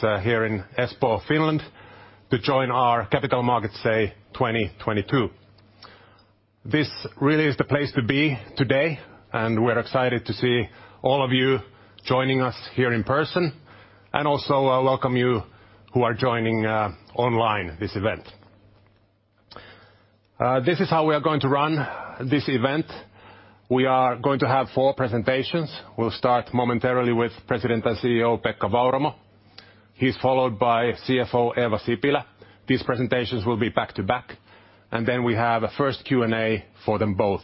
Here in Espoo, Finland, to join our Capital Markets Day 2022. This really is the place to be today, and we're excited to see all of you joining us here in person, and also, welcome you who are joining online this event. This is how we are going to run this event. We are going to have four presentations. We'll start momentarily with President and CEO Pekka Vauramo. He's followed by CFO Eeva Sipilä. These presentations will be back to back. Then we have a first Q&A for them both.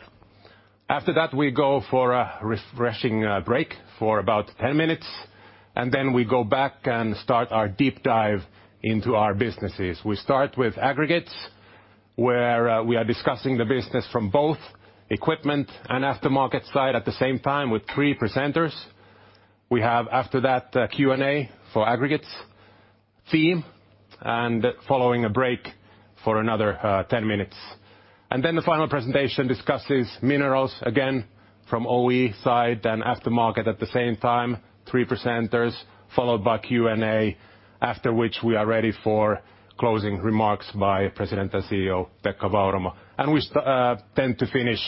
After that, we go for a refreshing break for about 10 minutes, and then we go back and start our deep dive into our businesses. We start with aggregates, where we are discussing the business from both equipment and aftermarket side at the same time with three presenters.month We have after that a Q&A for aggregates theme, and following a break for another 10 minutes. The final presentation discusses minerals again from OE side and aftermarket at the same time, three presenters, followed by Q&A, after which we are ready for closing remarks by President and CEO Pekka Vauramo. We tend to finish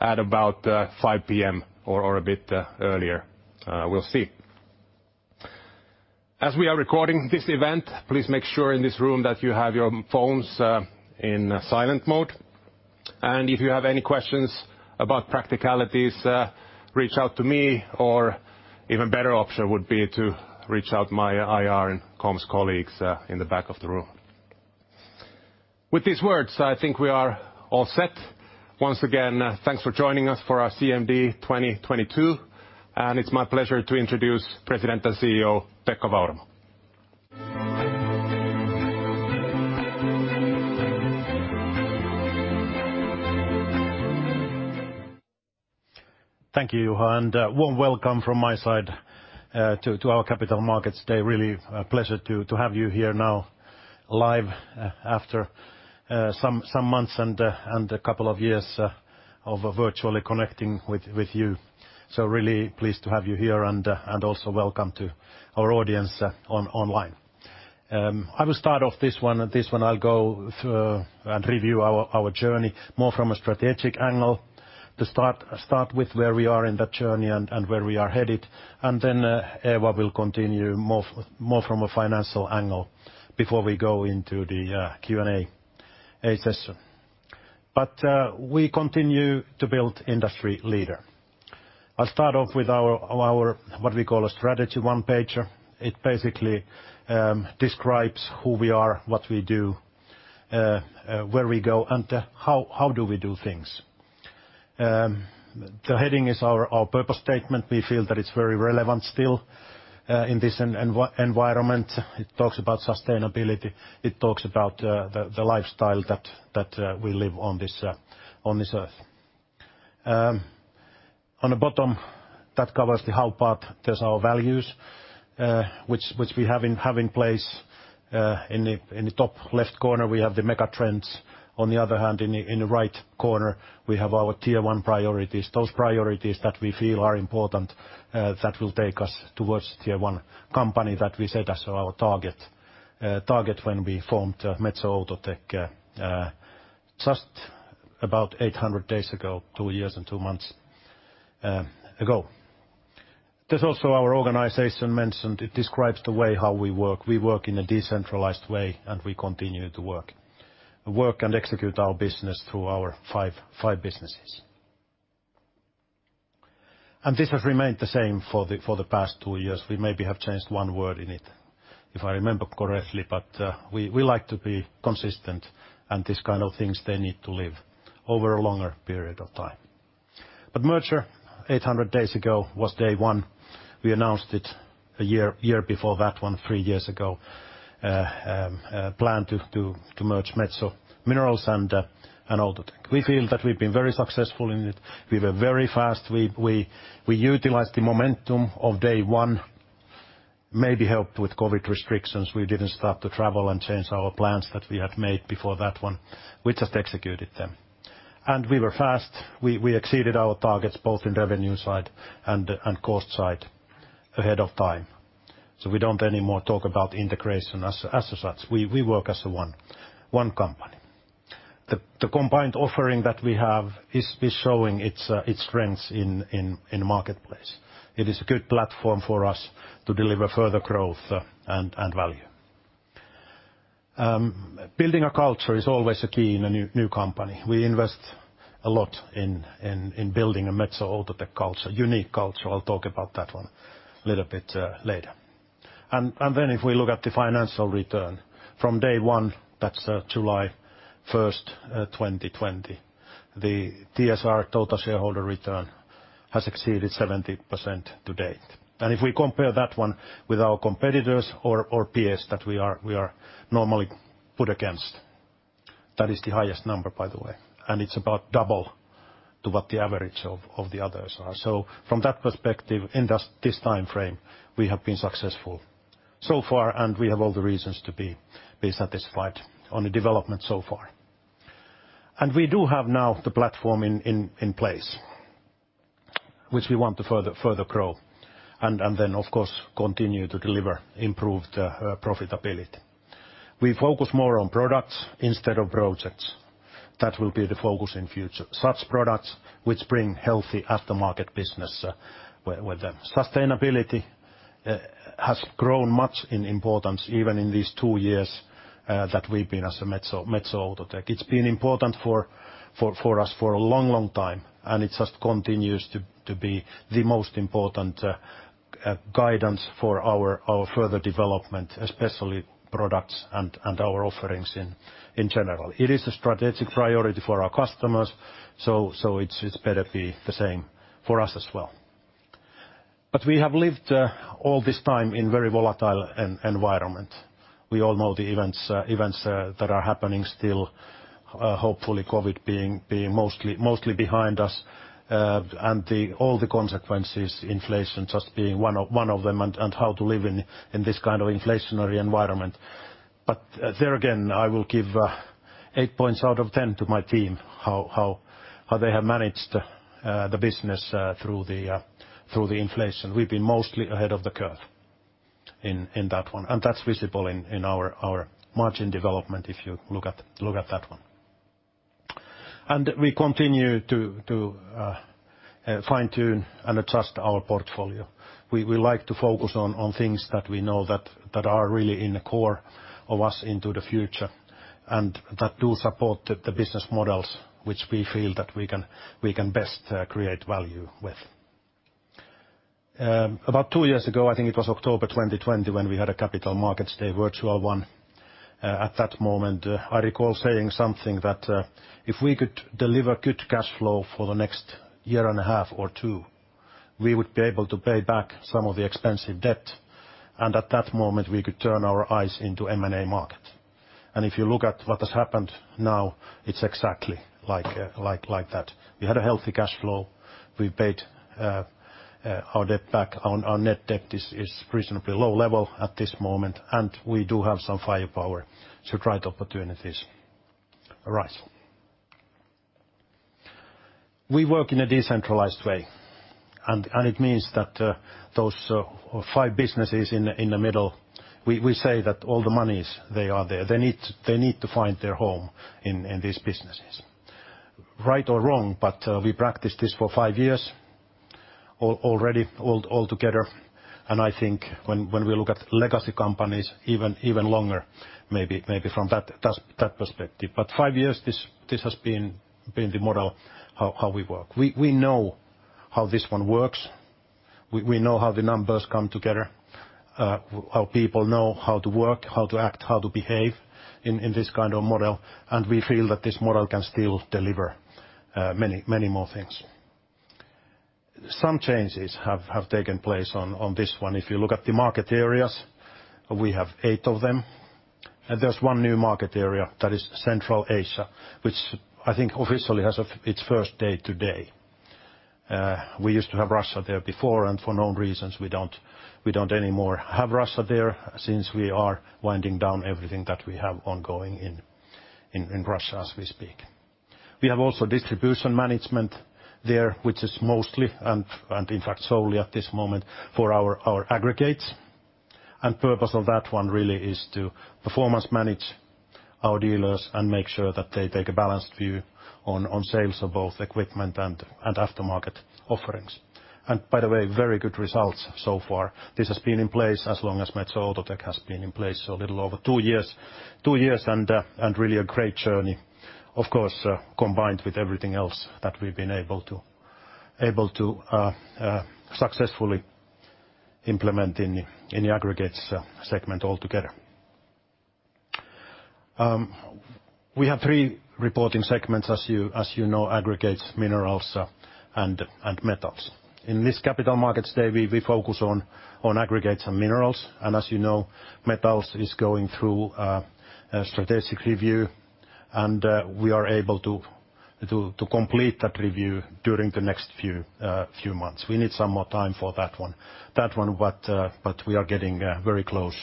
at about 5:00 P.M. or a bit earlier. We'll see. As we are recording this event, please make sure in this room that you have your phones in silent mode. If you have any questions about practicalities, reach out to me, or even better option would be to reach out my IR and comms colleagues in the back of the room. With these words, I think we are all set. Once again, thanks for joining us for our CMD 2022, and it's my pleasure to introduce President and CEO Pekka Vauramo. Thank you, Juha, and warm welcome from my side to our Capital Markets Day. Really a pleasure to have you here now live after some months and a couple of years of virtually connecting with you. Really pleased to have you here and also welcome to our audience online. I will start off this one. This one I'll go and review our journey more from a strategic angle to start with where we are in that journey and where we are headed. Then Eeva will continue more from a financial angle before we go into the Q&A session. We continue to build industry leader. I'll start off with what we call a strategy one pager. It basically describes who we are, what we do, where we go, and how do we do things. The heading is our purpose statement. We feel that it's very relevant still in this environment. It talks about sustainability. It talks about the lifestyle that we live on this earth. On the bottom, that covers the how part. There's our values, which we have in place. In the top left corner, we have the mega trends. On the other hand, in the right corner, we have our tier one priorities. Those priorities that we feel are important, that will take us towards tier one company that we set as our target when we formed Metso Outotec, just about 800 days ago, two years and two months ago. There's also our organization mentioned. It describes the way how we work. We work in a decentralized way, and we continue to work and execute our business through our five businesses. This has remained the same for the past two years. We maybe have changed one word in it, if I remember correctly, but we like to be consistent and these kind of things they need to live over a longer period of time. Merger 800 days ago was day one. We announced it a year before that one, three years ago, plan to merge Metso Minerals and Outotec. We feel that we've been very successful in it. We were very fast. We utilized the momentum of day one, maybe helped with COVID restrictions. We didn't stop to travel and change our plans that we had made before that one. We just executed them. We were fast. We exceeded our targets both in revenue side and cost side ahead of time. We don't anymore talk about integration as such. We work as one company. The combined offering that we have is showing its strengths in the marketplace. It is a good platform for us to deliver further growth and value. Building a culture is always a key in a new company. We invest a lot in building a Metso Outotec culture, unique culture. I'll talk about that one a little bit later. Then if we look at the financial return from day one, that's July first, 2020, the TSR, Total Shareholder Return, has exceeded 70% to date. If we compare that one with our competitors or peers that we are normally put against, that is the highest number, by the way, and it's about double to what the average of the others are. From that perspective, in this timeframe, we have been successful so far, and we have all the reasons to be satisfied on the development so far. We do have now the platform in place, which we want to further grow and then of course continue to deliver improved profitability. We focus more on products instead of projects. That will be the focus in future. Such products which bring healthy aftermarket business, where the sustainability has grown much in importance even in these two years that we've been as a Metso Outotec. It's been important for us for a long time, and it just continues to be the most important guidance for our further development, especially products and our offerings in general. It is a strategic priority for our customers, so it's better be the same for us as well. We have lived all this time in very volatile environment. We all know the events that are happening still, hopefully COVID being mostly behind us, and all the consequences, inflation just being one of them, and how to live in this kind of inflationary environment. There again, I will give eight points out of ten to my team, how they have managed the business through the inflation. We've been mostly ahead of the curve in that one, and that's visible in our margin development if you look at that one. We continue to fine-tune and adjust our portfolio. We like to focus on things that we know that are really in the core of us into the future, and that do support the business models which we feel that we can best create value with. About two years ago, I think it was October 2020, when we had a Capital Markets Day, virtual one, at that moment, I recall saying something that, if we could deliver good cash flow for the next year and a half or two, we would be able to pay back some of the expensive debt, and at that moment, we could turn our eyes to the M&A market. If you look at what has happened now, it's exactly like that. We had a healthy cash flow. We paid our debt back. Our net debt is reasonably low level at this moment, and we do have some firepower should right opportunities arise. We work in a decentralized way, and it means that those five businesses in the middle, we say that all the monies, they are there. They need to find their home in these businesses. Right or wrong, but we practiced this for five years already all together, and I think when we look at legacy companies even longer, maybe from that perspective. But five years this has been the model how we work. We know how this one works. We know how the numbers come together, our people know how to work, how to act, how to behave in this kind of model, and we feel that this model can still deliver many more things. Some changes have taken place on this one. If you look at the market areas, we have eight of them, and there's one new market area that is Central Asia, which I think officially has its first day today. We used to have Russia there before, and for known reasons, we don't anymore have Russia there, since we are winding down everything that we have ongoing in Russia as we speak. We have also distribution management there, which is mostly, and in fact solely at this moment for our aggregates. Purpose of that one really is to performance manage our dealers and make sure that they take a balanced view on sales of both equipment and aftermarket offerings. By the way, very good results so far. This has been in place as long as Metso Outotec has been in place, so a little over two years, and really a great journey, of course, combined with everything else that we've been able to successfully implement in the Aggregates segment altogether. We have three reporting segments as you know, Aggregates, Minerals, and Metals. In this Capital Markets Day, we focus on aggregates and minerals, and as you know, metals is going through a strategic review, and we are able to complete that review during the next few months. We need some more time for that one, but we are getting very close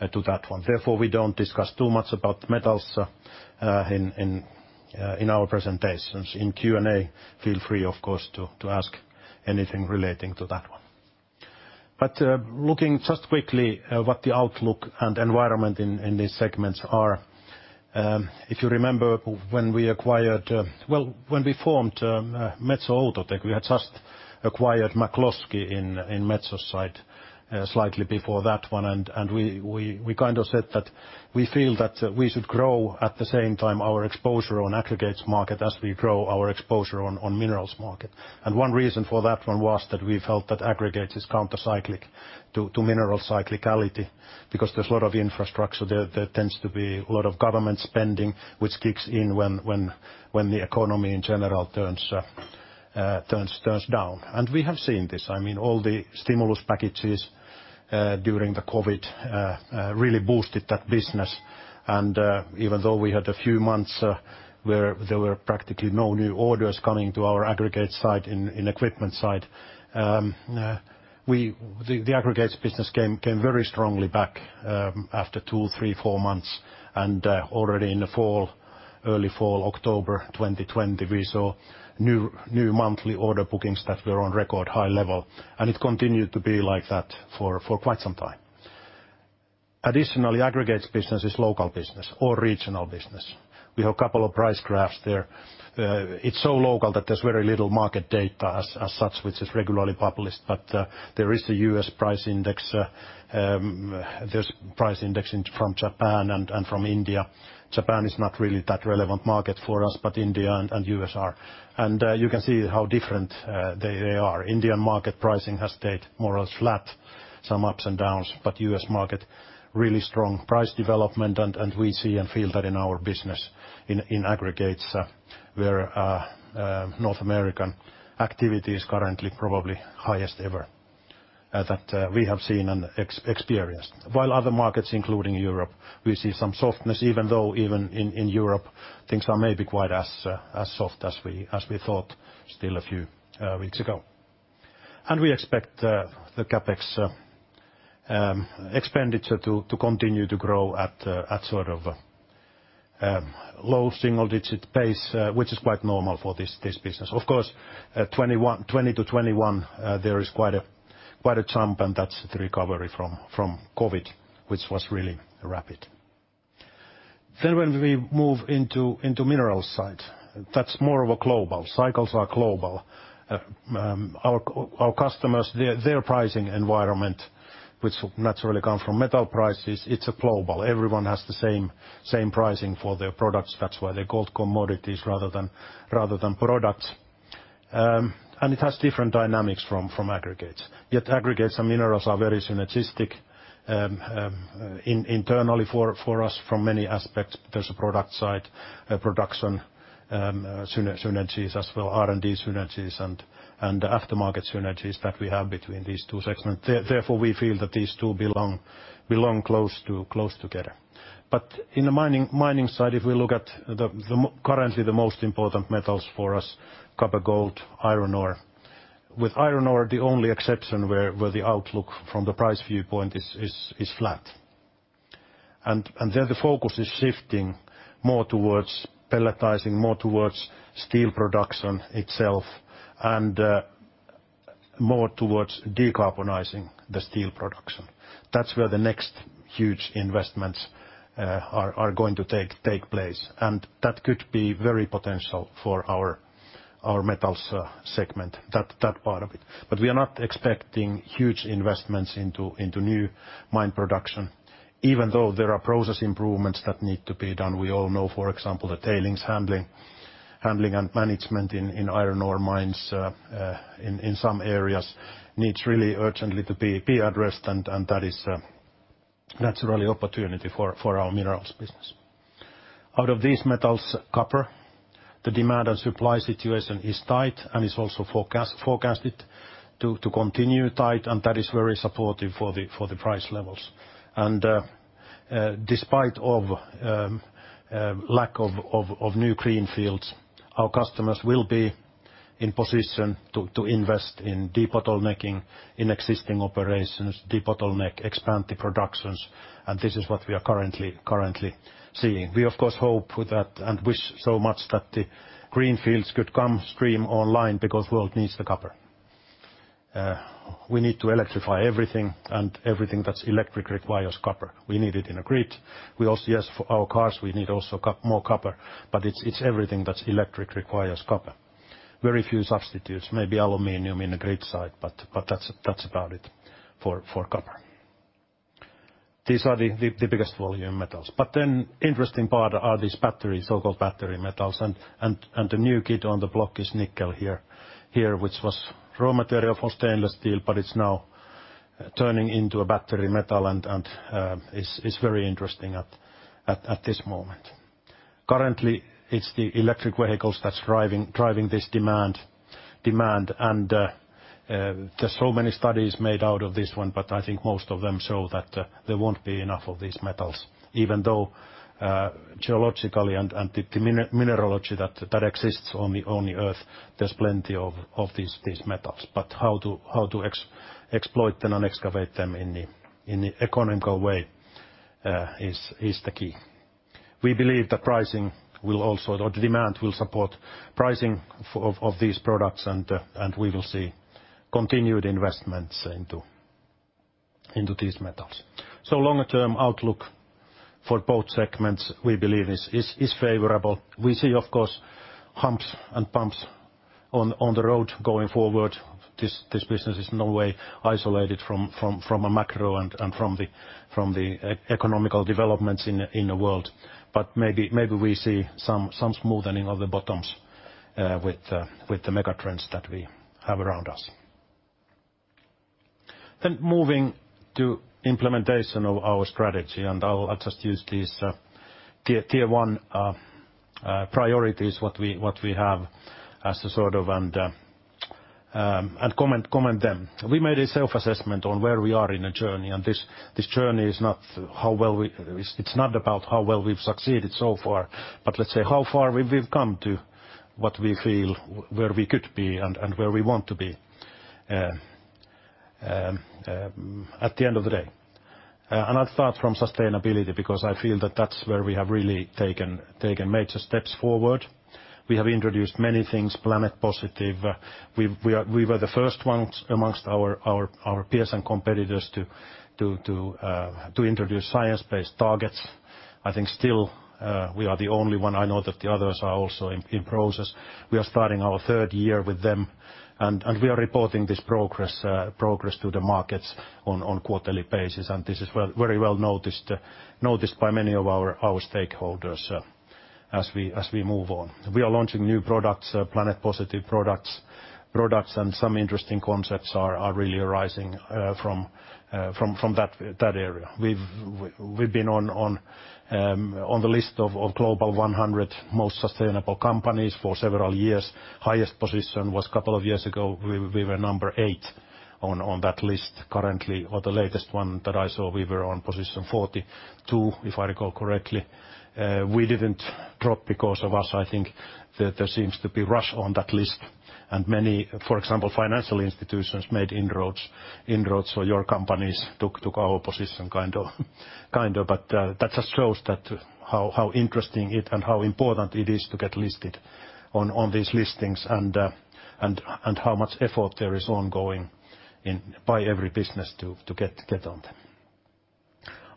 to that one. Therefore, we don't discuss too much about metals in our presentations. In Q&A, feel free, of course, to ask anything relating to that one. Looking just quickly, what the outlook and environment in these segments are, if you remember when we acquired, well, when we formed Metso Outotec, we had just acquired McCloskey on Metso's side, slightly before that one, and we kind of said that we feel that we should grow at the same time our exposure on aggregates market as we grow our exposure on minerals market. One reason for that one was that we felt that aggregates is counter-cyclical to mineral cyclicality because there's a lot of infrastructure. There tends to be a lot of government spending, which kicks in when the economy in general turns down. We have seen this. I mean, all the stimulus packages during the COVID really boosted that business. Even though we had a few months where there were practically no new orders coming to our aggregates site in equipment site, the aggregates business came very strongly back after 2, 3, 4 months, and already in the fall, early fall, October 2020, we saw new monthly order bookings that were on record high level, and it continued to be like that for quite some time. Additionally, aggregates business is local business or regional business. We have a couple of price graphs there. It's so local that there's very little market data as such which is regularly published, but there is the U.S. price index, there's price indexing from Japan and from India. Japan is not really that relevant market for us, but India and U.S. are. You can see how different they are. Indian market pricing has stayed more or less flat, some ups and downs, but U.S. market really strong price development and we see and feel that in our business in aggregates, where North American activity is currently probably highest ever that we have seen and experienced. While other markets, including Europe, we see some softness, even though in Europe things are maybe not quite as soft as we thought still a few weeks ago. We expect the CapEx expenditure to continue to grow at sort of low single-digit pace, which is quite normal for this business. Of course, 2021. 2020 to 2021, there is quite a jump, and that's the recovery from COVID, which was really rapid. When we move into minerals side, that's more of a global. Cycles are global. Our customers, their pricing environment, which naturally come from metal prices, it's a global. Everyone has the same pricing for their products. That's why they're called commodities rather than products. It has different dynamics from aggregates. Yet aggregates and minerals are very synergistic, internally for us from many aspects. There's a product side, production, synergies, as well R&D synergies and aftermarket synergies that we have between these two segments. Therefore, we feel that these two belong close together. In the mining side, if we look at currently the most important metals for us, copper, gold, iron ore, with iron ore the only exception where the outlook from the price viewpoint is flat. There the focus is shifting more towards pelletizing, more towards steel production itself and more towards decarbonizing the steel production. That's where the next huge investments are going to take place, and that could be very potential for our metals segment, that part of it. We are not expecting huge investments into new mine production, even though there are process improvements that need to be done. We all know, for example, the tailings handling and management in iron ore mines in some areas needs really urgently to be addressed and that is naturally opportunity for our minerals business. Out of these metals, copper, the demand and supply situation is tight and is also forecasted to continue tight, and that is very supportive for the price levels. Despite of lack of new greenfields, our customers will be in position to invest in debottlenecking in existing operations, expand the productions, and this is what we are currently seeing. We of course hope with that and wish so much that the greenfields could come on stream online because world needs the copper. We need to electrify everything, and everything that's electric requires copper. We need it in a grid. We also yes, for our cars, we need also more copper, but it's everything that's electric requires copper. Very few substitutes, maybe aluminum in the grid side, but that's about it for copper. These are the biggest volume metals. Interesting part are these battery, so-called battery metals and the new kid on the block is nickel here, which was raw material for stainless steel, but it's now turning into a battery metal and is very interesting at this moment. Currently, it's the electric vehicles that's driving this demand, and there's so many studies made out of this one, but I think most of them show that there won't be enough of these metals, even though geologically and the mineralogy that exists on the Earth, there's plenty of these metals. But how to exploit them and excavate them in the economical way is the key. We believe the pricing will also or the demand will support pricing of these products and we will see continued investments into these metals. Longer term outlook for both segments we believe is favorable. We see of course humps and bumps on the road going forward. This business is in no way isolated from a macro and from the economic developments in the world. Maybe we see some smoothing of the bottoms with the mega trends that we have around us. Moving to implementation of our strategy, and I'll just use these tier one priorities what we have as a sort of and comment them. We made a self-assessment on where we are in the journey, and this journey is not how well we. It's not about how well we've succeeded so far, but let's say how far we've come to what we feel where we could be and where we want to be, at the end of the day, and I'll start from sustainability because I feel that that's where we have really taken major steps forward. We have introduced many things, Planet Positive. We were the first ones amongst our peers and competitors to introduce science-based targets. I think still, we are the only one. I know that the others are also in process. We are starting our third year with them, and we are reporting this progress to the markets on quarterly basis and this is very well noticed by many of our stakeholders as we move on. We are launching new products, Planet Positive products and some interesting concepts are really arising from that area. We've been on the list of Global 100 most sustainable companies for several years. Highest position was couple of years ago, we were number 8 on that list. Currently, or the latest one that I saw, we were on position 42, if I recall correctly. We didn't drop because of us. I think that there seems to be rush on that list, and many, for example, financial institutions made inroads or your companies took our position kind of. That just shows how interesting it and how important it is to get listed on these listings and how much effort there is ongoing in by every business to get on them.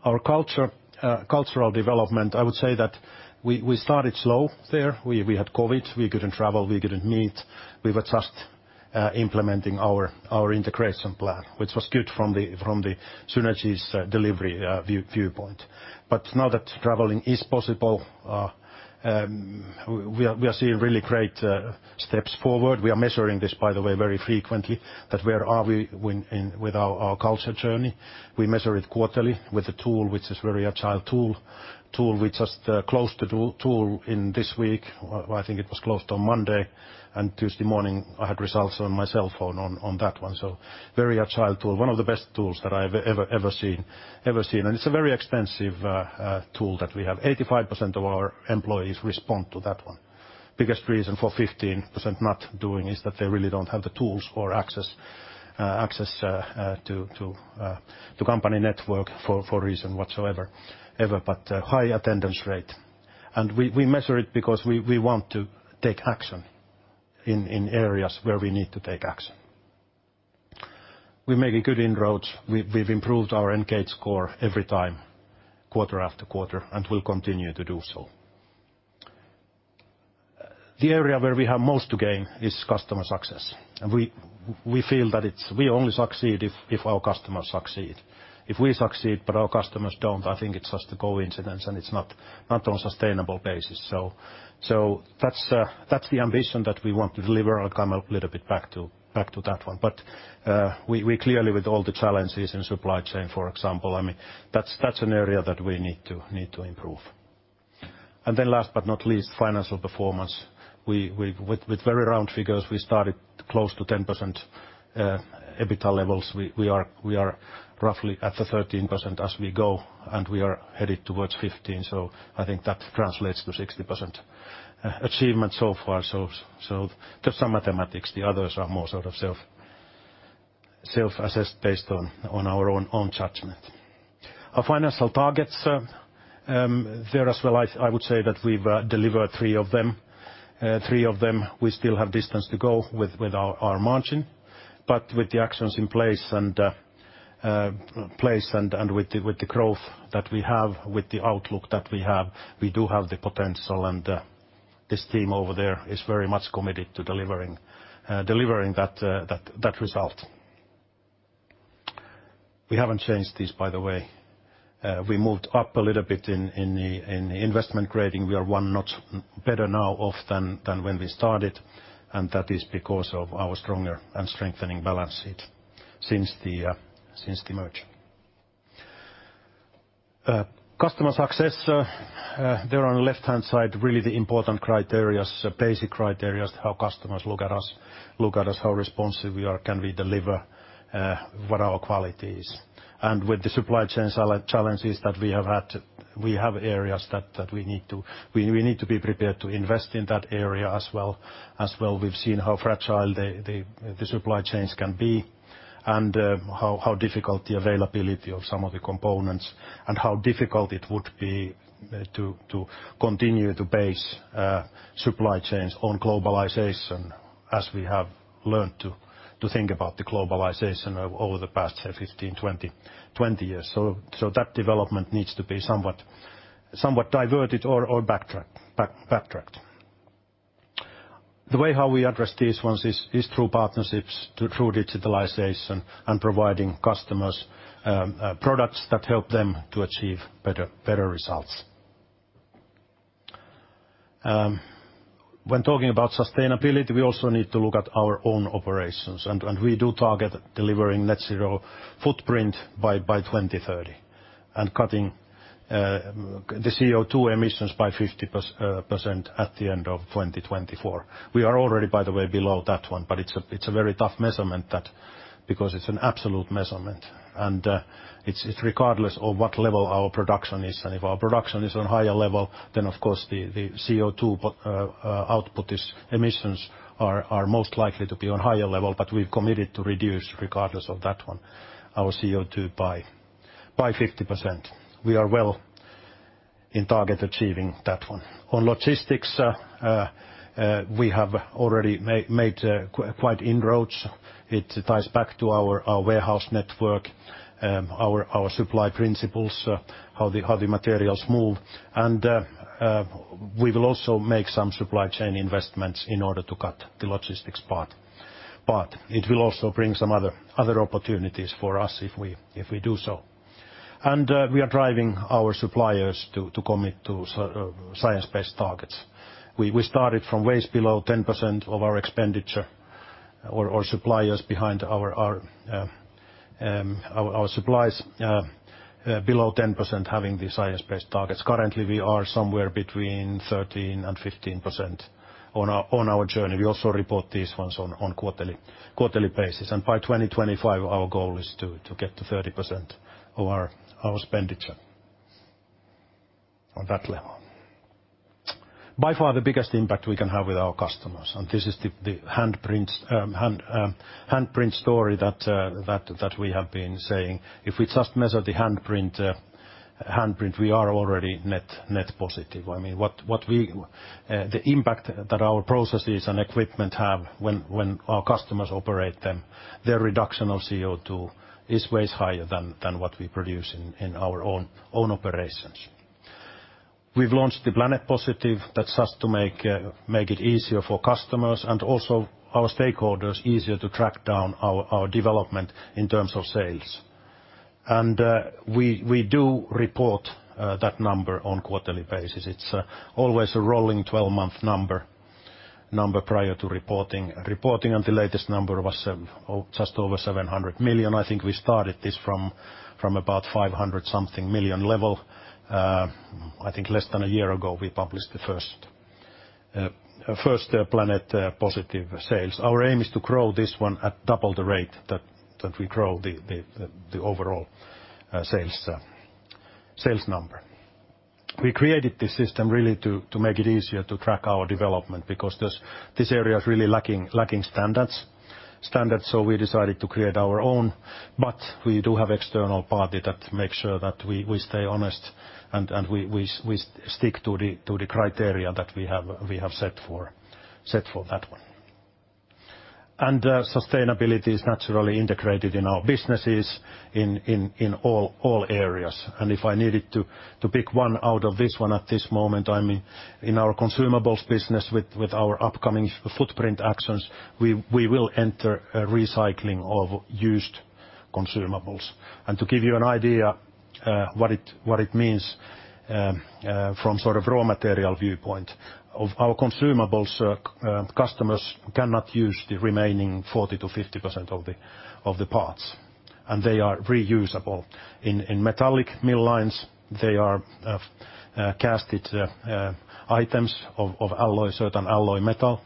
Our cultural development, I would say that we started slow there. We had COVID. We couldn't travel. We couldn't meet. We were just implementing our integration plan, which was good from the synergies delivery viewpoint. Now that traveling is possible, we are seeing really great steps forward. We are measuring this, by the way, very frequently that where we are with our culture journey. We measure it quarterly with a tool which is a very agile tool. We just closed the tool this week. I think it was closed on Monday, and Tuesday morning I had results on my cell phone on that one. Very agile tool, one of the best tools that I've ever seen. It's a very expensive tool that we have. 85% of our employees respond to that one. Biggest reason for 15% not doing is that they really don't have the tools or access to company network for whatever reason, but high attendance rate. We measure it because we want to take action in areas where we need to take action. We're making good inroads. We've improved our engagement score every time, quarter after quarter, and will continue to do so. The area where we have most to gain is customer success, and we feel that it's we only succeed if our customers succeed. If we succeed, but our customers don't, I think it's just a coincidence and it's not on sustainable basis. That's the ambition that we want to deliver. I'll come a little bit back to that one. We clearly with all the challenges in supply chain, for example, I mean that's an area that we need to improve. Then last but not least, financial performance. With very round figures, we started close to 10% EBITDA levels. We are roughly at the 13% as we go, and we are headed towards 15, so I think that translates to 60% achievement so far. That's some mathematics. The others are more sort of self-assessed based on our own judgment. Our financial targets there as well, I would say that we've delivered three of them. Three of them we still have distance to go with our margin. With the actions in place and with the growth that we have, with the outlook that we have, we do have the potential and this team over there is very much committed to delivering that result. We haven't changed this, by the way. We moved up a little bit in the investment grading. We are one notch better now off than when we started, and that is because of our stronger and strengthening balance sheet since the merger. Customer success there on the left-hand side, really the important criteria, basic criteria, how customers look at us, how responsive we are, can we deliver, what our quality is. With the supply chain challenges that we have had, we have areas that we need to be prepared to invest in that area as well. We've seen how fragile the supply chains can be and how difficult the availability of some of the components and how difficult it would be to continue to base supply chains on globalization as we have learned to think about the globalization over the past, say, 15, 20 years. That development needs to be somewhat diverted or backtracked. The way we address these is through partnerships, through digitalization and providing customers products that help them to achieve better results. When talking about sustainability, we also need to look at our own operations and we do target delivering net zero footprint by 2030 and cutting the CO2 emissions by 50% at the end of 2024. We are already, by the way, below that one, but it's a very tough measurement that because it's an absolute measurement and it's regardless of what level our production is. If our production is on higher level, then of course the CO2 emissions are most likely to be on higher level. We've committed to reduce regardless of that one, our CO2 by 50%, we are well on target achieving that one. On logistics, we have already made quite inroads. It ties back to our warehouse network, our supply principles, how the materials move. We will also make some supply chain investments in order to cut the logistics part. It will also bring some other opportunities for us if we do so. We are driving our suppliers to commit to science-based targets. We started from ways below 10% of our expenditure or our suppliers behind our supplies below 10% having the science-based targets. Currently, we are somewhere between 13%-15% on our journey. We also report these ones on quarterly basis. By 2025, our goal is to get to 30% of our expenditure on that level. By far the biggest impact we can have with our customers, and this is the handprint story that we have been saying. If we just measure the handprint, we are already net positive. I mean, the impact that our processes and equipment have when our customers operate them, their reduction of CO2 is way higher than what we produce in our own operations. We've launched the Planet Positive that's just to make it easier for customers, and also our stakeholders easier to track down our development in terms of sales. We do report that number on quarterly basis. It's always a rolling 12-month number prior to reporting. Reporting on the latest number was just over 700 million. I think we started this from about 500 million level. I think less than a year ago, we published the first Planet Positive sales. Our aim is to grow this one at double the rate that we grow the overall sales number. We created this system really to make it easier to track our development because this area is really lacking standards. We decided to create our own, but we do have external party that makes sure that we stay honest and we stick to the criteria that we have set for that one. Sustainability is naturally integrated in our businesses in all areas. If I needed to pick one out of this one at this moment, I mean, in our consumables business with our upcoming footprint actions, we will enter a recycling of used consumables. To give you an idea, what it means, from sort of raw material viewpoint, of our consumables, customers cannot use the remaining 40%-50% of the parts, and they are reusable. In metallic mill liners, they are cast items of certain alloy metal,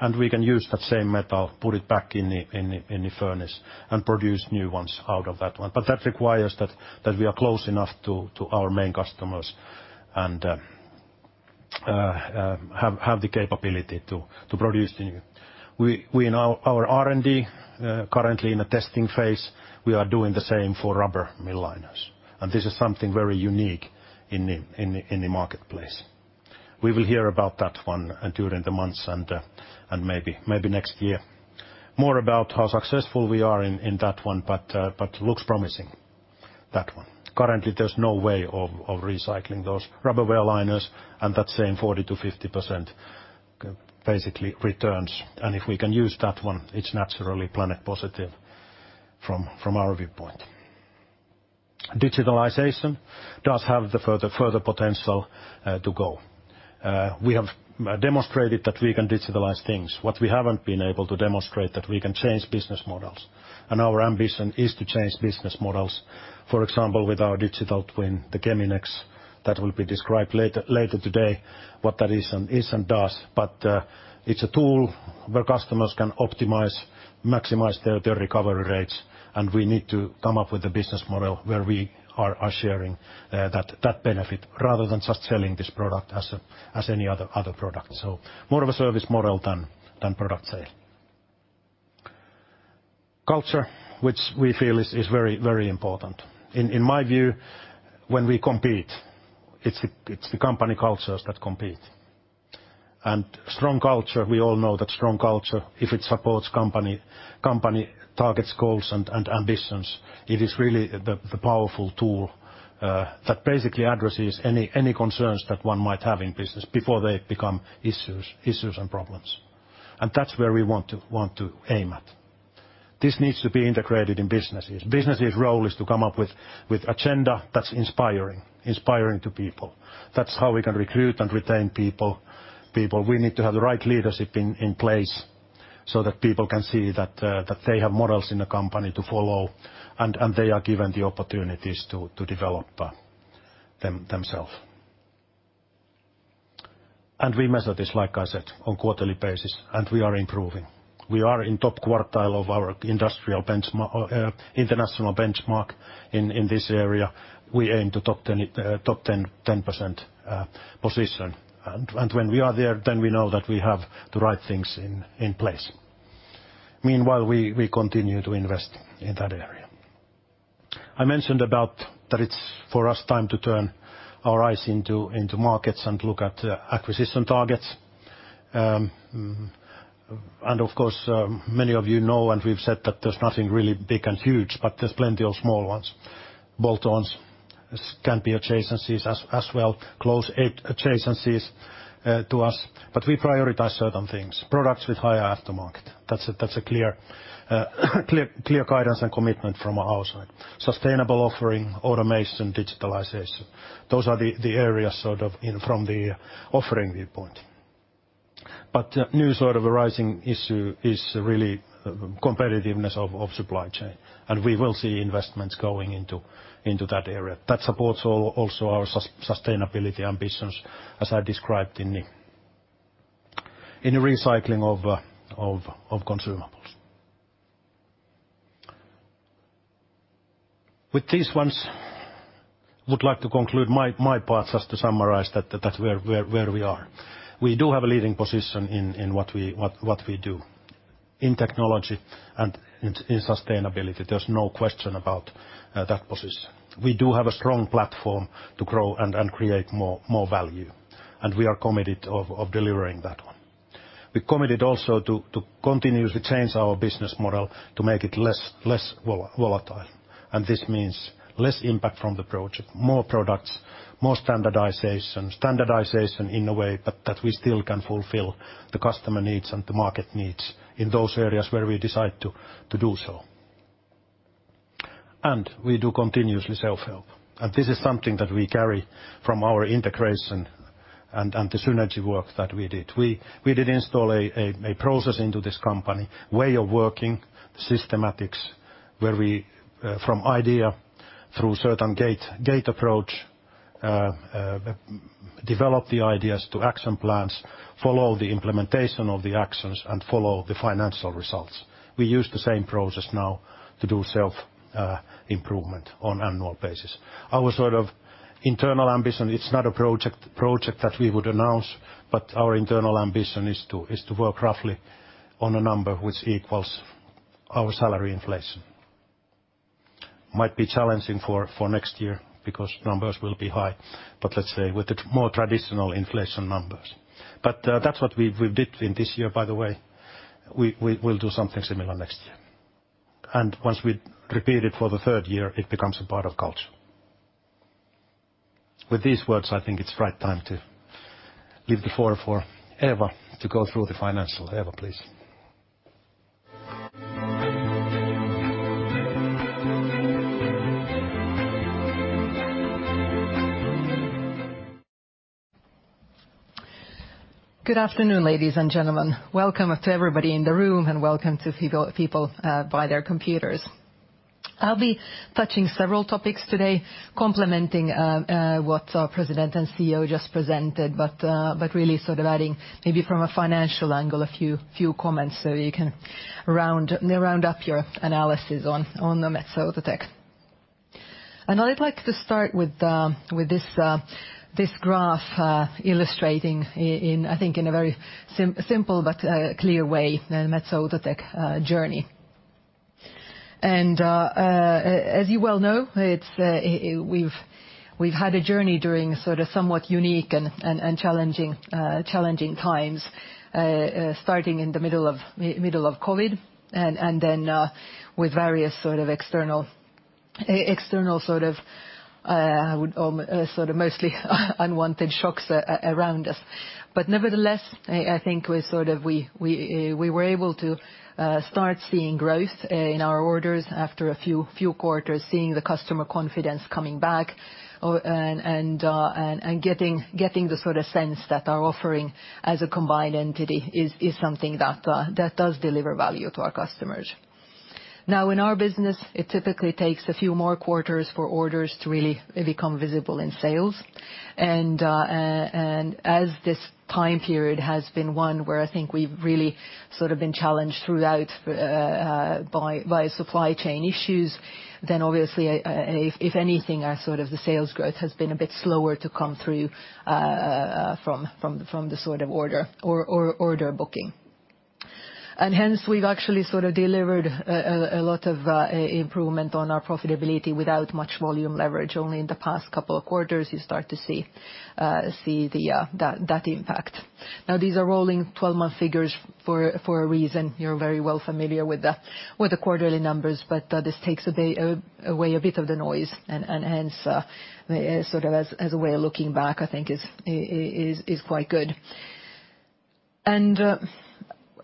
and we can use that same metal, put it back in the furnace, and produce new ones out of that one. That requires that we are close enough to our main customers and have the capability to produce the new. We in our R&D currently in a testing phase, we are doing the same for rubber mill liners, and this is something very unique in the marketplace. We will hear about that one during the months and maybe next year more about how successful we are in that one, but looks promising, that one. Currently, there's no way of recycling those rubber wear liners and that same 40%-50% basically returns. If we can use that one, it's naturally Planet Positive from our viewpoint. Digitalization does have the further potential to go. We have demonstrated that we can digitalize things. What we haven't been able to demonstrate that we can change business models, and our ambition is to change business models. For example, with our digital twin, the Geminex, that will be described later today, what that is and does. It's a tool where customers can optimize, maximize their recovery rates, and we need to come up with a business model where we are sharing that benefit rather than just selling this product as any other product. More of a service model than product sale. Culture, which we feel is very important. In my view, when we compete, it's the company cultures that compete. Strong culture, we all know that strong culture, if it supports company targets, goals, and ambitions, it is really the powerful tool that basically addresses any concerns that one might have in business before they become issues and problems. That's where we want to aim at. This needs to be integrated in businesses. Businesses' role is to come up with agenda that's inspiring to people. That's how we can recruit and retain people. We need to have the right leadership in place so that people can see that they have models in the company to follow and they are given the opportunities to develop themselves. We measure this, like I said, on quarterly basis, and we are improving. We are in top quartile of our international benchmark in this area. We aim to top ten 10% position. When we are there, then we know that we have the right things in place. Meanwhile, we continue to invest in that area. I mentioned about that it's for us time to turn our eyes into markets and look at acquisition targets. Of course, many of you know and we've said that there's nothing really big and huge, but there's plenty of small ones. Bolt-ons can be adjacencies as well, close adjacencies to us. But we prioritize certain things, products with higher aftermarket. That's a clear guidance and commitment from our side. Sustainable offering, automation, digitalization, those are the areas sort of in from the offering viewpoint. But new sort of arising issue is really competitiveness of supply chain, and we will see investments going into that area. That supports also our sustainability ambitions, as I described in the recycling of consumables. With these ones, would like to conclude my part just to summarize that's where we are. We do have a leading position in what we do in technology and in sustainability. There's no question about that position. We do have a strong platform to grow and create more value, and we are committed of delivering that one. We're committed also to continuously change our business model to make it less volatile, and this means less impact from the project, more products, more standardization. Standardization in a way, but that we still can fulfill the customer needs and the market needs in those areas where we decide to do so. We do continuously self-help, and this is something that we carry from our integration and the synergy work that we did. We did install a process into this company, way of working, systematics, where we from idea through certain gate approach develop the ideas to action plans, follow the implementation of the actions, and follow the financial results. We use the same process now to do self improvement on annual basis. Our sort of internal ambition, it's not a project that we would announce, but our internal ambition is to work roughly on a number which equals our salary inflation. Might be challenging for next year because numbers will be high, but let's say with the more traditional inflation numbers. That's what we did in this year, by the way. We will do something similar next year. Once we repeat it for the third year, it becomes a part of culture. With these words, I think it's right time to leave the floor for Eeva to go through the financial. Eeva, please. Good afternoon, ladies and gentlemen. Welcome to everybody in the room, and welcome to people by their computers. I'll be touching several topics today, complementing what our President and CEO just presented, but really sort of adding maybe from a financial angle a few comments so you can round up your analysis on the Metso Outotec. I'd like to start with this graph illustrating in, I think in a very simple but clear way the Metso Outotec journey. As you well know, it's we've had a journey during sort of somewhat unique and challenging times starting in the middle of middle of COVID and then with various sort of external external sort of would. Sort of mostly unwanted shocks around us. Nevertheless, I think we were able to start seeing growth in our orders after a few quarters, seeing the customer confidence coming back, and getting the sort of sense that our offering as a combined entity is something that does deliver value to our customers. Now in our business, it typically takes a few more quarters for orders to really become visible in sales. As this time period has been one where I think we've really sort of been challenged throughout by supply chain issues, then obviously, if anything, our sort of the sales growth has been a bit slower to come through from the sort of order booking. Hence, we've actually sort of delivered a lot of improvement on our profitability without much volume leverage. Only in the past couple of quarters you start to see that impact. Now these are rolling 12-month figures for a reason. You're very well familiar with the quarterly numbers, but this takes away a bit of the noise and hence sort of as a way of looking back, I think is quite good.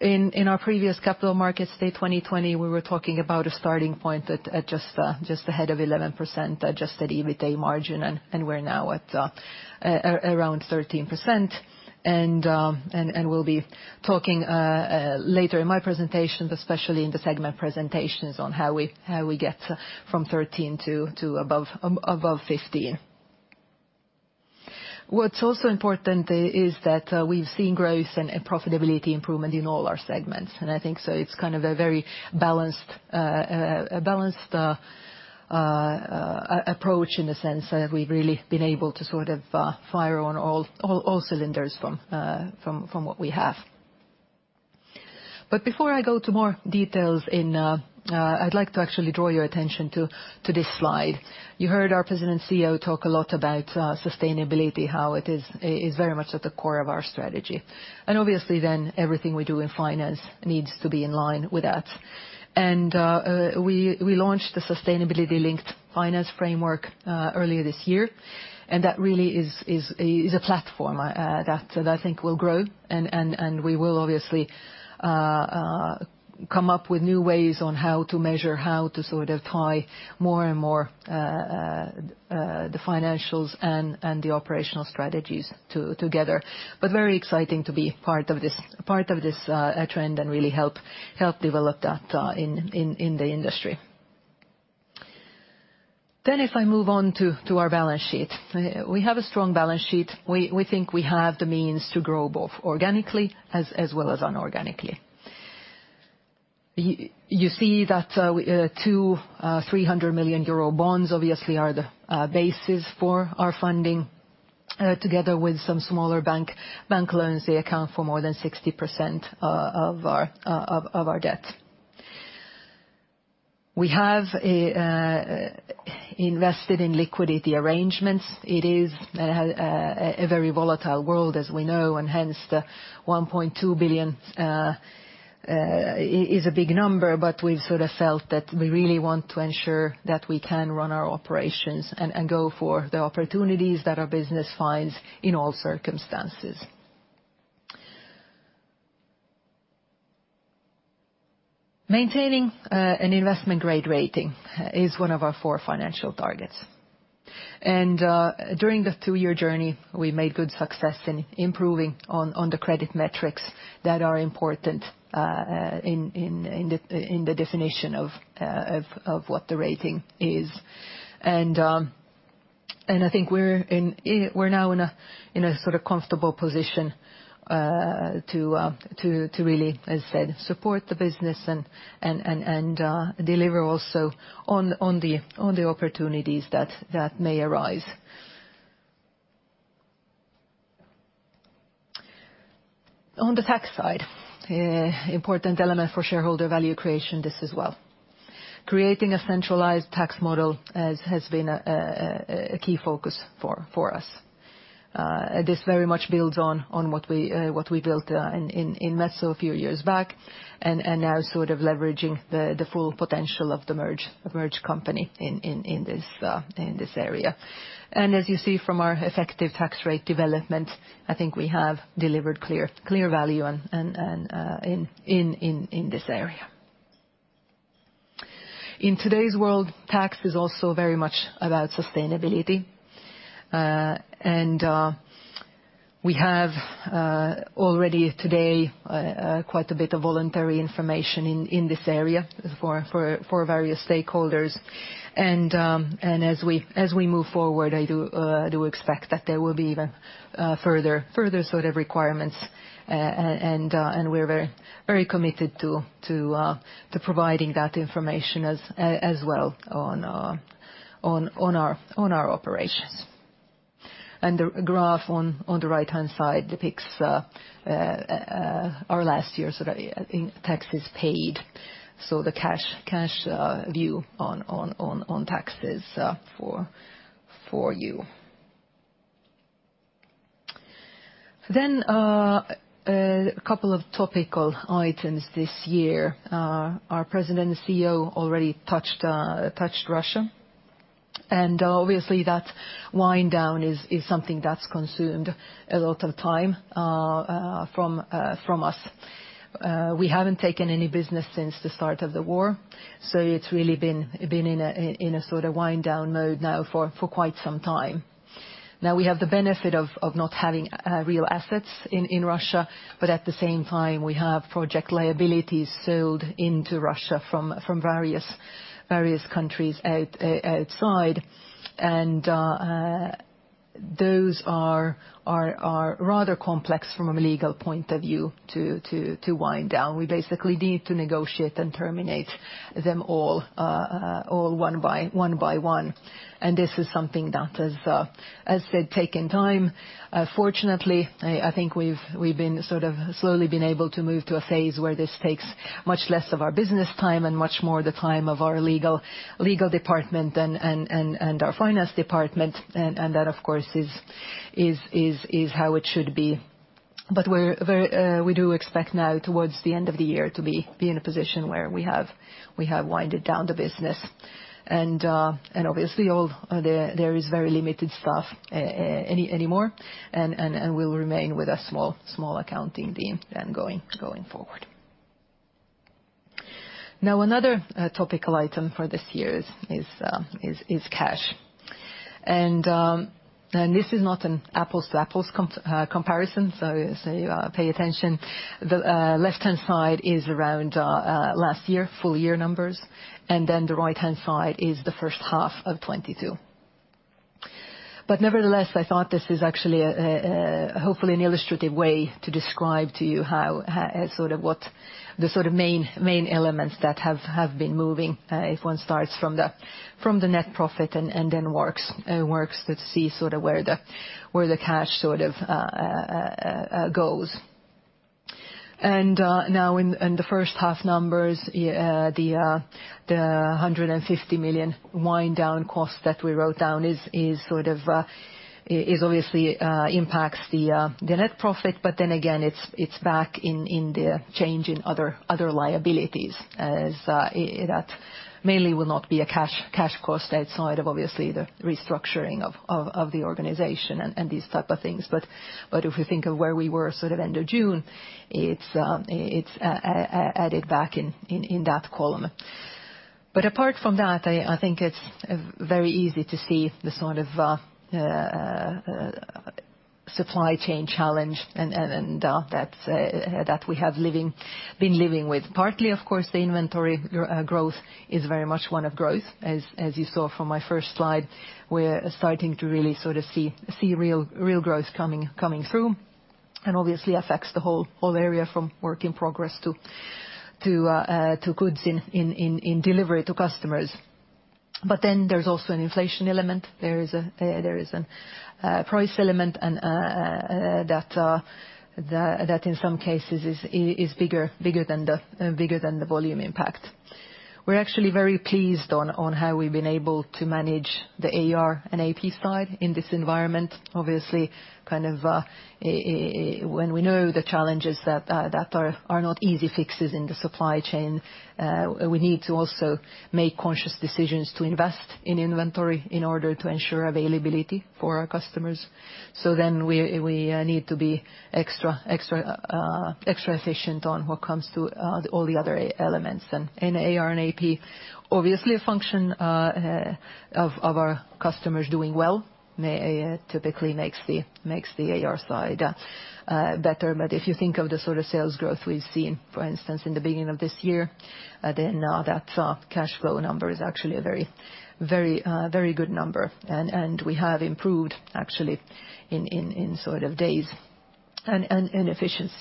In our previous Capital Markets Day 2020, we were talking about a starting point at just ahead of 11% adjusted EBITDA margin, and we're now at around 13%. We'll be talking later in my presentation, but especially in the segment presentations on how we get from 13% to above 15%. What's also important is that we've seen growth and profitability improvement in all our segments. I think so it's kind of a very balanced approach in the sense that we've really been able to sort of fire on all cylinders from what we have. Before I go into more details, I'd like to actually draw your attention to this slide. You heard our President CEO talk a lot about sustainability, how it is very much at the core of our strategy. Obviously then everything we do in finance needs to be in line with that. We launched the sustainability-linked finance framework earlier this year, and that really is a platform that I think will grow, and we will obviously come up with new ways on how to measure, how to sort of tie more and more the financials and the operational strategies together. Very exciting to be part of this trend and really help develop that in the industry. If I move on to our balance sheet. We have a strong balance sheet. We think we have the means to grow both organically as well as inorganically. You see that 200 million-300 million euro bonds obviously are the basis for our funding. Together with some smaller bank loans, they account for more than 60% of our debt. We have invested in liquidity arrangements. It is a very volatile world as we know, and hence the 1.2 billion is a big number, but we've sort of felt that we really want to ensure that we can run our operations and go for the opportunities that our business finds in all circumstances. Maintaining an investment-grade rating is one of our four financial targets. During the two-year journey, we made good success in improving on the credit metrics that are important in the definition of what the rating is. I think we're now in a sort of comfortable position to really, as I said, support the business and deliver also on the opportunities that may arise. On the tax side, important element for shareholder value creation, this as well. Creating a centralized tax model has been a key focus for us. This very much builds on what we built in Metso a few years back, and now sort of leveraging the full potential of the merged company in this area. As you see from our effective tax rate development, I think we have delivered clear value in this area. In today's world, tax is also very much about sustainability. We have already today quite a bit of voluntary information in this area for various stakeholders. As we move forward, I do expect that there will be even further sort of requirements, and we're very committed to providing that information as well on our operations. The graph on the right-hand side depicts our last year, so the income taxes paid, so the cash view on taxes for you. Then a couple of topical items this year. Our President and CEO already touched Russia. Obviously that wind down is something that's consumed a lot of time from us. We haven't taken any business since the start of the war, so it's really been in a sort of wind down mode now for quite some time. We have the benefit of not having real assets in Russia, but at the same time, we have project liabilities sold into Russia from various countries outside. Those are rather complex from a legal point of view to wind down. We basically need to negotiate and terminate them all one by one. This is something that has, as I said, taken time. Fortunately, I think we've been sort of slowly able to move to a phase where this takes much less of our business time and much more the time of our legal department and our finance department. That, of course, is how it should be. We do expect now towards the end of the year to be in a position where we have winded down the business. Obviously, there is very limited staff anymore, and we'll remain with a small accounting team then going forward. Now, another topical item for this year is cash. This is not an apples to apples comparison, so as I say, pay attention. The left-hand side is around last year full year numbers, and then the right-hand side is the first half of 2022. Nevertheless, I thought this is actually hopefully an illustrative way to describe to you how sort of what the sort of main elements that have been moving if one starts from the net profit and then works to see sort of where the cash sort of goes. Now in the first half numbers, the 150 million wind down cost that we wrote down is sort of obviously impacts the net profit. It's back in the change in other liabilities as that mainly will not be a cash cost outside of obviously the restructuring of the organization and these type of things. If we think of where we were sort of end of June, it's added back in that column. Apart from that, I think it's very easy to see the sort of supply chain challenge and that we have been living with. Partly of course, the inventory growth is very much one of growth. You saw from my first slide, we're starting to really sort of see real growth coming through, and obviously affects the whole area from work in progress to goods in delivery to customers. There's also an inflation element. There is a price element and that in some cases is bigger than the volume impact. We're actually very pleased on how we've been able to manage the AR and AP side in this environment. Obviously, when we know the challenges that are not easy fixes in the supply chain, we need to also make conscious decisions to invest in inventory in order to ensure availability for our customers. We need to be extra efficient on what comes to all the other elements. AR and AP, obviously a function of our customers doing well may typically makes the AR side better. If you think of the sort of sales growth we've seen, for instance, in the beginning of this year, then that cash flow number is actually a very good number. We have improved actually in sort of days and efficiency.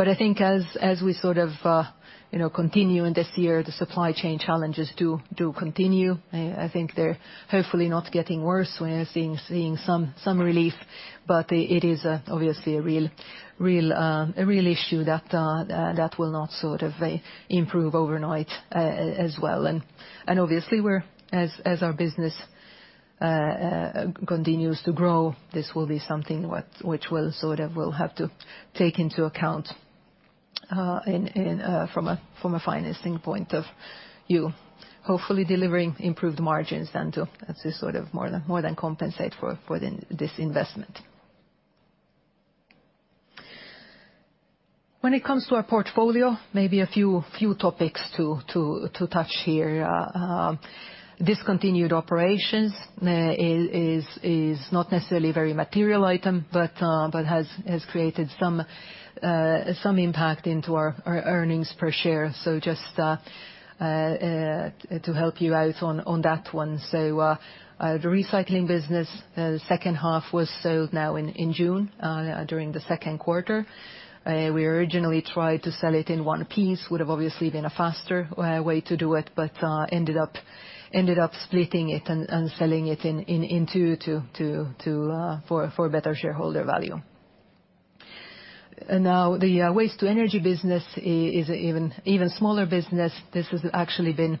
I think as we sort of you know continue in this year, the supply chain challenges do continue. I think they're hopefully not getting worse. We're seeing some relief, but it is obviously a real issue that will not sort of improve overnight, as well. Obviously we're as our business continues to grow, this will be something which we'll sort of have to take into account in from a financing point of view, hopefully delivering improved margins and to sort of more than compensate for this investment. When it comes to our portfolio, maybe a few topics to touch here. Discontinued operations is not necessarily a very material item, but has created some impact into our earnings per share. Just to help you out on that one. The recycling business, second half was sold now in June during the second quarter. We originally tried to sell it in one piece. Would have obviously been a faster way to do it, but ended up splitting it and selling it in two to for better shareholder value. Now, the waste to energy business is a even smaller business. This has actually been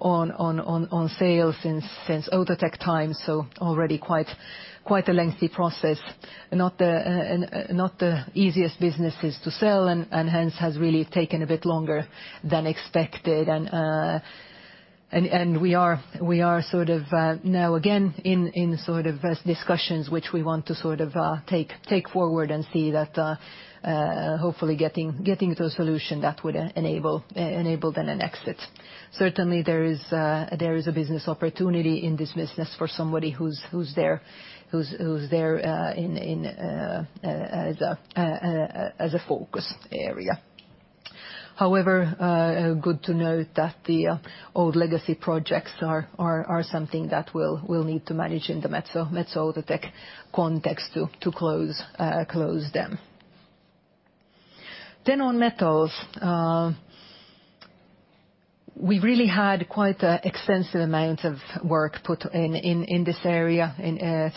on sale since Outotec times. Already quite a lengthy process. Not the easiest businesses to sell and hence has really taken a bit longer than expected. We are sort of now again in sort of discussions which we want to sort of take forward and see that hopefully getting to a solution that would enable then an exit. Certainly there is a business opportunity in this business for somebody who's there in as a focus area. However, good to note that the old legacy projects are something that we'll need to manage in the Metso Outotec context to close them. On metals, we really had quite an extensive amount of work put in in this area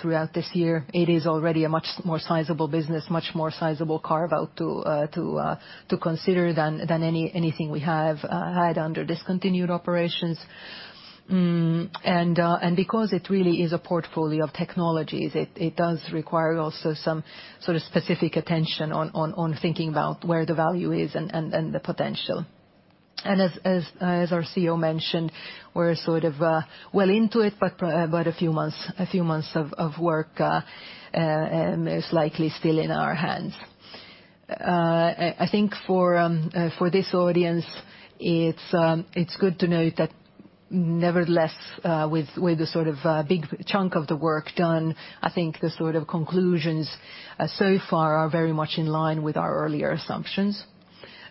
throughout this year. It is already a much more sizable business, much more sizable carve out to consider than anything we have had under discontinued operations. Because it really is a portfolio of technologies, it does require also some sort of specific attention on thinking about where the value is and the potential. As our CEO mentioned, we're sort of well into it, but a few months of work is likely still in our hands. I think for this audience, it's good to note that nevertheless, with the sort of big chunk of the work done, I think the sort of conclusions so far are very much in line with our earlier assumptions.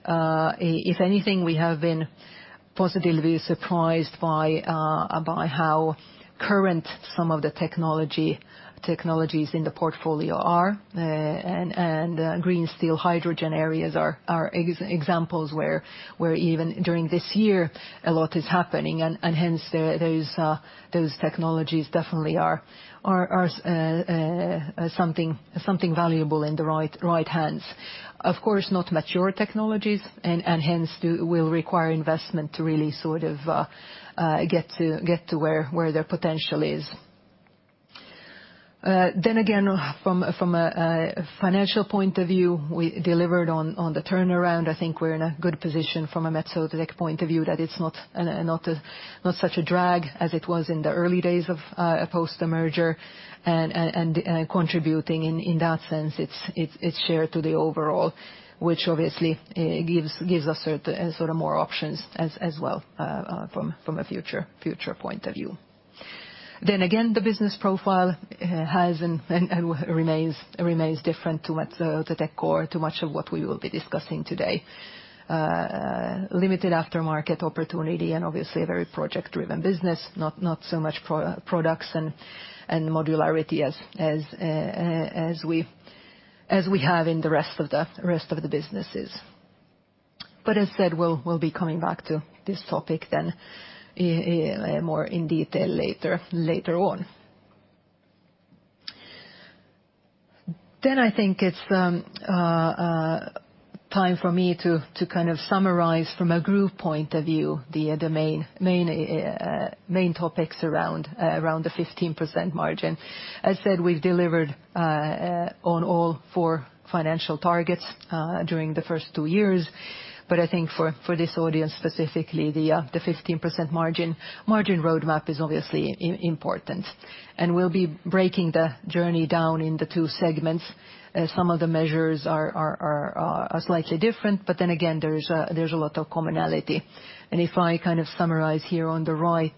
If anything, we have been positively surprised by how current some of the technologies in the portfolio are. Green steel, hydrogen areas are examples where even during this year a lot is happening and hence those technologies definitely are something valuable in the right hands. Of course, not mature technologies and hence will require investment to really sort of get to where their potential is. From a financial point of view, we delivered on the turnaround. I think we're in a good position from a Metso Outotec point of view that it's not such a drag as it was in the early days post the merger and contributing in that sense it's shared to the overall, which obviously gives us sort of more options as well from a future point of view. Again, the business profile has and remains different to Metso Outotec core to much of what we will be discussing today. Limited aftermarket opportunity and obviously a very project-driven business, not so much products and modularity as we have in the rest of the businesses. As said, we'll be coming back to this topic in more detail later on. I think it's time for me to kind of summarize from a group point of view, the main topics around the 15% margin. As said, we've delivered on all four financial targets during the first two years. I think for this audience specifically, the 15% margin roadmap is obviously important. We'll be breaking the journey down in the two segments. Some of the measures are slightly different, but then again, there's a lot of commonality. If I kind of summarize here on the right,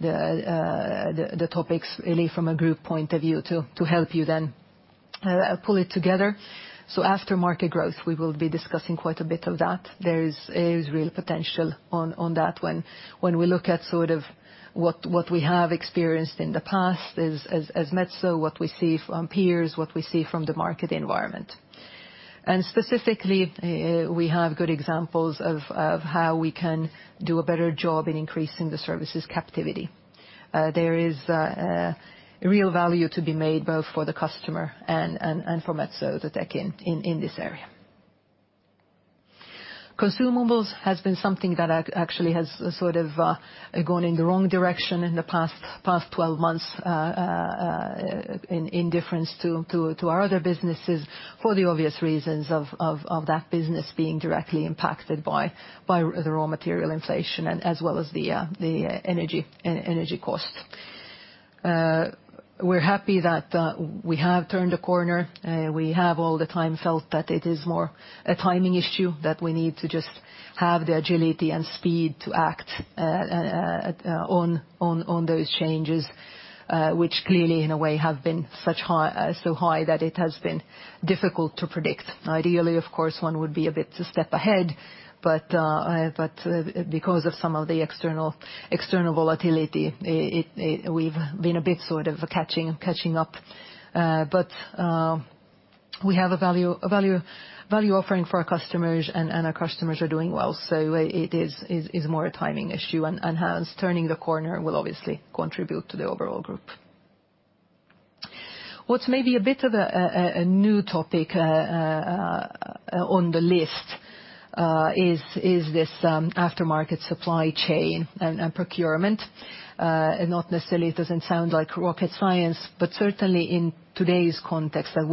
the topics really from a group point of view to help you then pull it together. Aftermarket growth, we will be discussing quite a bit of that. There is real potential on that when we look at sort of what we have experienced in the past as Metso, what we see from peers, what we see from the market environment. Specifically, we have good examples of how we can do a better job in increasing the services captivity. There is a real value to be made both for the customer and for Metso Outotec in this area. Consumables has been something that actually has sort of gone in the wrong direction in the past 12 months in contrast to our other businesses, for the obvious reasons of that business being directly impacted by the raw material inflation as well as the energy costs. We're happy that we have turned a corner. We have all the time felt that it is more a timing issue, that we need to just have the agility and speed to act on those changes, which clearly, in a way, have been so high that it has been difficult to predict. Ideally, of course, one would be a bit of a step ahead, but because of some of the external volatility, we've been a bit sort of catching up. We have a value offering for our customers, and our customers are doing well. It is more a timing issue. Hence turning the corner will obviously contribute to the overall group. What's maybe a bit of a new topic on the list is this aftermarket supply chain and procurement. Not necessarily, it doesn't sound like rocket science, but certainly in today's context and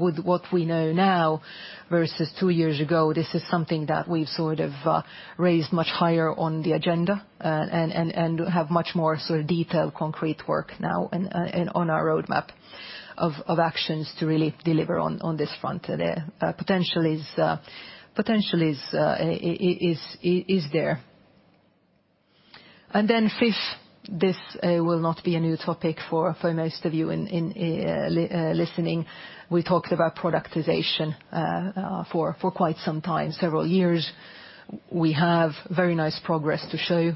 with what we know now versus two years ago, this is something that we've sort of raised much higher on the agenda and have much more sort of detailed concrete work now on our roadmap of actions to really deliver on this front. Potential is there. Fifth, this will not be a new topic for most of you listening. We talked about productization for quite some time, several years. We have very nice progress to show you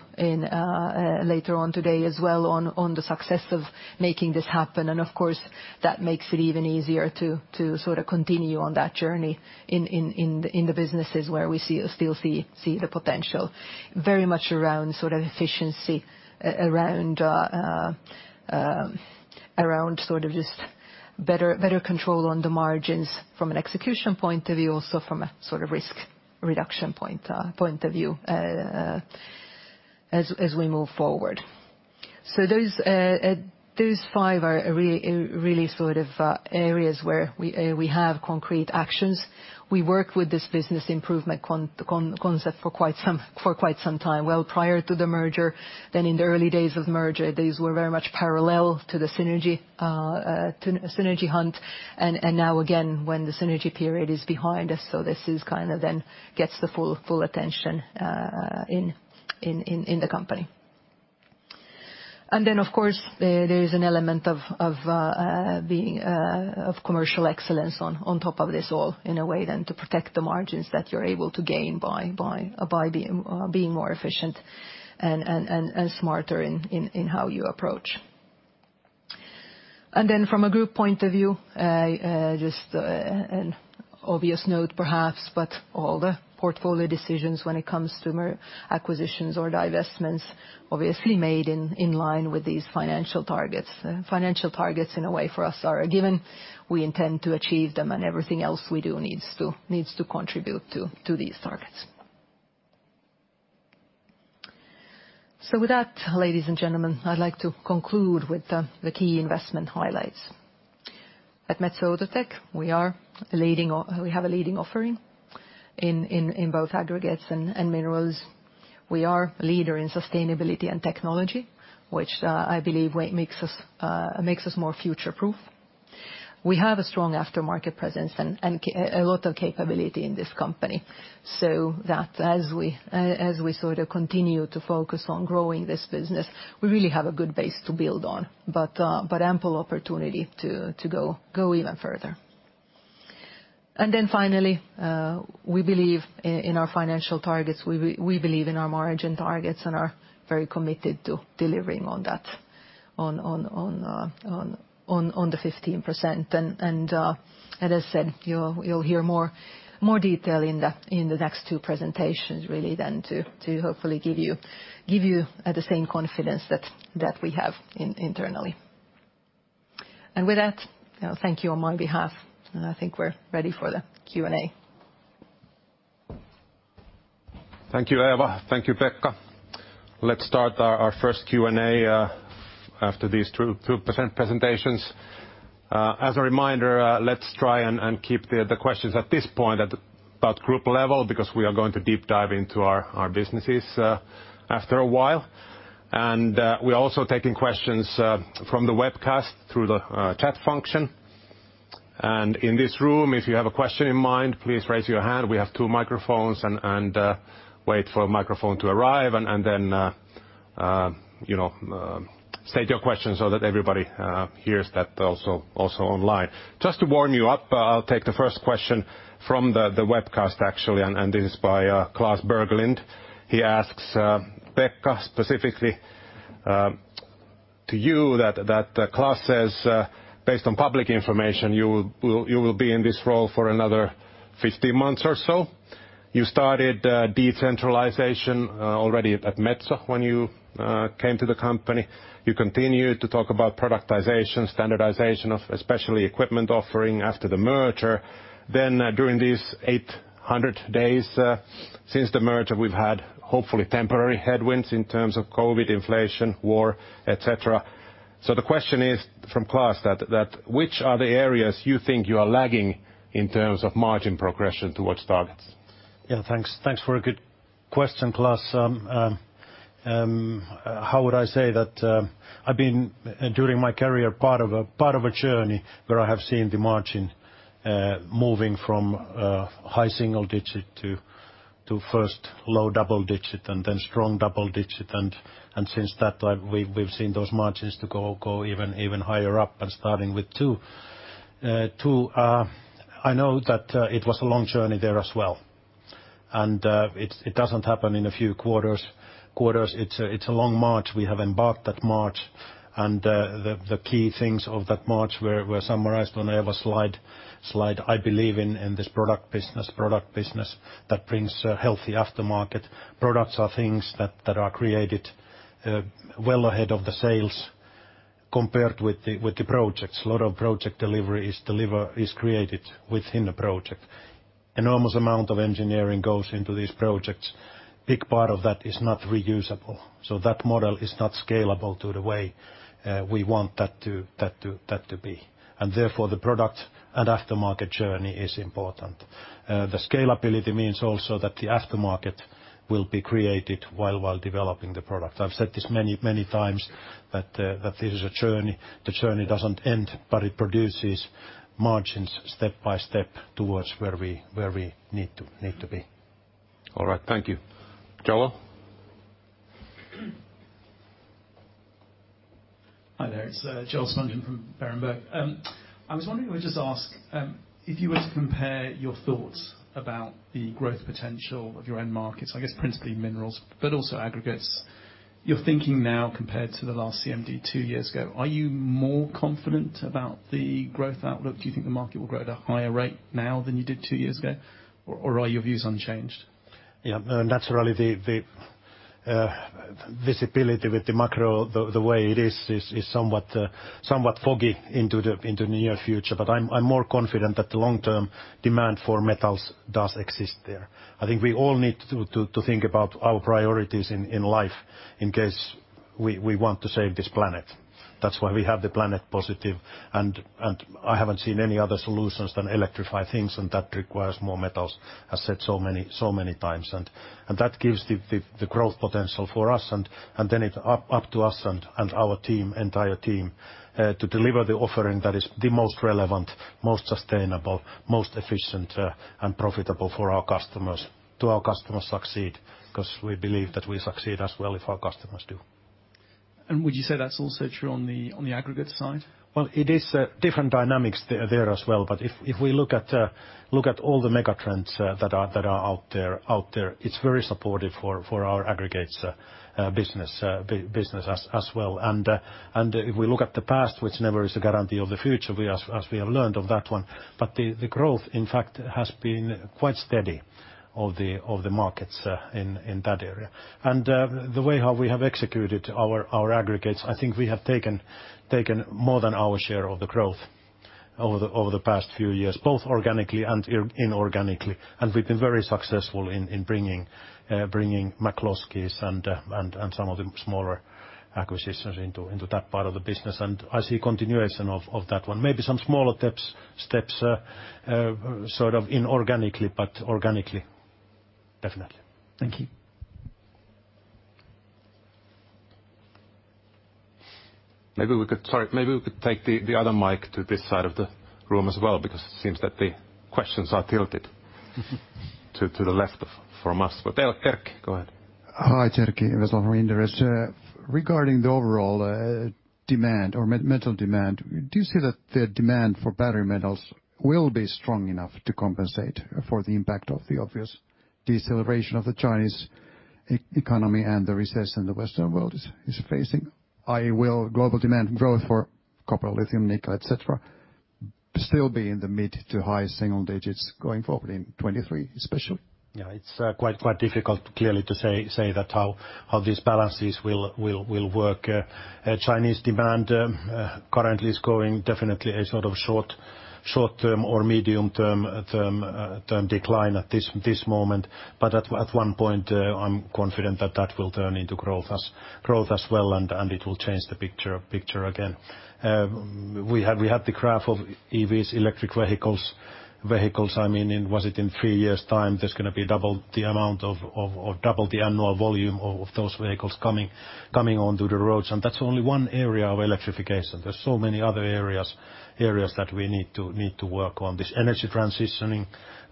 later on today as well on the success of making this happen. Of course, that makes it even easier to sort of continue on that journey in the businesses where we see the potential. Very much around sort of efficiency, around sort of just better control on the margins from an execution point of view, also from a sort of risk reduction point of view, as we move forward. Those five are really sort of areas where we have concrete actions. We work with this business improvement concept for quite some time. Well, prior to the merger, then in the early days of merger, these were very much parallel to the synergy hunt and now again when the synergy period is behind us. This is kind of then gets the full attention in the company. Of course, there is an element of commercial excellence on top of this all in a way then to protect the margins that you're able to gain by being more efficient and smarter in how you approach. From a group point of view, just an obvious note perhaps, but all the portfolio decisions when it comes to M&A or divestments obviously made in line with these financial targets. Financial targets in a way for us are a given. We intend to achieve them, and everything else we do needs to contribute to these targets. With that, ladies and gentlemen, I'd like to conclude with the key investment highlights. At Metso Outotec, we have a leading offering in both aggregates and minerals. We are a leader in sustainability and technology, which I believe makes us more future-proof. We have a strong aftermarket presence and a lot of capability in this company, so that as we sort of continue to focus on growing this business, we really have a good base to build on, but ample opportunity to go even further. Finally, we believe in our financial targets, we believe in our margin targets and are very committed to delivering on that, on the 15%. As I said, you'll hear more detail in the next two presentations, really then to hopefully give you the same confidence that we have internally. With that, thank you on my behalf, and I think we're ready for the Q&A. Thank you, Eeva. Thank you, Pekka. Let's start our first Q&A after these two presentations. As a reminder, let's try and keep the questions at this point at about group level, because we are going to deep dive into our businesses after a while. We're also taking questions from the webcast through the chat function. In this room, if you have a question in mind, please raise your hand. We have two microphones and wait for a microphone to arrive and then state your question so that everybody hears that also online. Just to warm you up, I'll take the first question from the webcast actually, and this is by Klas Bergelind. He asks, Pekka, specifically, to you that Klas says, based on public information, you will be in this role for another 15 months or so. You started decentralization already at Metso when you came to the company. You continued to talk about productization, standardization of especially equipment offering after the merger. Then, during these 800 days since the merger, we've had hopefully temporary headwinds in terms of COVID, inflation, war, et cetera. The question is from Klas that which are the areas you think you are lagging in terms of margin progression towards targets? Yeah, thanks. Thanks for a good question, Klas. How would I say that I've been during my career part of a journey where I have seen the margin moving from high single digit to first low double digit and then strong double digit. Since that time, we've seen those margins go even higher, starting with two. I know that it was a long journey there as well, and it doesn't happen in a few quarters. It's a long march. We have embarked that march. The key things of that march were summarized on Eeva's slide. I believe in this product business that brings a healthy aftermarket. Products are things that are created well ahead of the sales compared with the projects. A lot of project delivery is created within the project. Enormous amount of engineering goes into these projects. Big part of that is not reusable. That model is not scalable to the way we want that to be. Therefore, the product and aftermarket journey is important. The scalability means also that the aftermarket will be created while developing the product. I've said this many, many times that this is a journey. The journey doesn't end, but it produces margins step by step towards where we need to be. All right. Thank you. Joel? Hi there. It's Joel Spungin from Berenberg. I was wondering, I would just ask if you were to compare your thoughts about the growth potential of your end markets, I guess principally minerals, but also aggregates, your thinking now compared to the last CMD two years ago, are you more confident about the growth outlook? Do you think the market will grow at a higher rate now than you did two years ago? Or are your views unchanged? Yeah, naturally, the visibility with the macro, the way it is somewhat foggy into the near future. I'm more confident that the long-term demand for metals does exist there. I think we all need to think about our priorities in life in case we want to save this planet. That's why we have the Planet Positive, and I haven't seen any other solutions than electrify things, and that requires more metals, as said so many times. That gives the growth potential for us, and then it's up to us and our entire team to deliver the offering that is the most relevant, most sustainable, most efficient, and profitable for our customers so our customers succeed, 'cause we believe that we succeed as well if our customers do. Would you say that's also true on the aggregate side? Well, it is different dynamics there as well. If we look at all the mega trends that are out there, it's very supportive for our aggregates business as well. If we look at the past, which never is a guarantee of the future, we, as we have learned of that one. The growth, in fact, has been quite steady of the markets in that area. The way how we have executed our aggregates, I think we have taken more than our share of the growth over the past few years, both organically and inorganically. We've been very successful in bringing McCloskey's and some of the smaller acquisitions into that part of the business. I see a continuation of that one. Maybe some smaller steps sort of inorganically, but organically, definitely. Thank you. Sorry, maybe we could take the other mic to this side of the room as well, because it seems that the questions are tilted to the left of, from us. Erkki, go ahead. Hi, Erkki Vesola from Inderes. Regarding the overall demand or metal demand, do you see that the demand for battery metals will be strong enough to compensate for the impact of the obvious deceleration of the Chinese economy and the recession the Western world is facing? Will global demand growth for copper, lithium, nickel, et cetera, still be in the mid to high single digits going forward in 2023, especially? Yeah, it's quite difficult clearly to say that how these balances will work. Chinese demand currently is going definitely a sort of short-term or medium-term decline at this moment. At one point, I'm confident that that will turn into growth as well, and it'll change the picture again. We had the graph of EVs, electric vehicles, I mean, was it in three years' time, there's gonna be double the amount of, or double the annual volume of those vehicles coming onto the roads. That's only one area of electrification. There's so many other areas that we need to work on this energy transition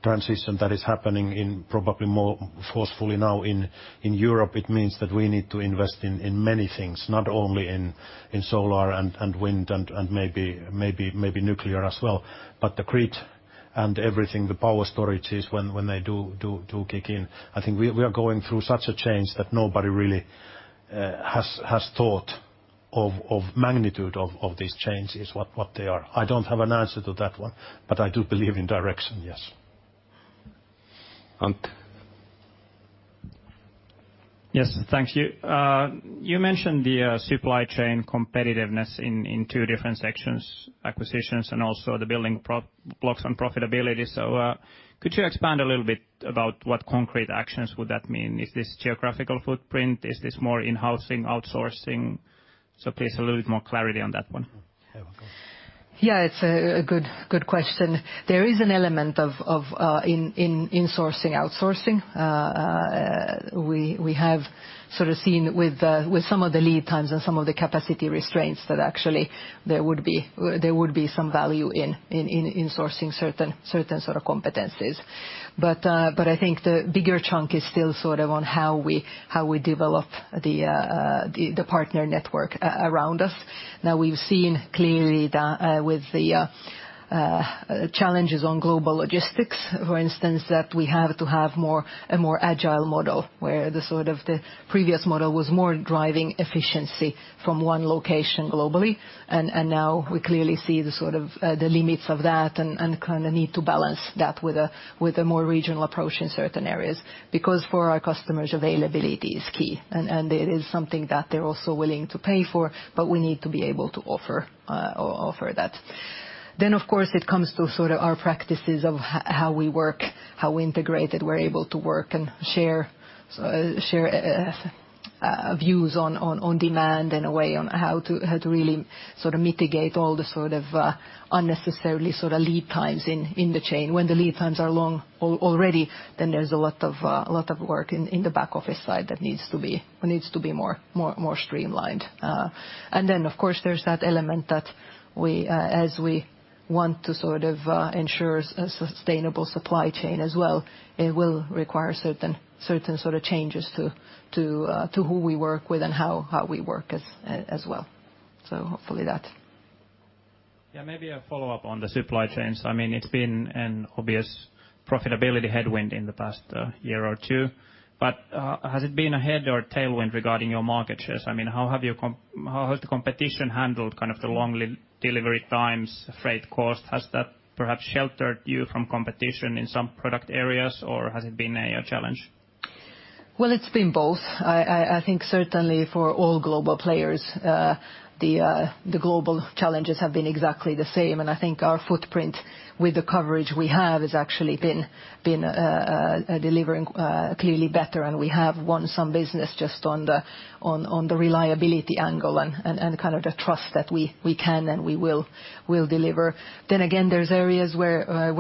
that is happening in probably more forcefully now in Europe. It means that we need to invest in many things, not only in solar and wind and maybe nuclear as well. The grid and everything, the power storages when they do kick in. I think we are going through such a change that nobody really has thought of magnitude of these changes, what they are. I don't have an answer to that one, but I do believe in direction, yes. Antti. Yes. Thank you. You mentioned the supply chain competitiveness in two different sections, acquisitions and also the building blocks on profitability. Could you expand a little bit about what concrete actions would that mean? Is this geographical footprint? Is this more in-housing, outsourcing? Please a little bit more clarity on that one. Eeva, go on. Yeah, it's a good question. There is an element of insourcing, outsourcing. We have sort of seen with some of the lead times and some of the capacity restraints that actually there would be some value in insourcing certain sort of competencies. I think the bigger chunk is still sort of on how we develop the partner network around us. Now, we've seen clearly that with the challenges on global logistics, for instance, that we have to have a more agile model where sort of the previous model was more driving efficiency from one location globally. Now we clearly see the sort of limits of that and kind of need to balance that with a more regional approach in certain areas. Because for our customers, availability is key, and it is something that they're also willing to pay for, but we need to be able to offer that. Of course, it comes to sort of our practices of how we work, how integrated we're able to work and share views on demand in a way on how to really sort of mitigate all the sort of unnecessarily sort of lead times in the chain. When the lead times are long already, then there's a lot of work in the back office side that needs to be more streamlined. Of course, there's that element that we as we want to sort of ensure a sustainable supply chain as well, it will require certain sort of changes to who we work with and how we work as well. Hopefully that. Yeah, maybe a follow-up on the supply chains. I mean, it's been an obvious profitability headwind in the past year or two. Has it been a head or tailwind regarding your market shares? I mean, how has the competition handled kind of the long delivery times, freight cost? Has that perhaps sheltered you from competition in some product areas, or has it been a challenge? Well, it's been both. I think certainly for all global players, the global challenges have been exactly the same. I think our footprint with the coverage we have has actually been delivering clearly better. We have won some business just on the reliability angle and kind of the trust that we can and we will deliver. Again, there's areas where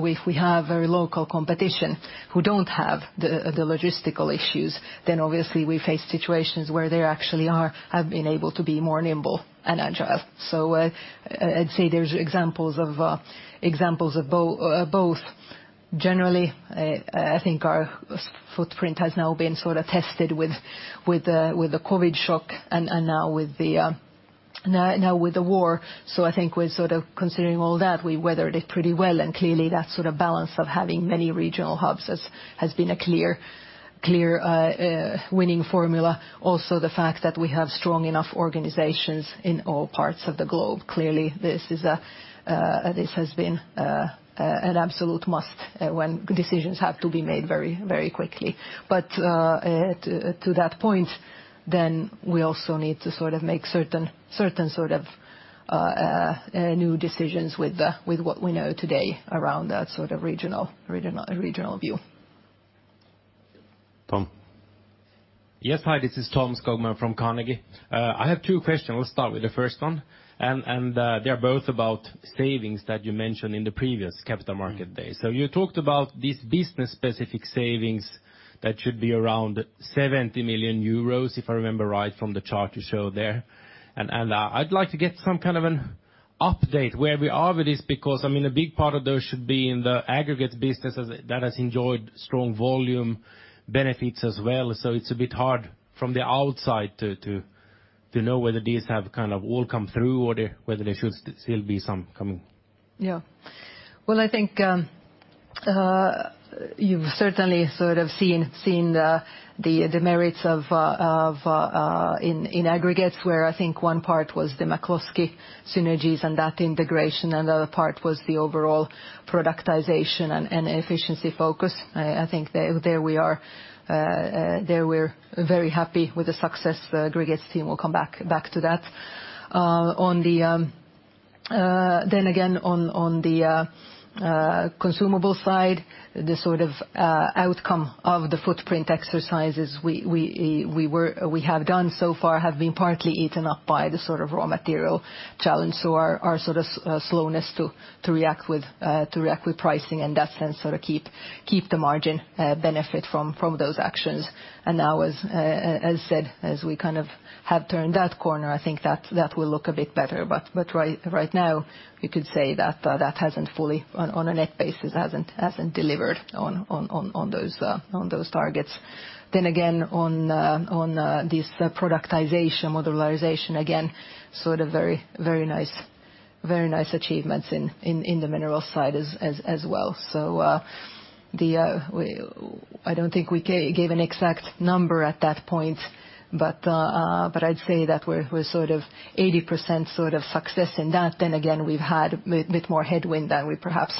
we have very local competition who don't have the logistical issues, then obviously we face situations where they actually have been able to be more nimble and agile. I'd say there's examples of both. Generally, I think our supply footprint has now been sort of tested with the COVID shock and now with the war. I think we're sort of considering all that, we weathered it pretty well, and clearly that sort of balance of having many regional hubs has been a clear winning formula. Also, the fact that we have strong enough organizations in all parts of the globe. Clearly, this has been an absolute must when decisions have to be made very, very quickly. To that point, then we also need to sort of make certain sort of new decisions with what we know today around that sort of regional view. Tom. Yes. Hi, this is Tom Skogman from Carnegie. I have two questions. We'll start with the first one, and they're both about savings that you mentioned in the previous Capital Markets Day. You talked about these business-specific savings that should be around 70 million euros, if I remember right from the chart you showed there. I'd like to get some kind of an update where we are with this because, I mean, a big part of those should be in the aggregate business as that has enjoyed strong volume benefits as well. It's a bit hard from the outside to know whether these have kind of all come through or whether there should still be some coming. Yeah. Well, I think you've certainly sort of seen the merits of in Aggregates, where I think one part was the McCloskey synergies and that integration, and the other part was the overall productization and efficiency focus. I think there we are there we're very happy with the success the Aggregates team will come back to that. On the then again, on the consumables side, the sort of outcome of the footprint exercises we have done so far have been partly eaten up by the sort of raw material challenge. So our sort of slowness to react with pricing in that sense sort of keep the margin benefit from those actions. Now as said, as we kind of have turned that corner, I think that will look a bit better. Right now, you could say that that hasn't fully, on a net basis, delivered on those targets. Then again, on this productization, modularization, again, sort of very nice achievements in the minerals side as well. I don't think we gave an exact number at that point, but I'd say that we're sort of 80% sort of success in that. Then again, we've had bit more headwind than we perhaps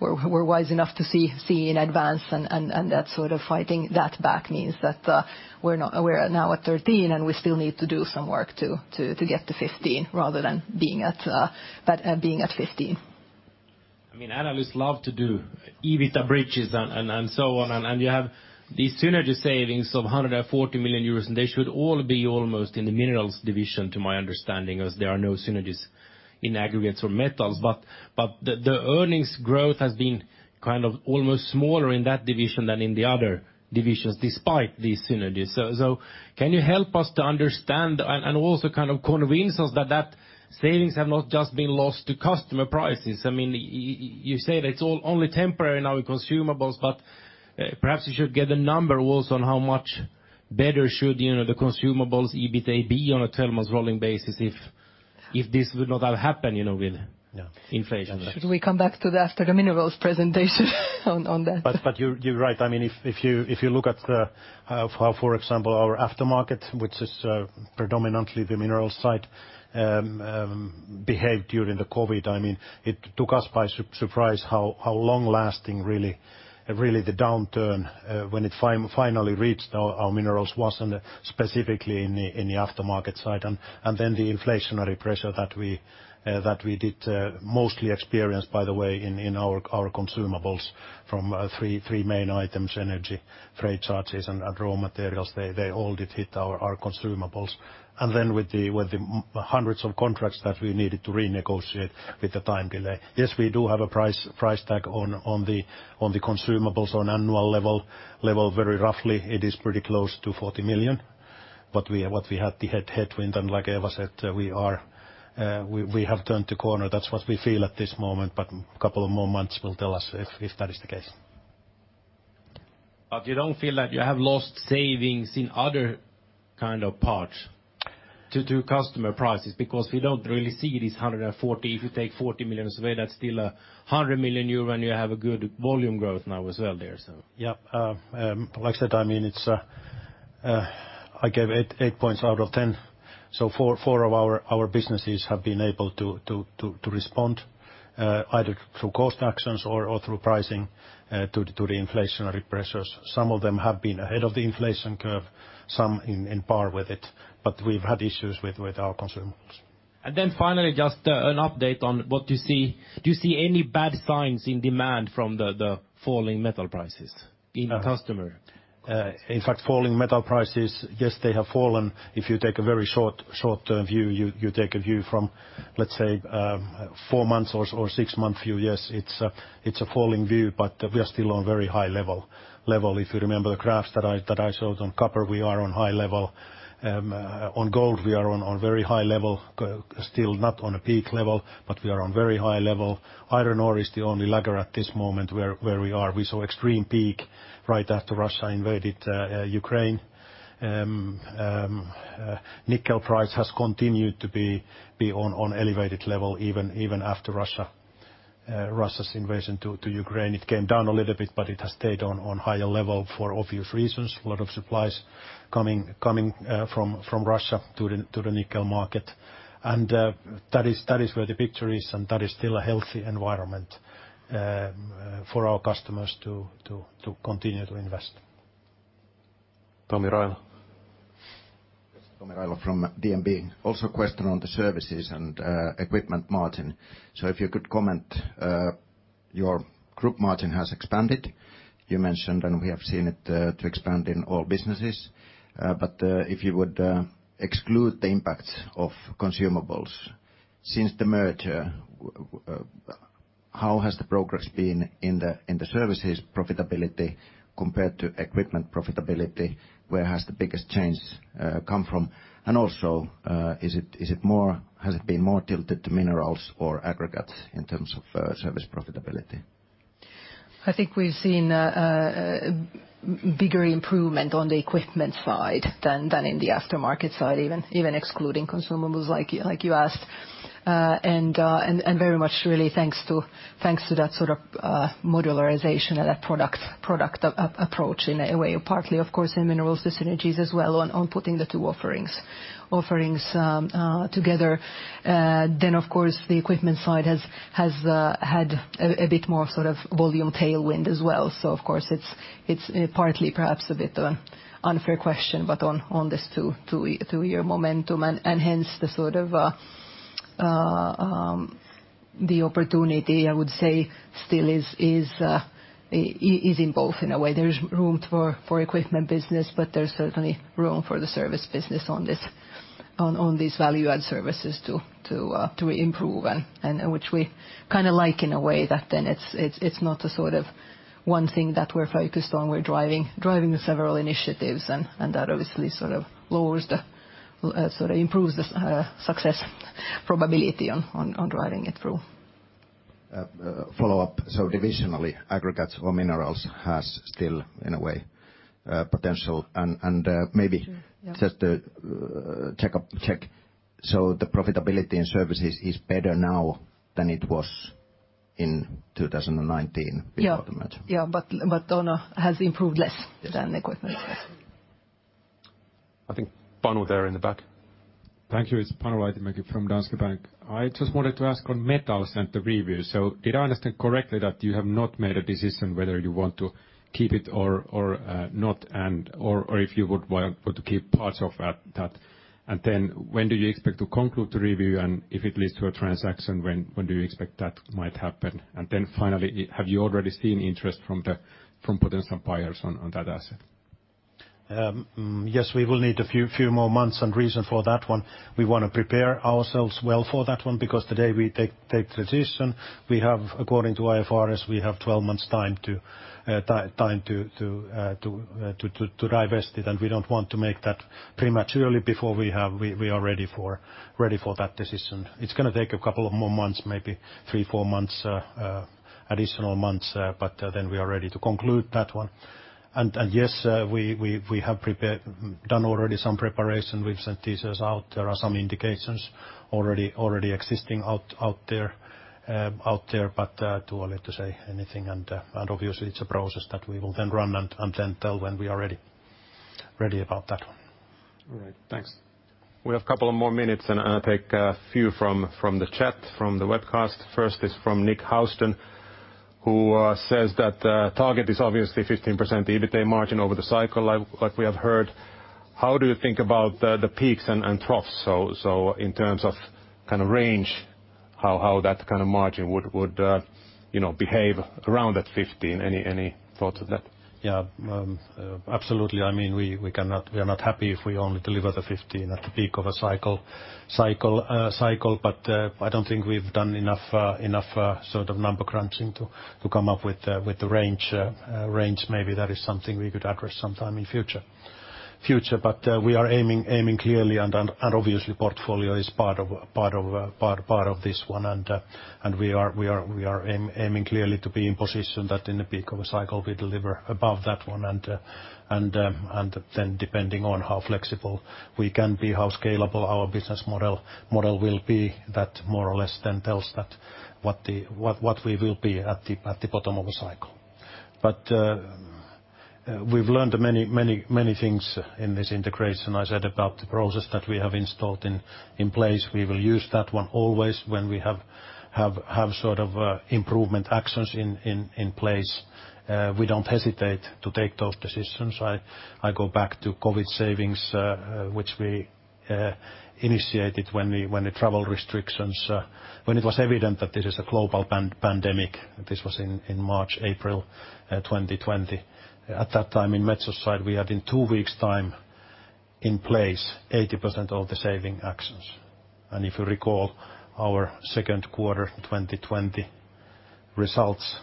were wise enough to see in advance. That sort of fighting that back means that we're now at 13%, and we still need to do some work to get to 15% rather than that being at 15%. I mean, analysts love to do EBITDA bridges and so on, and you have these synergy savings of 140 million euros, and they should all be almost in the minerals division, to my understanding, as there are no synergies in aggregates or metals. The earnings growth has been kind of almost smaller in that division than in the other divisions, despite these synergies. Can you help us to understand and also kind of convince us that savings have not just been lost to customer prices? I mean, you say that it's all only temporary now in consumables, but perhaps you should get a number also on how much better should, you know, the consumables EBITDA be on a 12 months rolling basis if this would not have happened, you know, with- Yeah. -inflation. Should we come back to that after the minerals presentation on that? You're right. I mean, if you look at how, for example, our aftermarket, which is predominantly the mineral side, behaved during the COVID, I mean, it took us by surprise how long lasting really the downturn, when it finally reached our minerals wasn't specifically in the aftermarket side. The inflationary pressure that we did mostly experience, by the way, in our consumables from three main items, energy, freight charges, and raw materials. They all did hit our consumables. With the hundreds of contracts that we needed to renegotiate with the time delay. Yes, we do have a price tag on the consumables on annual level. Very roughly, it is pretty close to 40 million. We had the headwind, and like Eeva said, we have turned the corner. That's what we feel at this moment, but couple of more months will tell us if that is the case. You don't feel that you have lost savings in other kind of parts to customer prices because we don't really see these 140. If you take 40 million away, that's still 100 million euro, and you have a good volume growth now as well there, so. Yeah. Like I said, I mean, it's, I gave eight points out of 10. Four of our businesses have been able to respond either through cost actions or through pricing to the inflationary pressures. Some of them have been ahead of the inflation curve, some on par with it, but we've had issues with our consumables. Finally, just an update on what you see. Do you see any bad signs in demand from the falling metal prices in customer? In fact, falling metal prices, yes, they have fallen. If you take a very short-term view, you take a view from, let's say, four months or six month view, yes, it's a falling view, but we are still on very high level. If you remember the graphs that I showed on copper, we are on high level. On gold, we are on very high level. Still not on a peak level, but we are on very high level. Iron ore is the only laggard at this moment where we are. We saw extreme peak right after Russia invaded Ukraine. Nickel price has continued to be on elevated level even after Russia's invasion to Ukraine, it came down a little bit, but it has stayed on higher level for obvious reasons. A lot of supplies coming from Russia to the nickel market. That is where the picture is, and that is still a healthy environment for our customers to continue to invest. Tomi Railo. Yes. Tomi Railo from DNB. Also, question on the services and equipment margin. If you could comment, your group margin has expanded, you mentioned, and we have seen it to expand in all businesses. But if you would exclude the impact of consumables since the merger, how has the progress been in the services profitability compared to equipment profitability? Where has the biggest change come from? And also, is it more, has it been more tilted to minerals or aggregates in terms of service profitability? I think we've seen bigger improvement on the equipment side than in the aftermarket side, even excluding consumables like you asked. Very much really thanks to that sort of modularization of that product approach in a way. Partly, of course, in minerals synergies as well on putting the two offerings together. Of course, the equipment side has had a bit more sort of volume tailwind as well. Of course, it's partly perhaps a bit unfair question, but on this two-year momentum and hence the sort of the opportunity, I would say still is in both in a way. There is room for equipment business, but there's certainly room for the service business on these value-add services to improve and which we kinda like in a way that then it's not a sort of one thing that we're focused on. We're driving several initiatives and that obviously sort of improves the success probability on driving it through. Follow-up. Divisionally, aggregates or minerals has still, in a way, potential and maybe. Sure. Yeah. The profitability in services is better now than it was in 2019 before the merger? Yeah, Donna has improved less than equipment. I think Panu there in the back. Thank you. It's Panu Laitinmäki from Danske Bank. I just wanted to ask on metals and the review. Did I understand correctly that you have not made a decision whether you want to keep it or not, or if you would want to keep parts of that? When do you expect to conclude the review, and if it leads to a transaction, when do you expect that might happen? Finally, have you already seen interest from potential buyers on that asset? Yes, we will need a few more months and reason for that one. We want to prepare ourselves well for that one because the day we take decision, according to IFRS, we have 12 months time to divest it, and we don't want to make that prematurely before we are ready for that decision. It's gonna take a couple of more months, maybe 3, 4 months, additional months, but then we are ready to conclude that one. Yes, we have prepared, done already some preparation. We've sent teasers out. There are some indications already existing out there, but too early to say anything. Obviously it's a process that we will then run and then tell when we are ready about that one. All right. Thanks. We have a couple of more minutes, and I'll take a few from the chat, from the webcast. First is from Nick Housden, who says that target is obviously 15% EBITDA margin over the cycle, like we have heard. How do you think about the peaks and troughs, so in terms of kind of range, how that kind of margin would you know, behave around that 15? Any thoughts of that? Yeah. Absolutely. I mean, we are not happy if we only deliver the 15% at the peak of a cycle. I don't think we've done enough sort of number crunching to come up with the range. Maybe that is something we could address sometime in future. We are aiming clearly, and obviously portfolio is part of this one, and we are aiming clearly to be in position that in the peak of a cycle, we deliver above that one. Depending on how flexible we can be, how scalable our business model will be, that more or less tells what we will be at the bottom of a cycle. We've learned many things in this integration. I said about the process that we have put in place. We will use that one always when we have sort of improvement actions in place. We don't hesitate to take those decisions. I go back to COVID savings, which we initiated when the travel restrictions, when it was evident that this is a global pandemic. This was in March, April 2020. At that time, in Metso side, we had in two weeks time in place 80% of the saving actions. If you recall our second quarter 2020 results,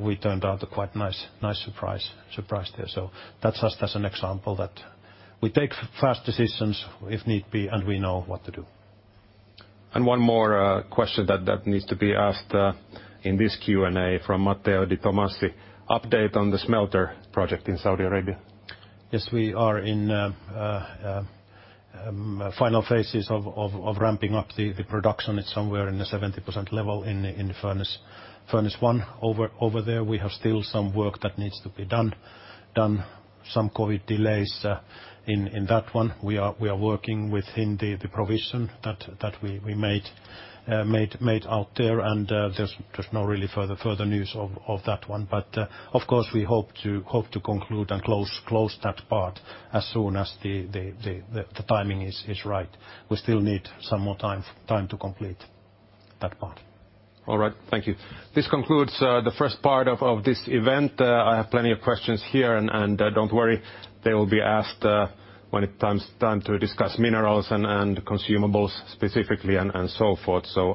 we turned out a quite nice surprise there. That's just as an example that we take fast decisions if need be, and we know what to do. One more question that needs to be asked in this Q&A from Matteo Di Tomasi. Update on the smelter project in Saudi Arabia. Yes, we are in final phases of ramping up the production. It's somewhere in the 70% level in furnace one. Over there we have still some work that needs to be done. Some COVID delays in that one. We are working within the provision that we made out there, and there's no real further news of that one. Of course, we hope to conclude and close that part as soon as the timing is right. We still need some more time to complete that part. All right. Thank you. This concludes the first part of this event. I have plenty of questions here, and don't worry, they will be asked when it is time to discuss minerals and consumables specifically and so forth. So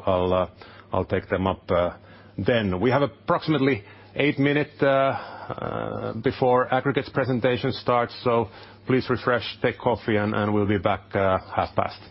I'll take them up then. We have approximately eight minutes before aggregates presentation starts, so please refresh, take coffee, and we'll be back half past.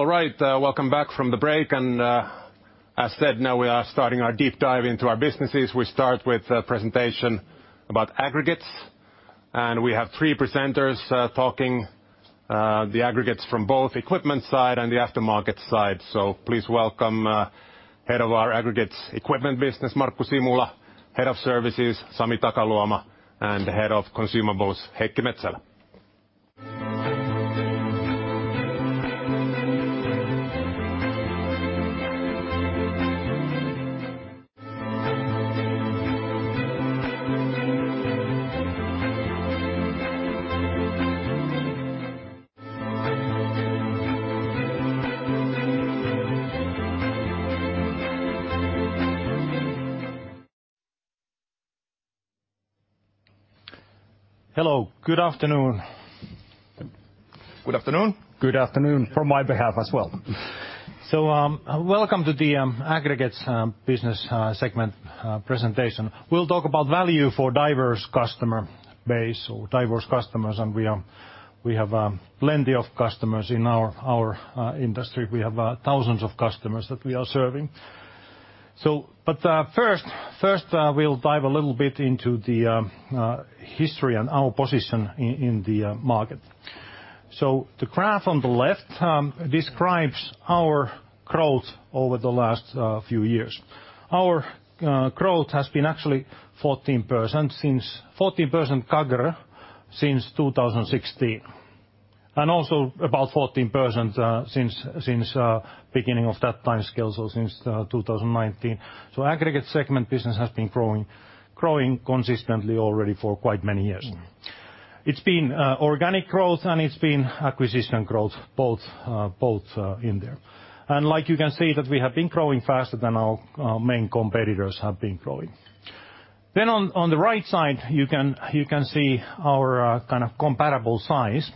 All right, welcome back from the break. As said, now we are starting our deep dive into our businesses. We start with a presentation about aggregates, and we have three presenters talking about the aggregates from both equipment side and the aftermarket side. So please welcome head of our aggregates equipment business, Markku Simula, head of services, Sami Takaluoma, and head of consumables, Heikki Metsälä. Hello, good afternoon. Good afternoon. Good afternoon from my behalf as well. Welcome to the aggregates business segment presentation. We'll talk about value for diverse customer base or diverse customers, and we have plenty of customers in our industry. We have thousands of customers that we are serving. First, we'll dive a little bit into the history and our position in the market. The graph on the left describes our growth over the last few years. Our growth has been actually 14% CAGR since 2016, and also about 14% since the beginning of that timescale, so since 2019. Aggregate segment business has been growing consistently already for quite many years. It's been organic growth, and it's been acquisition growth, both in there. Like you can see that we have been growing faster than our main competitors have been growing. On the right side, you can see our kind of comparable size.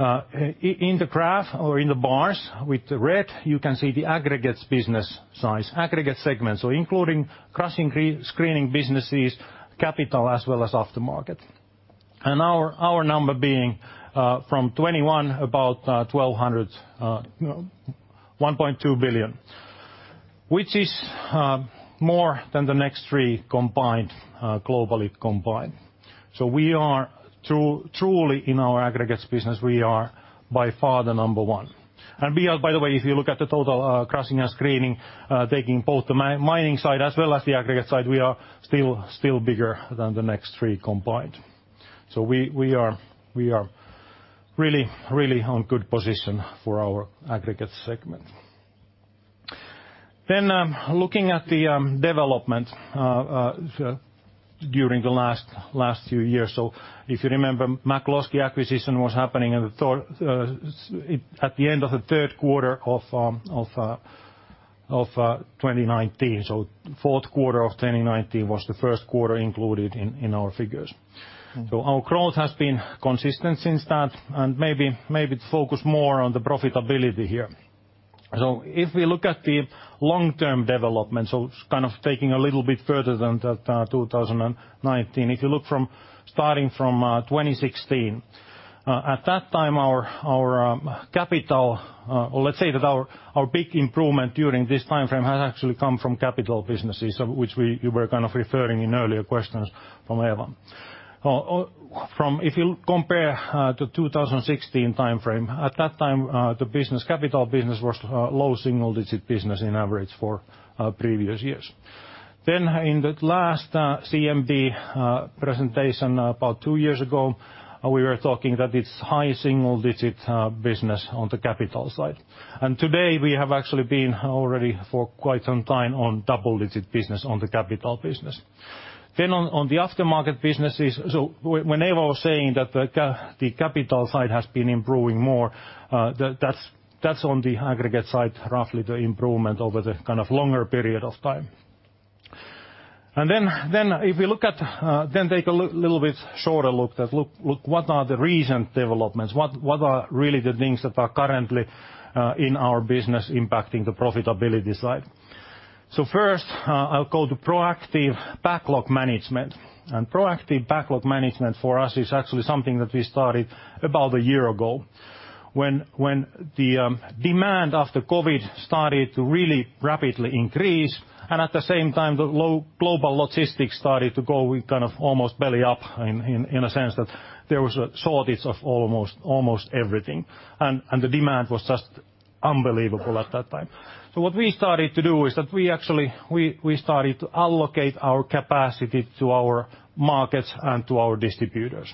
In the graph or in the bars with the red, you can see the aggregates business size, aggregate segment, so including crushing, screening businesses, capital, as well as aftermarket. Our number being from 2021 about 1,200, you know, 1.2 billion, which is more than the next three combined globally. We are truly in our aggregates business, we are by far the number 1. We are By the way, if you look at the total, crushing and screening, taking both the mining side as well as the aggregate side, we are still bigger than the next three combined. We are really in good position for our aggregate segment. Looking at the development during the last few years. If you remember, McCloskey acquisition was happening at the end of the third quarter of 2019. Fourth quarter of 2019 was the first quarter included in our figures. Our growth has been consistent since that, and maybe to focus more on the profitability here. If we look at the long-term development, kind of taking a little bit further than that, 2019. If you look starting from 2016, at that time, our big improvement during this timeframe has actually come from capital businesses, which you were kind of referring to in earlier questions from Eeva. If you compare the 2016 timeframe, at that time, the capital business was low single-digit business on average for previous years. In the last CMD presentation about two years ago, we were talking that it's high single-digit business on the capital side. Today we have actually been already for quite some time on double-digit business on the capital business. On the aftermarket businesses, Eeva was saying that the capital side has been improving more, that's on the aggregate side, roughly the improvement over the kind of longer period of time. If we look at, take a little bit shorter look what are the recent developments, what are really the things that are currently in our business impacting the profitability side. First, I'll call the proactive backlog management. Proactive backlog management for us is actually something that we started about a year ago when the demand after COVID started to really rapidly increase, and at the same time, the global logistics started to go with kind of almost belly up in a sense that there was a shortage of almost everything. The demand was just unbelievable at that time. What we started to do is that we actually started to allocate our capacity to our markets and to our distributors.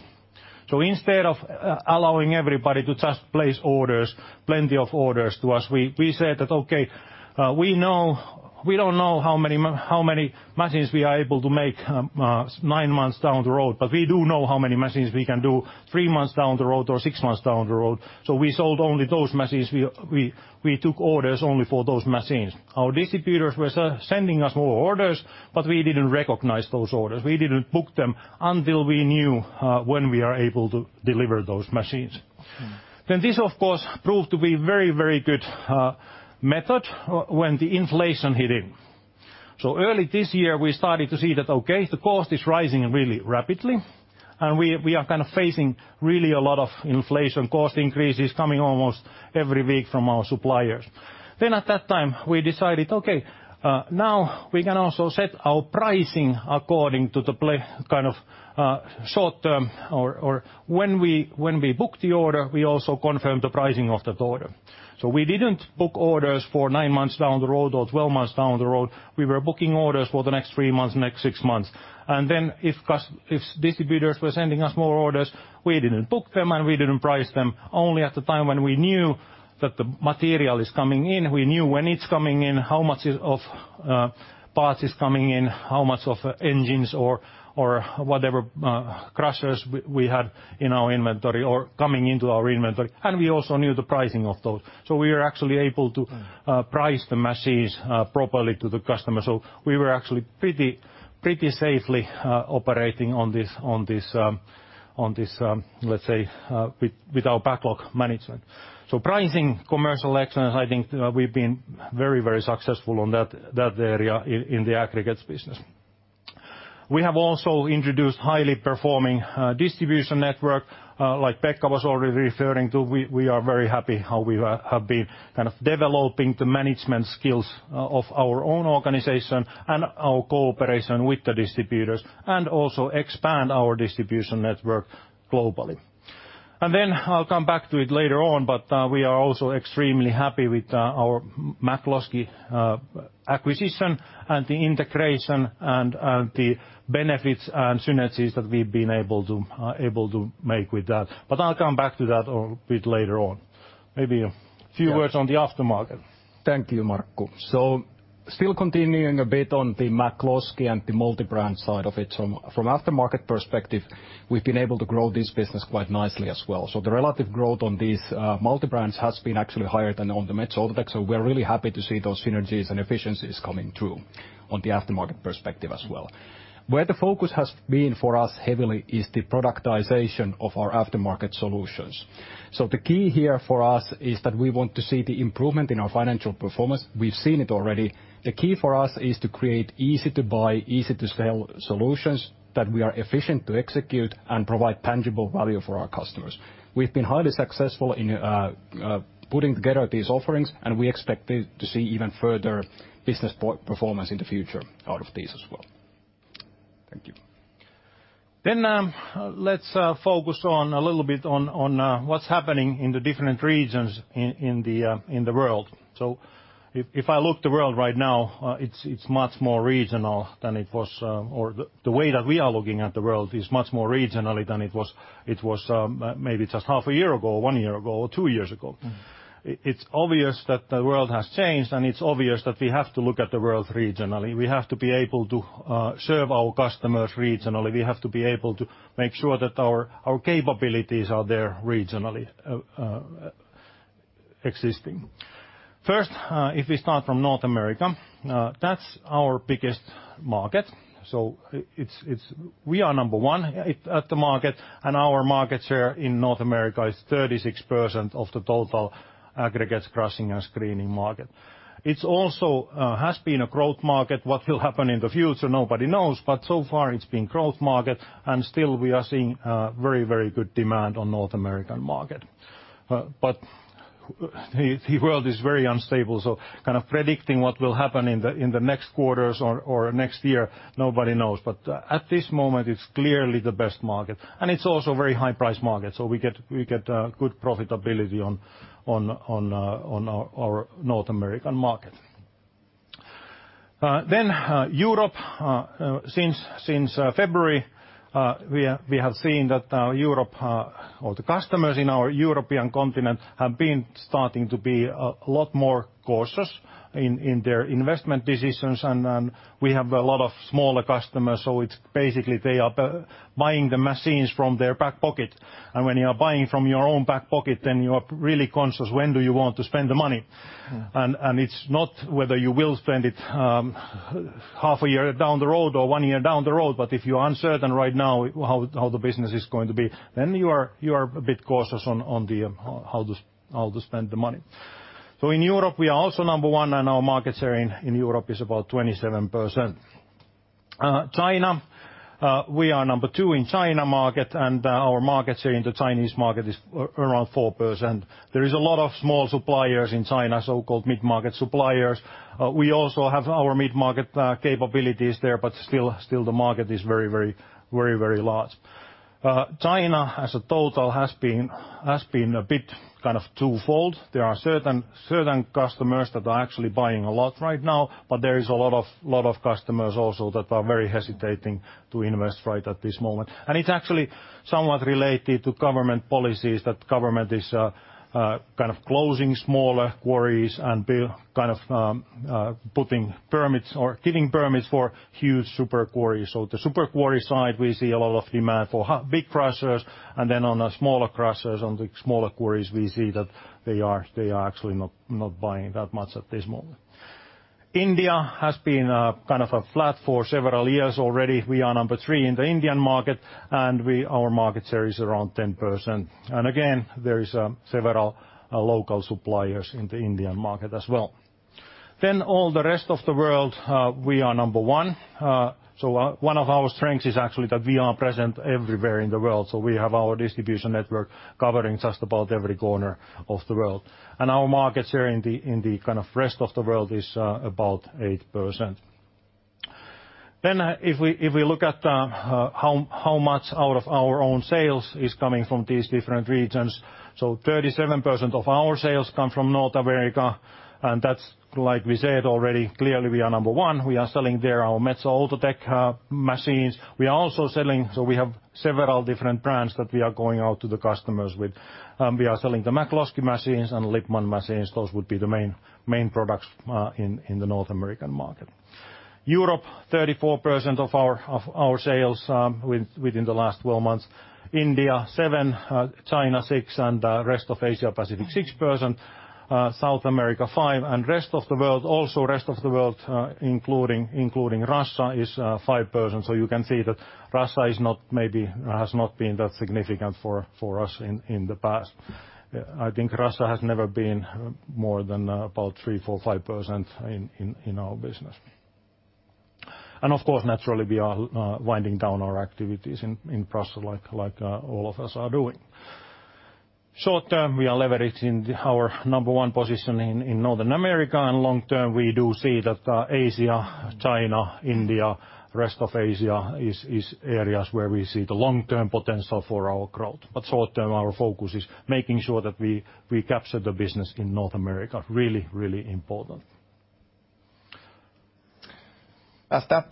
Instead of allowing everybody to just place orders, plenty of orders to us, we said that, "Okay, we know, we don't know how many machines we are able to make, nine months down the road, but we do know how many machines we can do three months down the road or six months down the road." We sold only those machines. We took orders only for those machines. Our distributors were sending us more orders, but we didn't recognize those orders. We didn't book them until we knew when we are able to deliver those machines. This of course proved to be very, very good method when the inflation hit in. Early this year we started to see that, okay, the cost is rising really rapidly, and we are kind of facing really a lot of inflation cost increases coming almost every week from our suppliers. At that time we decided, okay, now we can also set our pricing according to the kind of short-term or when we book the order, we also confirm the pricing of that order. We didn't book orders for nine months down the road or 12 months down the road. We were booking orders for the next 3 months, next 6 months. If distributors were sending us more orders, we didn't book them and we didn't price them. Only at the time when we knew that the material is coming in, we knew when it's coming in, how much of parts is coming in, how much of engines or whatever crushers we had in our inventory or coming into our inventory. We also knew the pricing of those. We were actually able to Price the machines properly to the customer. We were actually pretty safely operating on this, let's say, with our backlog management. Pricing commercial excellence, I think, we've been very successful on that area in the aggregates business. We have also introduced high-performing distribution network like Pekka was already referring to. We are very happy how we have been kind of developing the management skills of our own organization and our cooperation with the distributors, and also expand our distribution network globally. I'll come back to it later on, but we are also extremely happy with our McCloskey acquisition and the integration and the benefits and synergies that we've been able to make with that. I'll come back to that a bit later on. Maybe a few words on the aftermarket. Thank you, Markku. Still continuing a bit on the McCloskey and the multi-brand side of it. From aftermarket perspective, we've been able to grow this business quite nicely as well. The relative growth on these multi-brands has been actually higher than on the Metso Outotec. We're really happy to see those synergies and efficiencies coming through on the aftermarket perspective as well. Where the focus has been for us heavily is the productization of our aftermarket solutions. The key here for us is that we want to see the improvement in our financial performance. We've seen it already. The key for us is to create easy to buy, easy to sell solutions that we are efficient to execute and provide tangible value for our customers. We've been highly successful in putting together these offerings, and we expect it to see even further business performance in the future out of these as well. Thank you. Let's focus a little bit on what's happening in the different regions in the world. If I look at the world right now, it's much more regional than it was, or the way that we are looking at the world is much more regionally than it was, maybe just half a year ago, one year ago, or two years ago. It's obvious that the world has changed, and it's obvious that we have to look at the world regionally. We have to be able to serve our customers regionally. We have to be able to make sure that our capabilities are there regionally existing. First, if we start from North America, that's our biggest market. We are number one at the market, and our market share in North America is 36% of the total aggregates crushing and screening market. It's also has been a growth market. What will happen in the future, nobody knows, so far it's been growth market, and still we are seeing very good demand on North American market. The world is very unstable, so kind of predicting what will happen in the next quarters or next year, nobody knows. At this moment, it's clearly the best market, and it's also a very high price market, so we get good profitability on our North American market. Europe. Since February, we have seen that the customers in our European continent have been starting to be a lot more cautious in their investment decisions and we have a lot of smaller customers, so it's basically they are buying the machines from their back pocket. When you are buying from your own back pocket, then you're really conscious when do you want to spend the money. It's not whether you will spend it, half a year down the road or one year down the road, but if you're uncertain right now how the business is going to be, then you are a bit cautious on how to spend the money. In Europe, we are also number 1, and our market share in Europe is about 27%. China, we are number 2 in China market, and our market share in the Chinese market is around 4%. There is a lot of small suppliers in China, so-called mid-market suppliers. We also have our mid-market capabilities there, but still the market is very large. China as a total has been a bit kind of twofold. There are certain customers that are actually buying a lot right now, but there is a lot of customers also that are very hesitating to invest right at this moment. It's actually somewhat related to government policies, that government is kind of closing smaller quarries and putting permits or giving permits for huge super quarries. The super quarry side, we see a lot of demand for big crushers, and then on the smaller crushers, on the smaller quarries, we see that they are actually not buying that much at this moment. India has been kind of flat for several years already. We are number three in the Indian market, and our market share is around 10%. Again, there is several local suppliers in the Indian market as well. All the rest of the world, we are number one. One of our strengths is actually that we are present everywhere in the world. We have our distribution network covering just about every corner of the world. Our market share in the kind of rest of the world is about 8%. If we look at how much out of our own sales is coming from these different regions, 37% of our sales come from North America, and that's, like we said already, clearly we are number one. We are selling there our Metso Outotec machines. We have several different brands that we are going out to the customers with. We are selling the McCloskey machines and Lippmann machines. Those would be the main products in the North American market. Europe, 34% of our sales within the last 12 months. India, 7%, China, 6%, and rest of Asia-Pacific, 6%, South America, 5%, and rest of the world, including Russia, is 5%. You can see that Russia is not maybe, has not been that significant for us in the past. I think Russia has never been more than about 3, 4, 5% in our business. Of course, naturally, we are winding down our activities in Russia like all of us are doing. Short term, we are leveraging our number one position in North America, and long term, we do see that Asia, China, India, rest of Asia is areas where we see the long-term potential for our growth. Short term, our focus is making sure that we capture the business in North America. Really important. As that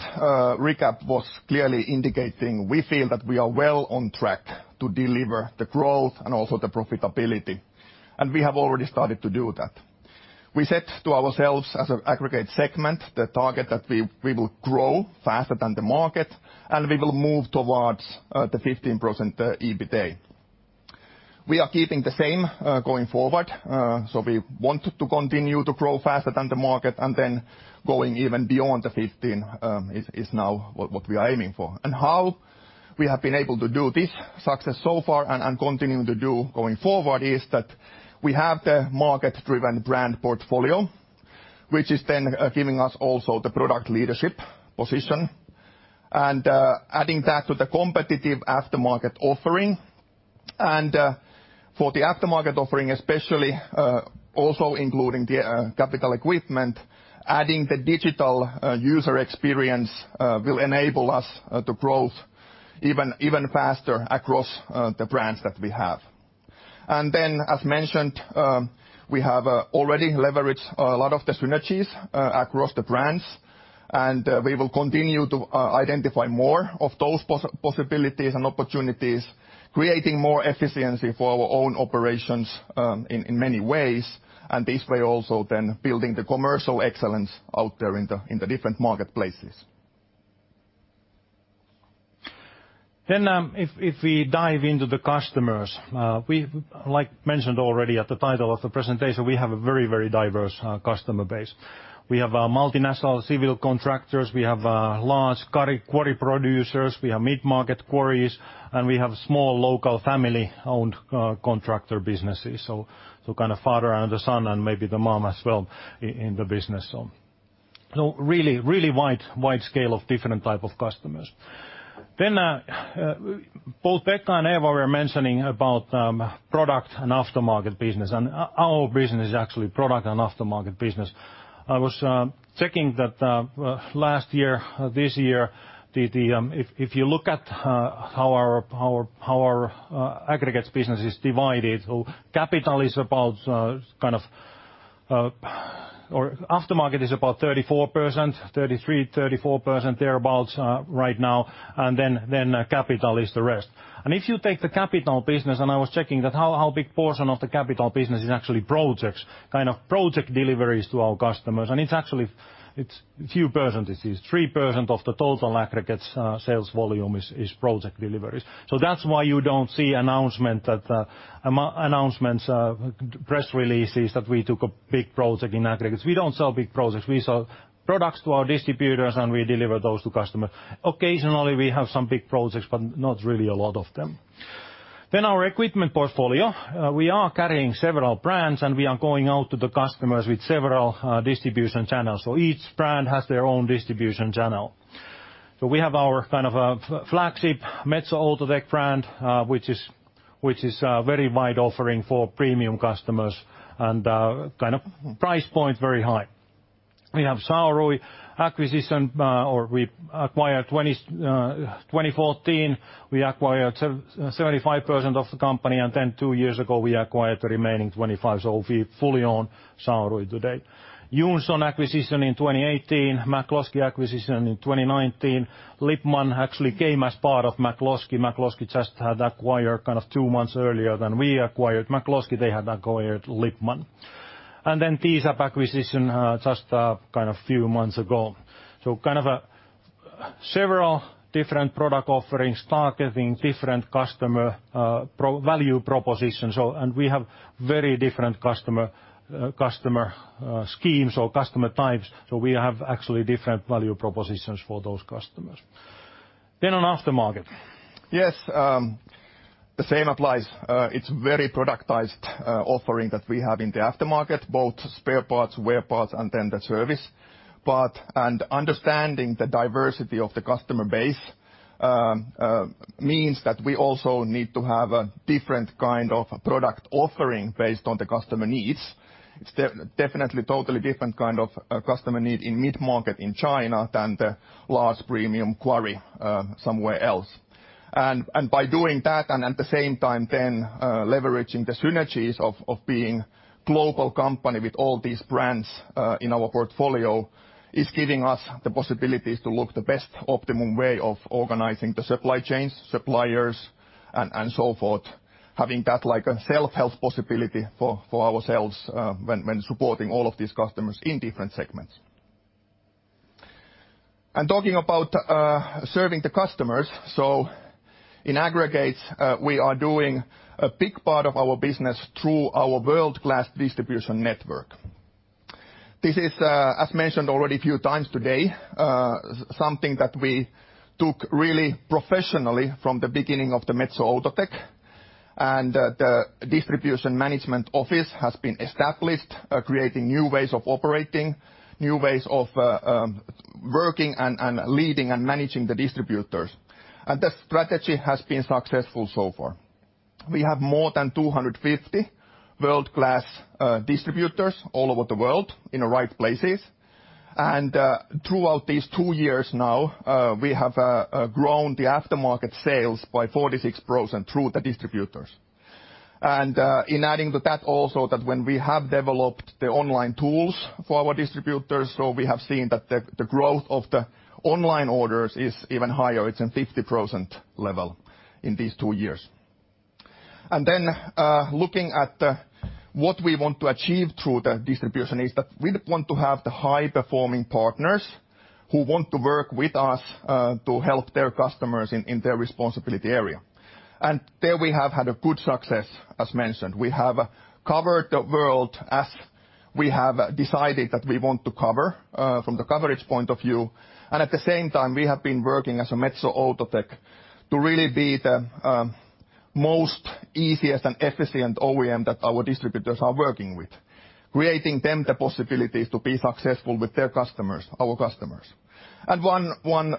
recap was clearly indicating, we feel that we are well on track to deliver the growth and also the profitability, and we have already started to do that. We set to ourselves as an aggregate segment the target that we will grow faster than the market and we will move towards the 15% EBITDA. We are keeping the same going forward. We want to continue to grow faster than the market and then going even beyond the 15% is now what we are aiming for. How we have been able to do this success so far and continuing to do going forward is that we have the market-driven brand portfolio, which is then giving us also the product leadership position. Adding that to the competitive aftermarket offering. For the aftermarket offering especially, also including the capital equipment, adding the digital user experience, will enable us to grow even faster across the brands that we have. As mentioned, we have already leveraged a lot of the synergies across the brands and we will continue to identify more of those possibilities and opportunities, creating more efficiency for our own operations in many ways, and this way also then building the commercial excellence out there in the different marketplaces. If we dive into the customers, like mentioned already at the title of the presentation, we have a very, very diverse customer base. We have multinational civil contractors, we have large quarry producers, we have mid-market quarries, and we have small local family-owned contractor businesses. Kind of father and the son, and maybe the mom as well in the business. Really, really wide scale of different type of customers. Both Pekka and Eeva were mentioning about product and aftermarket business and our business is actually product and aftermarket business. I was checking that last year, this year, if you look at how our aggregates business is divided, capital is about, kind of, or aftermarket is about 33, 34 percent thereabout right now, and then capital is the rest. If you take the capital business, and I was checking that how big portion of the capital business is actually projects, kind of project deliveries to our customers, and it's actually few percent it is. 3% of the total aggregates sales volume is project deliveries. That's why you don't see announcements, press releases that we took a big project in aggregates. We don't sell big projects. We sell products to our distributors, and we deliver those to customers. Occasionally, we have some big projects, but not really a lot of them. Our equipment portfolio. We are carrying several brands, and we are going out to the customers with several distribution channels. Each brand has their own distribution channel. We have our kind of a flagship Metso Outotec brand, which is a very wide offering for premium customers and kind of price point very high. We have Saalasti acquisition, or we acquired in 2014, we acquired 75% of the company and then two years ago, we acquired the remaining 25, so we fully own Saalasti today. Jonsson acquisition in 2018, McCloskey acquisition in 2019. Lippmann actually came as part of McCloskey. McCloskey just had acquired kind of two months earlier than we acquired McCloskey, they had acquired Lippmann. Tesab acquisition a few months ago. Several different product offerings targeting different customer value propositions. We have very different customer segments or customer types. We actually have different value propositions for those customers. On aftermarket. Yes, the same applies. It's very productized offering that we have in the aftermarket, both spare parts, wear parts, and then the service part. Understanding the diversity of the customer base means that we also need to have a different kind of product offering based on the customer needs. It's definitely totally different kind of customer need in mid-market in China than the large premium quarry somewhere else. By doing that, and at the same time then leveraging the synergies of being a global company with all these brands in our portfolio is giving us the possibilities to look for the best optimum way of organizing the supply chains, suppliers, and so forth. Having that like a self-help possibility for ourselves when supporting all of these customers in different segments. Talking about serving the customers. In aggregates, we are doing a big part of our business through our world-class distribution network. This is, as mentioned already a few times today, something that we took really professionally from the beginning of the Metso Outotec, and the distribution management office has been established, creating new ways of operating, new ways of working and leading and managing the distributors. That strategy has been successful so far. We have more than 250 world-class distributors all over the world in the right places. Throughout these two years now, we have grown the aftermarket sales by 46% through the distributors. In addition to that also that when we have developed the online tools for our distributors, so we have seen that the growth of the online orders is even higher. It's in 50% level in these two years. Looking at what we want to achieve through the distribution is that we want to have the high-performing partners who want to work with us to help their customers in their responsibility area. There we have had a good success, as mentioned. We have covered the world as we have decided that we want to cover from the coverage point of view. at the same time, we have been working as a Metso Outotec to really be the most easiest and efficient OEM that our distributors are working with, creating them the possibilities to be successful with their customers, our customers. One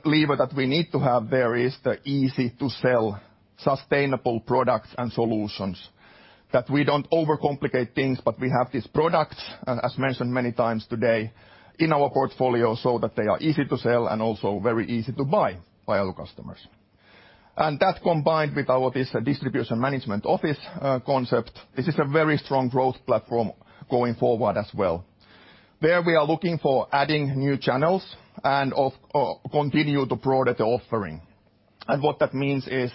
lever that we need to have there is the easy-to-sell Sustainable products and solutions. That we don't overcomplicate things, but we have these products, and as mentioned many times today, in our portfolio, so that they are easy to sell and also very easy to buy by our customers. That combined with our this distribution management office concept, this is a very strong growth platform going forward as well. There we are looking for adding new channels and or continue to protect the offering. What that means is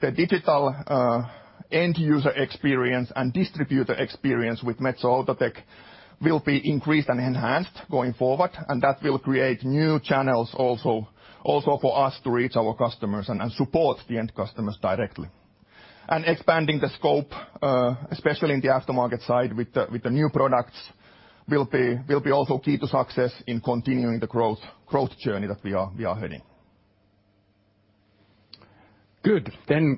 the digital end user experience and distributor experience with Metso Outotec will be increased and enhanced going forward, and that will create new channels also for us to reach our customers and support the end customers directly. Expanding the scope, especially in the aftermarket side with the new products will be also key to success in continuing the growth journey that we are heading. Good.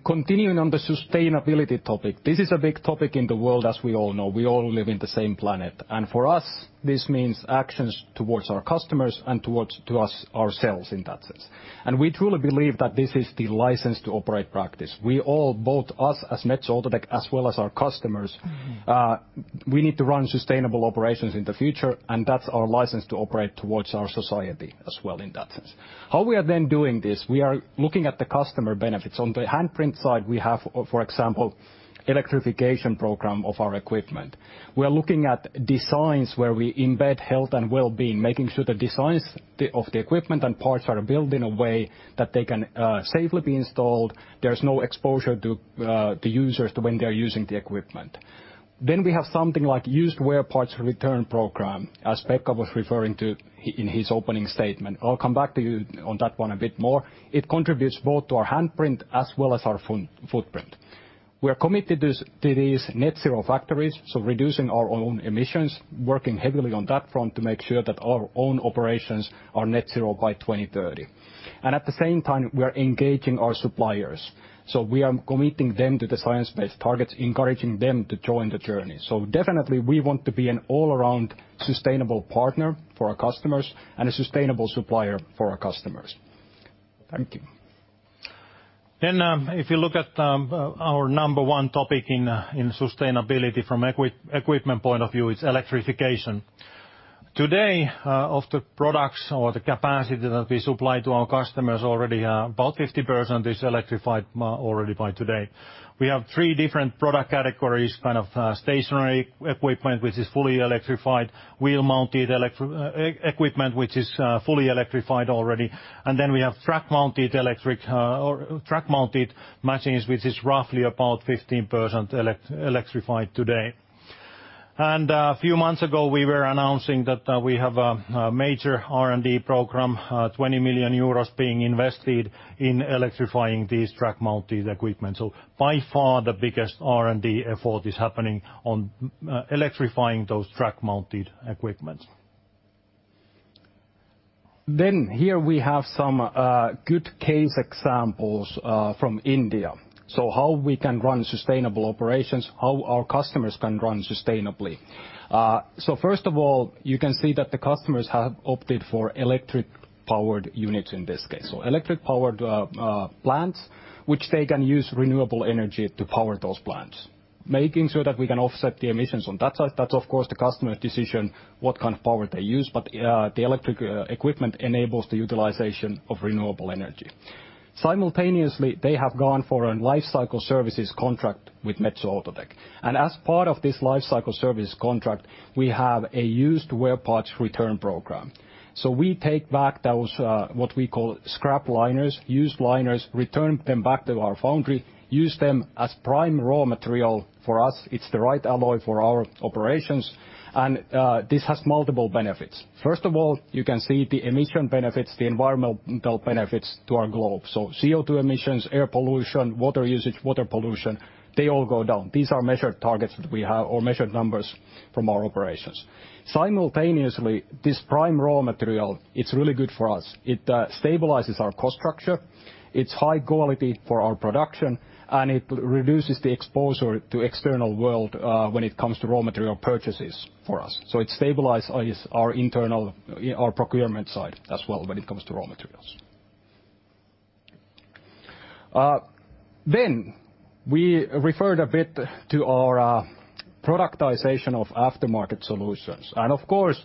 Continuing on the sustainability topic. This is a big topic in the world, as we all know. We all live in the same planet, and for us, this means actions towards our customers and towards to us, ourselves in that sense. We truly believe that this is the license to operate practice. We all, both us as Metso Outotec, as well as our customers, we need to run sustainable operations in the future, and that's our license to operate towards our society as well in that sense. How we are then doing this, we are looking at the customer benefits. On the handprint side we have, for example, electrification program of our equipment. We are looking at designs where we embed health and well-being, making sure the designs of the equipment and parts are built in a way that they can safely be installed, there's no exposure to users when they're using the equipment. Then we have something like used wear parts return program, as Pekka was referring to in his opening statement. I'll come back to you on that one a bit more. It contributes both to our handprint as well as our footprint. We are committed to these net zero factories, so reducing our own emissions, working heavily on that front to make sure that our own operations are net zero by 2030. At the same time, we are engaging our suppliers. We are committing them to the science-based targets, encouraging them to join the journey. Definitely we want to be an all-around sustainable partner for our customers, and a sustainable supplier for our customers. Thank you. If you look at our number one topic in sustainability from equipment point of view, it's electrification. Today, of the products or the capacity that we supply to our customers already, about 50% is electrified already by today. We have three different product categories, stationary equipment, which is fully electrified, wheel-mounted equipment which is fully electrified already, and then we have track-mounted electric or track-mounted machines, which is roughly about 15% electrified today. A few months ago, we were announcing that we have a major R&D program, 20 million euros being invested in electrifying these track-mounted equipment. By far, the biggest R&D effort is happening on electrifying those track-mounted equipment. Here we have some good case examples from India. How we can run sustainable operations, how our customers can run sustainably. First of all, you can see that the customers have opted for electric-powered units in this case. Electric-powered plants, which they can use renewable energy to power those plants, making sure that we can offset the emissions on that side. That's of course the customer's decision, what kind of power they use, but the electric equipment enables the utilization of renewable energy. Simultaneously, they have gone for a Lifecycle Services contract with Metso Outotec. As part of this lifecycle service contract, we have a used wear parts return program. We take back those, what we call scrap liners, used liners, return them back to our foundry, use them as prime raw material. For us, it's the right alloy for our operations, and this has multiple benefits. First of all, you can see the emission benefits, the environmental benefits to our globe. CO2 emissions, air pollution, water usage, water pollution, they all go down. These are measured targets that we have or measured numbers from our operations. Simultaneously, this prime raw material, it's really good for us. It stabilizes our cost structure, it's high quality for our production, and it reduces the exposure to external world, when it comes to raw material purchases for us. It stabilizes our internal, our procurement side as well when it comes to raw materials. We referred a bit to our productization of aftermarket solutions. Of course,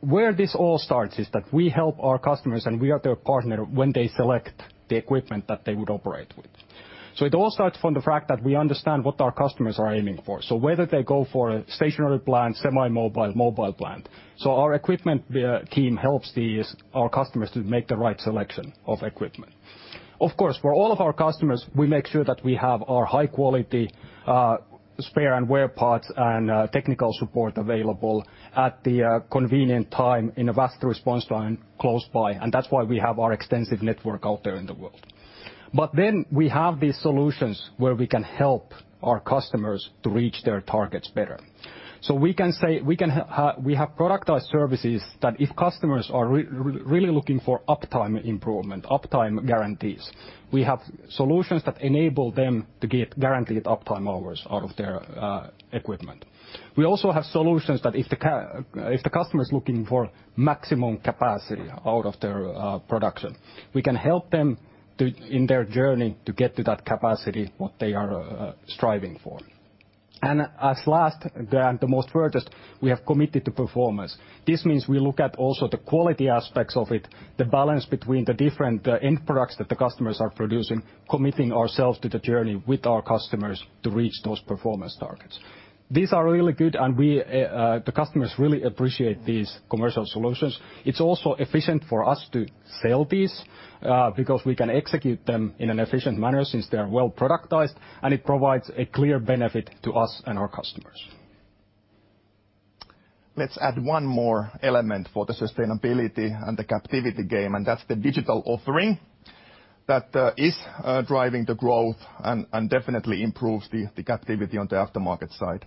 where this all starts is that we help our customers and we are their partner when they select the equipment that they would operate with. It all starts from the fact that we understand what our customers are aiming for. Whether they go for a stationary plant, semi-mobile, mobile plant. Our equipment team helps these, our customers to make the right selection of equipment. Of course, for all of our customers, we make sure that we have our high-quality spare and wear parts and technical support available at the convenient time in a fast response time close by, and that's why we have our extensive network out there in the world. We have these solutions where we can help our customers to reach their targets better. We can say we have productized services that if customers are really looking for uptime improvement, uptime guarantees, we have solutions that enable them to get guaranteed uptime hours out of their equipment. We also have solutions that if the customer is looking for maximum capacity out of their production, we can help them in their journey to get to that capacity, what they are striving for. Lastly, the most furthest, we have committed to performance. This means we look at also the quality aspects of it, the balance between the different end products that the customers are producing, committing ourselves to the journey with our customers to reach those performance targets. These are really good and the customers really appreciate these commercial solutions. It's also efficient for us to sell these because we can execute them in an efficient manner since they are well-productized, and it provides a clear benefit to us and our customers. Let's add one more element for the sustainability and the captive game, and that's the digital offering that is driving the growth and definitely improves the captive on the aftermarket side.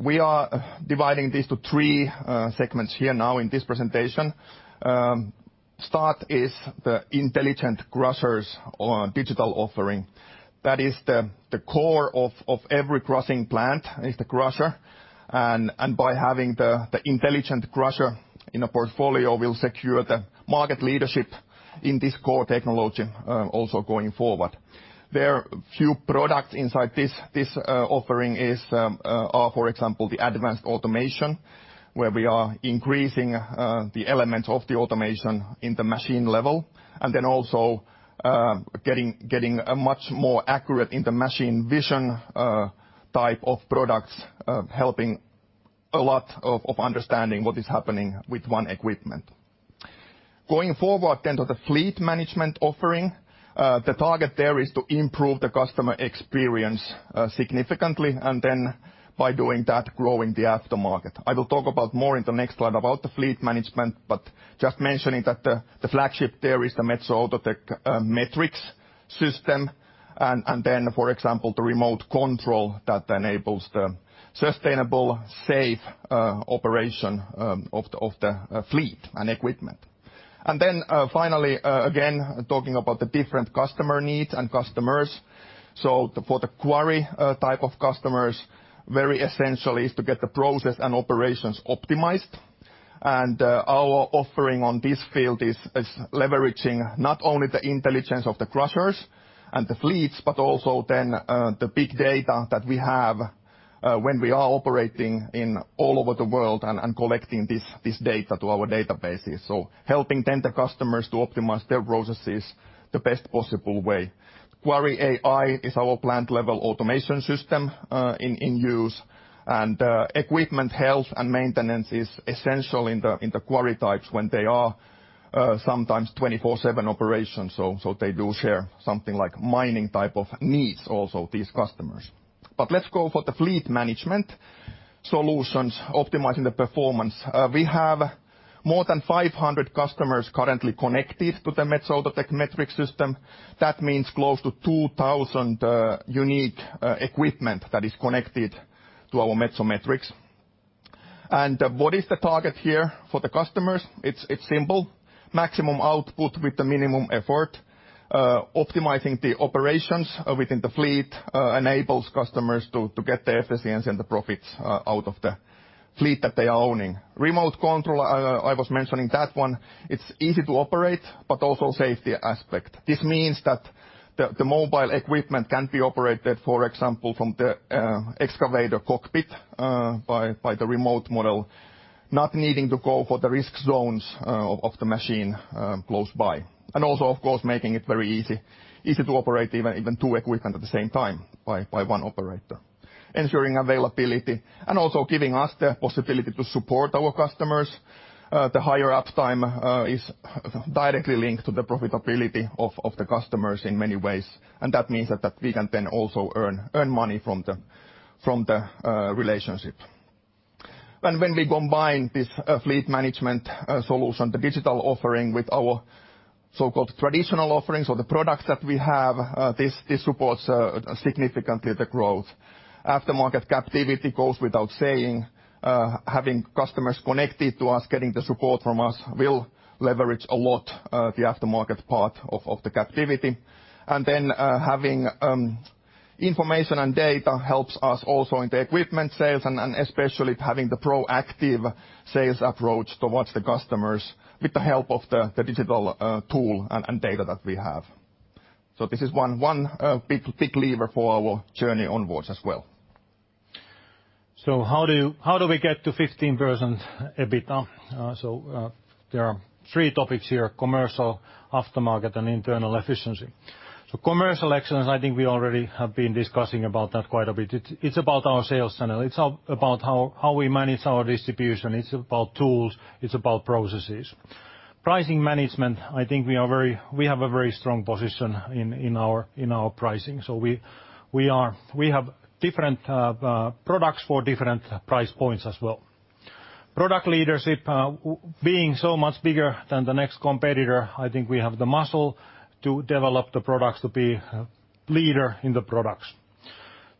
We are dividing this into three segments here now in this presentation. Start is the intelligent crushers and digital offering. That is, the core of every crushing plant is the crusher and by having the intelligent crusher in a portfolio will secure the market leadership in this core technology, also going forward. There are few products inside this offering, for example, the advanced automation, where we are increasing the element of the automation in the machine level and then also getting a much more accurate in the machine vision type of products helping a lot of understanding what is happening with one equipment. Going forward to the fleet management offering, the target there is to improve the customer experience significantly and then by doing that, growing the aftermarket. I will talk about more in the next slide about the fleet management. Just mentioning that the flagship there is the Metso Outotec Metrics system and then, for example, the remote control that enables the sustainable, safe operation of the fleet and equipment. Finally, again, talking about the different customer needs and customers. For the quarry type of customers, very essential is to get the process and operations optimized. Our offering on this field is leveraging not only the intelligence of the crushers and the fleets, but also then the big data that we have when we are operating in all over the world and collecting this data to our databases. Helping then the customers to optimize their processes the best possible way. Quarry AI is our plant-level automation system in use and equipment health and maintenance is essential in the quarry types when they are sometimes 24/7 operations, so they do share something like mining type of needs also, these customers. Let's go for the fleet management solutions, optimizing the performance. We have more than 500 customers currently connected to the Metso Outotec Metrics system. That means close to 2,000 unique equipment that is connected to our Metso Outotec Metrics. What is the target here for the customers? It's simple. Maximum output with the minimum effort, optimizing the operations within the fleet, enables customers to get the efficiency and the profits out of the fleet that they are owning. Remote control, I was mentioning that one, it's easy to operate, but also safety aspect. This means that the mobile equipment can be operated, for example, from the excavator cockpit, by the remote model, not needing to go for the risk zones of the machine close by. Also, of course, making it very easy to operate even two equipment at the same time by one operator. Ensuring availability and also giving us the possibility to support our customers. The higher uptime is directly linked to the profitability of the customers in many ways. That means that we can then also earn money from the relationship. When we combine this fleet management solution, the digital offering with our so-called traditional offerings or the products that we have, this supports significantly the growth. Aftermarket captivity goes without saying, having customers connected to us, getting the support from us will leverage a lot the aftermarket part of the captivity. Having information and data helps us also in the equipment sales and especially having the proactive sales approach towards the customers with the help of the digital tool and data that we have. This is one big lever for our journey onwards as well. How do we get to 15% EBITDA? There are three topics here: commercial, aftermarket, and internal efficiency. Commercial excellence, I think we already have been discussing about that quite a bit. It's about our sales channel. It's about how we manage our distribution. It's about tools, it's about processes. Pricing management, I think we have a very strong position in our pricing. We have different products for different price points as well. Product leadership, being so much bigger than the next competitor, I think we have the muscle to develop the products to be leader in the products.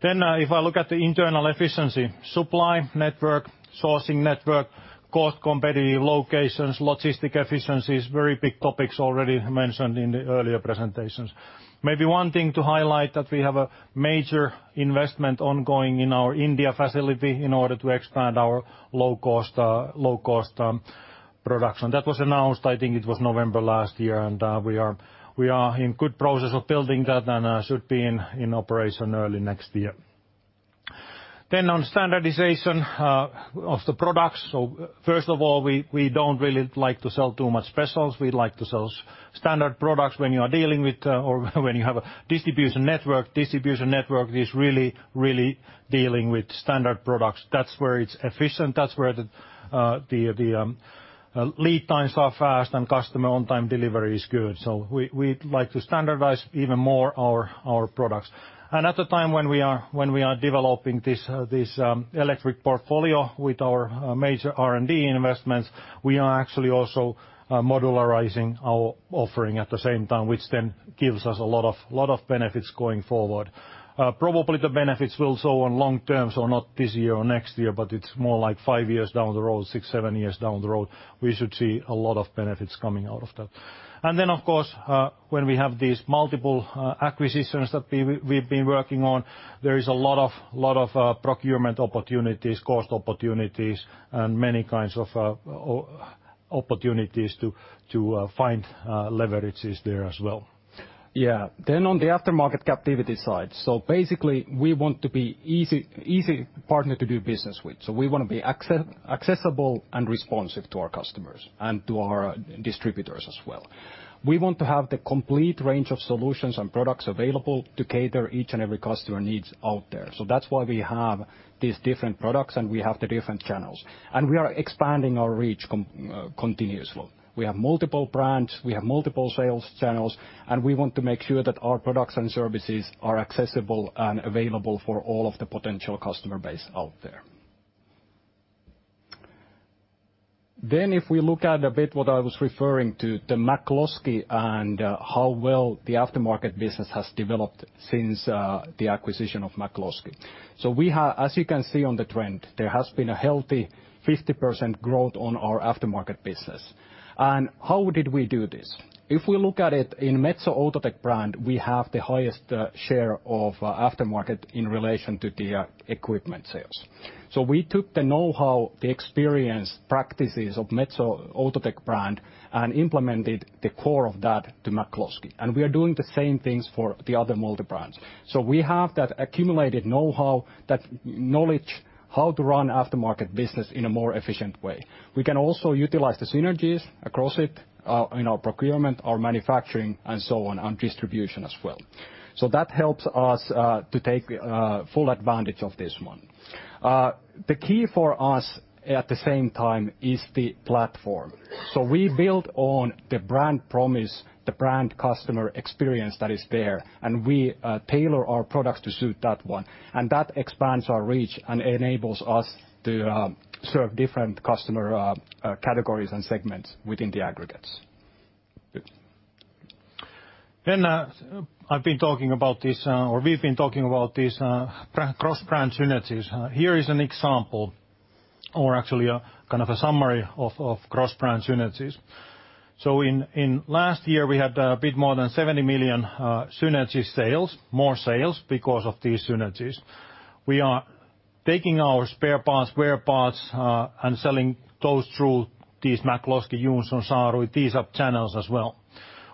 If I look at the internal efficiency, supply network, sourcing network, cost competitive locations, logistics efficiencies, very big topics already mentioned in the earlier presentations. Maybe one thing to highlight that we have a major investment ongoing in our India facility in order to expand our low cost production. That was announced, I think it was November last year, and we are in good process of building that and should be in operation early next year. On standardization of the products. First of all, we don't really like to sell too much specials. We like to sell standard products. When you are dealing with or when you have a distribution network, distribution network is really dealing with standard products. That's where it's efficient. That's where the lead times are fast and customer on-time delivery is good. We'd like to standardize even more our products. At the time when we are developing this electric portfolio with our major R&D investments, we are actually also modularizing our offering at the same time, which then gives us a lot of benefits going forward. Probably the benefits will show on long terms or not this year or next year, but it's more like five years down the road, six, seven years down the road, we should see a lot of benefits coming out of that. Of course, when we have these multiple acquisitions that we've been working on, there is a lot of procurement opportunities, cost opportunities and many kinds of opportunities to find leverages there as well. Yeah. On the aftermarket capacity side. Basically we want to be easy partner to do business with. We wanna be accessible and responsive to our customers and to our distributors as well. We want to have the complete range of solutions and products available to cater each and every customer needs out there. That's why we have these different products, and we have the different channels. We are expanding our reach continuously. We have multiple brands, we have multiple sales channels, and we want to make sure that our products and services are accessible and available for all of the potential customer base out there. If we look at a bit what I was referring to the McCloskey and how well the aftermarket business has developed since the acquisition of McCloskey. We have as you can see on the trend, there has been a healthy 50% growth on our aftermarket business. How did we do this? If we look at it in Metso Outotec brand, we have the highest share of aftermarket in relation to the equipment sales. We took the knowhow, the experience, practices of Metso Outotec brand and implemented the core of that to McCloskey. We are doing the same things for the other multi-brands. We have that accumulated knowhow, that knowledge how to run aftermarket business in a more efficient way. We can also utilize the synergies across it in our procurement, our manufacturing and so on, and distribution as well. That helps us to take full advantage of this one. The key for us at the same time is the platform. We build on the brand promise, the brand customer experience that is there, and we tailor our products to suit that one. That expands our reach and enables us to serve different customer categories and segments within the aggregates. I've been talking about this, or we've been talking about this, cross-brand synergies. Here is an example or actually a kind of a summary of cross-brand synergies. Last year, we had a bit more than 70 million synergy sales, more sales because of these synergies. We are taking our spare parts, wear parts, and selling those through these McCloskey units on Saalasti, these sub-channels as well.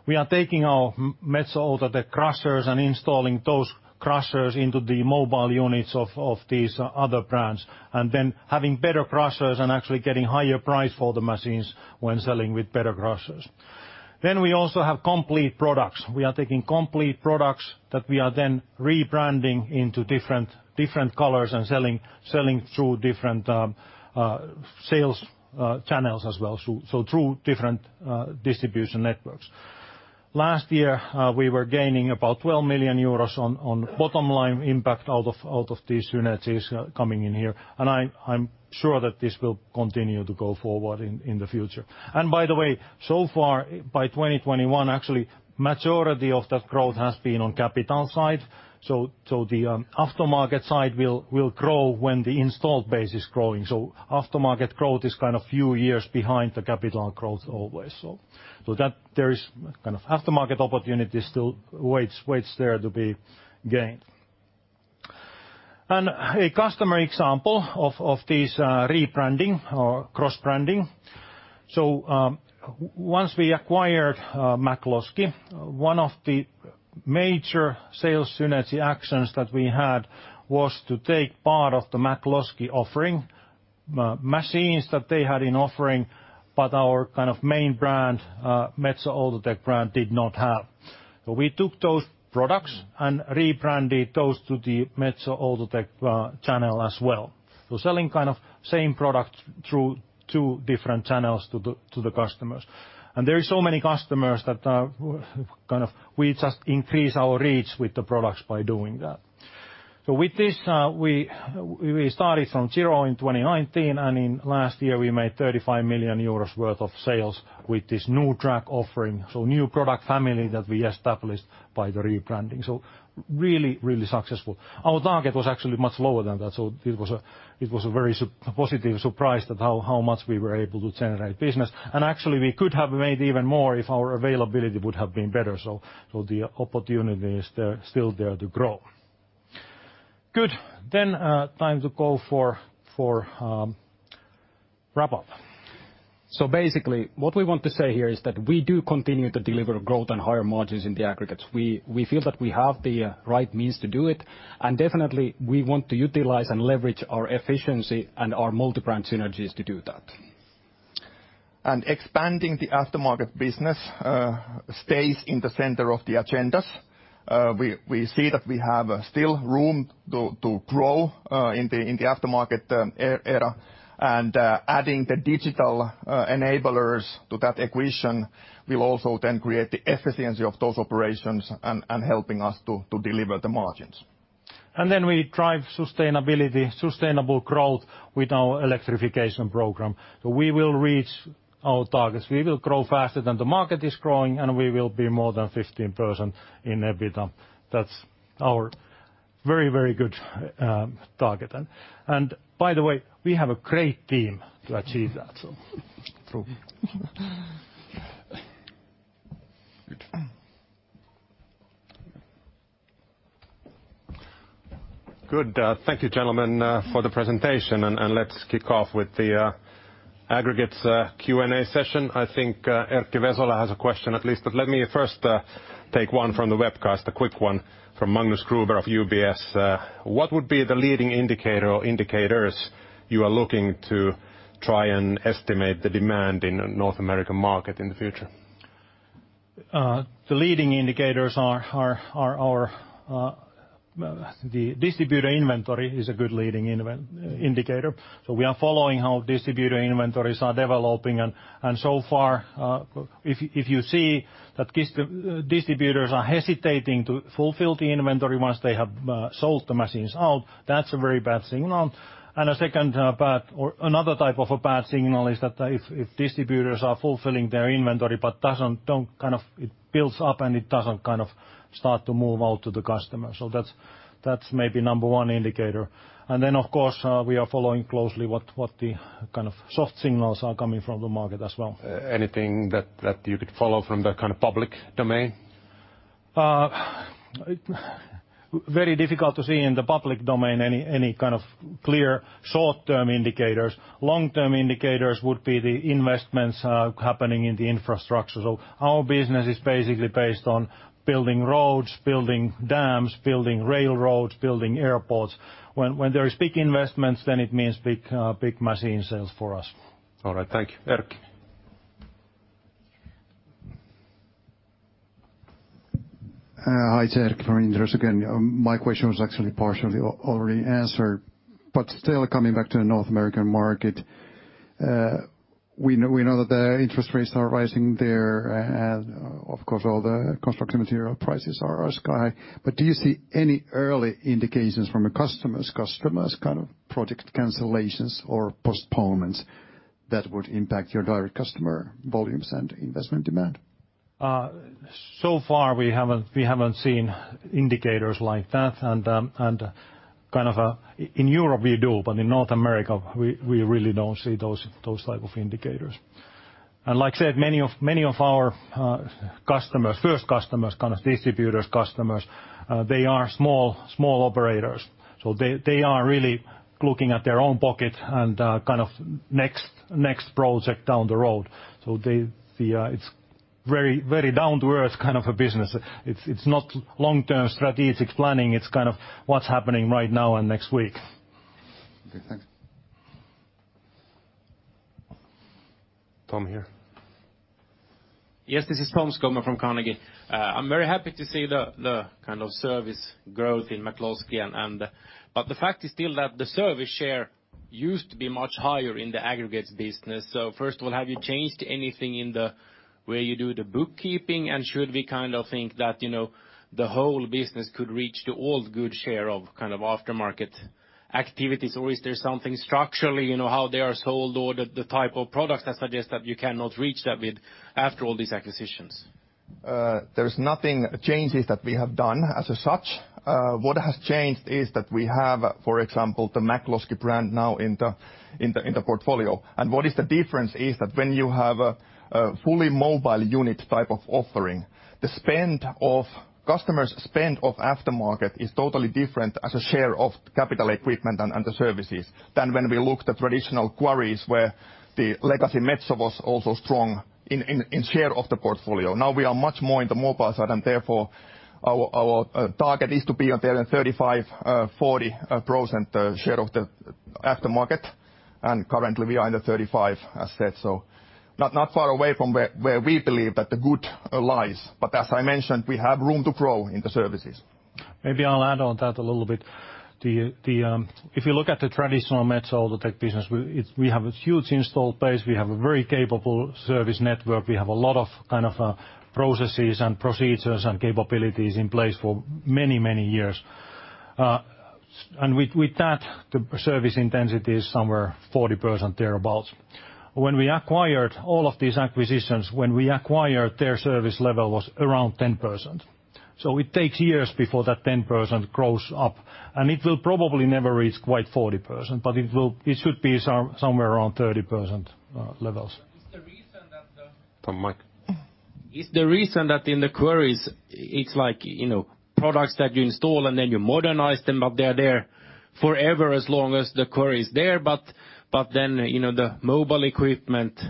We are taking our Metso Outotec crushers and installing those crushers into the mobile units of these other brands, and then having better crushers and actually getting higher price for the machines when selling with better crushers. We also have complete products. We are taking complete products that we are then rebranding into different colors and selling through different sales channels as well. Through different distribution networks. Last year, we were gaining about 12 million euros on bottom line impact out of these synergies coming in here. I'm sure that this will continue to go forward in the future. By the way, so far by 2021, actually majority of that growth has been on capital side. The aftermarket side will grow when the installed base is growing. Aftermarket growth is kind of few years behind the capital growth always. That there is kind of aftermarket opportunities still waits there to be gained. A customer example of these rebranding or cross-branding. Once we acquired McCloskey, one of the major sales synergy actions that we had was to take part of the McCloskey offering, machines that they had in offering, but our kind of main brand, Metso Outotec brand did not have. We took those products and rebranded those to the Metso Outotec channel as well. We're selling kind of same products through two different channels to the customers. There are so many customers that, kind of, we just increase our reach with the products by doing that. With this, we started from zero in 2019, and in last year we made 35 million euros worth of sales with this new track offering, so new product family that we established by the rebranding. Really successful. Our target was actually much lower than that, so it was a very positive surprise at how much we were able to generate business. Actually we could have made even more if our availability would have been better. The opportunity is still there to grow. Good. Time to go for wrap up. Basically what we want to say here is that we do continue to deliver growth and higher margins in the aggregates. We feel that we have the right means to do it, and definitely we want to utilize and leverage our efficiency and our multi-brand synergies to do that. Expanding the aftermarket business stays in the center of the agenda. We see that we have still room to grow in the aftermarket area, and adding the digital enablers to that equation will also then create the efficiency of those operations and helping us to deliver the margins. We drive sustainability, sustainable growth with our electrification program. We will reach our targets. We will grow faster than the market is growing, and we will be more than 15% in EBITDA. That's our very good target. By the way, we have a great team to achieve that. True. Good. Good. Thank you, gentlemen, for the presentation. Let's kick off with the aggregates Q&A session. I think Erkki Vesola has a question at least. Let me first take one from the webcast, a quick one from Magnus Kruber of UBS. What would be the leading indicator or indicators you are looking to try and estimate the demand in North American market in the future? The leading indicators are our distributor inventory is a good leading indicator. We are following how distributor inventories are developing. So far, if you see that distributors are hesitating to fulfill the inventory once they have sold the machines out, that's a very bad signal. A second bad or another type of a bad signal is that if distributors are fulfilling their inventory, but it builds up and it doesn't kind of start to move out to the customer. That's maybe number one indicator. Of course, we are following closely what the kind of soft signals are coming from the market as well. Anything that you could follow from the kind of public domain? Very difficult to see in the public domain any kind of clear short-term indicators. Long-term indicators would be the investments happening in the infrastructure. Our business is basically based on building roads, building dams, building railroads, building airports. When there is big investments, then it means big machine sales for us. All right. Thank you. Erkki. Hi, it's Erkki from Inderes again. My question was actually partially already answered, but still coming back to the North American market. We know that the interest rates are rising there, and of course, all the construction material prices are sky-high. Do you see any early indications from your customers, kind of project cancellations or postponements that would impact your direct customer volumes and investment demand? So far we haven't seen indicators like that. In Europe we do, but in North America, we really don't see those type of indicators. Like I said, many of our customers, first customers, kind of distributors' customers, they are small operators. They are really looking at their own pocket and kind of next project down the road. It's very down to earth kind of a business. It's not long-term strategic planning. It's kind of what's happening right now and next week. Okay, thanks. Tom here. Yes, this is Tom Skogman from Carnegie. I'm very happy to see the kind of service growth in McCloskey. The fact is still that the service share used to be much higher in the aggregates business. First of all, have you changed anything in the way you do the bookkeeping? Should we kind of think that, you know, the whole business could reach the old good share of kind of aftermarket activities? Or is there something structurally, you know, how they are sold or the type of products that suggest that you cannot reach that with after all these acquisitions? There's nothing changes that we have done as such. What has changed is that we have, for example, the McCloskey brand now in the portfolio. What is the difference is that when you have a fully mobile unit type of offering, the customers' spend on aftermarket is totally different as a share of capital equipment and the services than when we look at the traditional quarries where the legacy Metso was also strong in share of the portfolio. Now we are much more in the mobile side, and therefore our target is to be out there in 35-40% share of the aftermarket. Currently we are in the 35 as said. Not far away from where we believe that the good lies. as I mentioned, we have room to grow in the services. Maybe I'll add on that a little bit. If you look at the traditional Metso Outotec business, we have a huge installed base. We have a very capable service network. We have a lot of kind of processes and procedures and capabilities in place for many, many years. With that, the service intensity is somewhere 40% thereabout. When we acquired all of these acquisitions, their service level was around 10%. So it takes years before that 10% grows up. It will probably never reach quite 40%, but it will. It should be somewhere around 30% levels. Is the reason that the- From mic. Is the reason that in the quarries, it's like, you know, products that you install, and then you modernize them, but they're there forever as long as the quarry is there. You know, the mobile equipment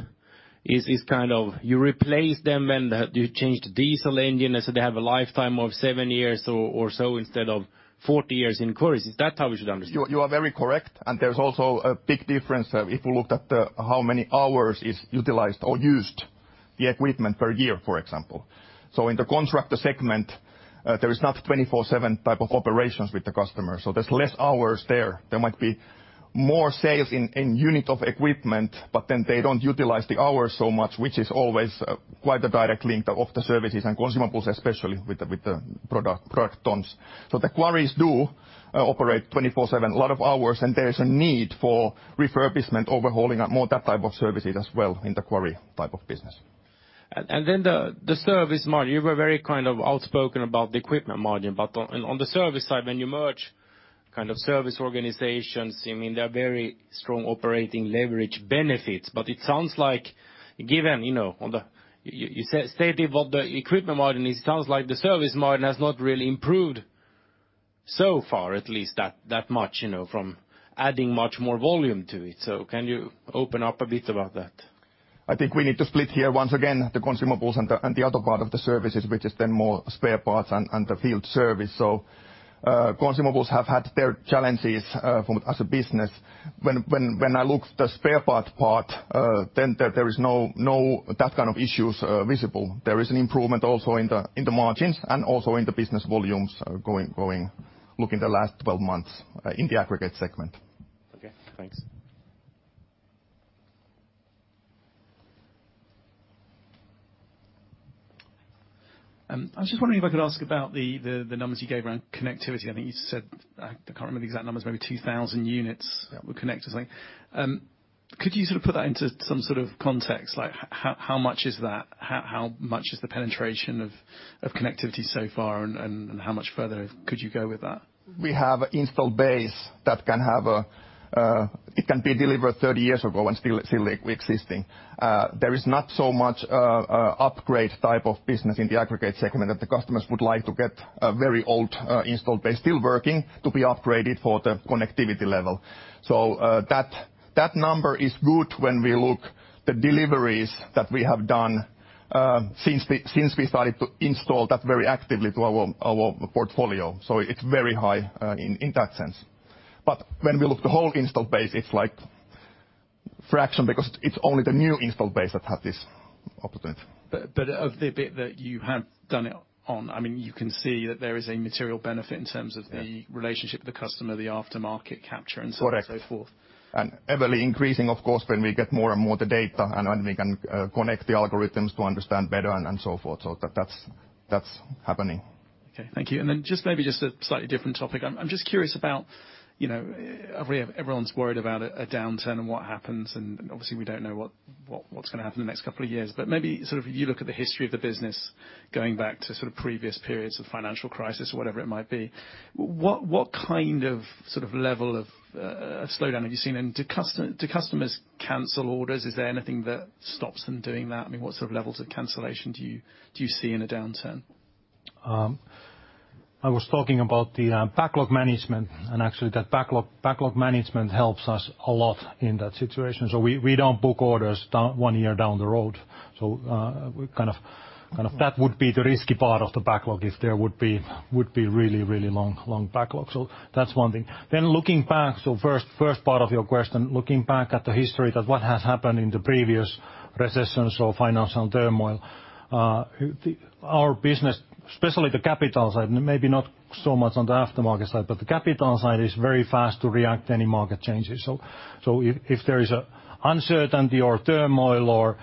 is kind of you replace them and you change the diesel engine, and so they have a lifetime of seven years or so instead of 40 years in quarries. Is that how we should understand? You are very correct. There's also a big difference if you looked at the how many hours is utilized or used the equipment per year, for example. In the contract segment, there is not 24/7 type of operations with the customer, so there's less hours there. There might be more sales in unit of equipment, but then they don't utilize the hours so much, which is always quite a direct link of the services and consumables, especially with the produced tons. The quarries do operate 24/7, a lot of hours, and there is a need for refurbishment, overhauling, and more of that type of services as well in the quarry type of business. Then the service margin. You were very kind of outspoken about the equipment margin. On the service side, when you merge kind of service organizations, I mean, they're very strong operating leverage benefits. It sounds like given, you know, you stated what the equipment margin is. It sounds like the service margin has not really improved so far, at least that much, you know, from adding much more volume to it. Can you open up a bit about that? I think we need to split here once again the consumables and the other part of the services, which is then more spare parts and the field service. Consumables have had their challenges as a business. When I look at the spare parts, then there is no that kind of issues visible. There is an improvement also in the margins and also in the business volumes looking at the last 12 months in the aggregate segment. Okay, thanks. I was just wondering if I could ask about the numbers you gave around connectivity. I think you said, I can't remember the exact numbers, maybe 2,000 units that were connected, something. Could you sort of put that into some sort of context? Like how much is that? How much is the penetration of connectivity so far? How much further could you go with that? We have an installed base that can have a. It can be delivered 30 years ago and still existing. There is not so much upgrade type of business in the aggregates segment that the customers would like to get a very old installed base, still working, to be upgraded for the connectivity level. That number is good when we look at the deliveries that we have done since we started to install that very actively to our portfolio. It's very high in that sense. But when we look at the whole installed base, it's like a fraction because it's only the new installed base that have this opposite. Of the bit that you have done it on, I mean, you can see that there is a material benefit in terms of the. Yeah. relationship with the customer, the aftermarket capture and so on and so forth. Correct. Ever increasing, of course, when we get more and more the data and then we can connect the algorithms to understand better and so forth. That's happening. Okay, thank you. Then just maybe a slightly different topic. I'm just curious about, you know, everyone's worried about a downturn and what happens, and obviously, we don't know what's gonna happen in the next couple of years. Maybe sort of you look at the history of the business going back to sort of previous periods of financial crisis or whatever it might be. What kind of sort of level of slowdown have you seen? And do customers cancel orders? Is there anything that stops them doing that? I mean, what sort of levels of cancellation do you see in a downturn? I was talking about the backlog management, and actually, that backlog management helps us a lot in that situation. We don't book orders one year down the road. That would be the risky part of the backlog if there would be really long backlog. That's one thing. Looking back, first part of your question, looking back at the history that what has happened in the previous recessions or financial turmoil, our business, especially the capital side, maybe not so much on the aftermarket side, but the capital side is very fast to react to any market changes. If there is uncertainty or turmoil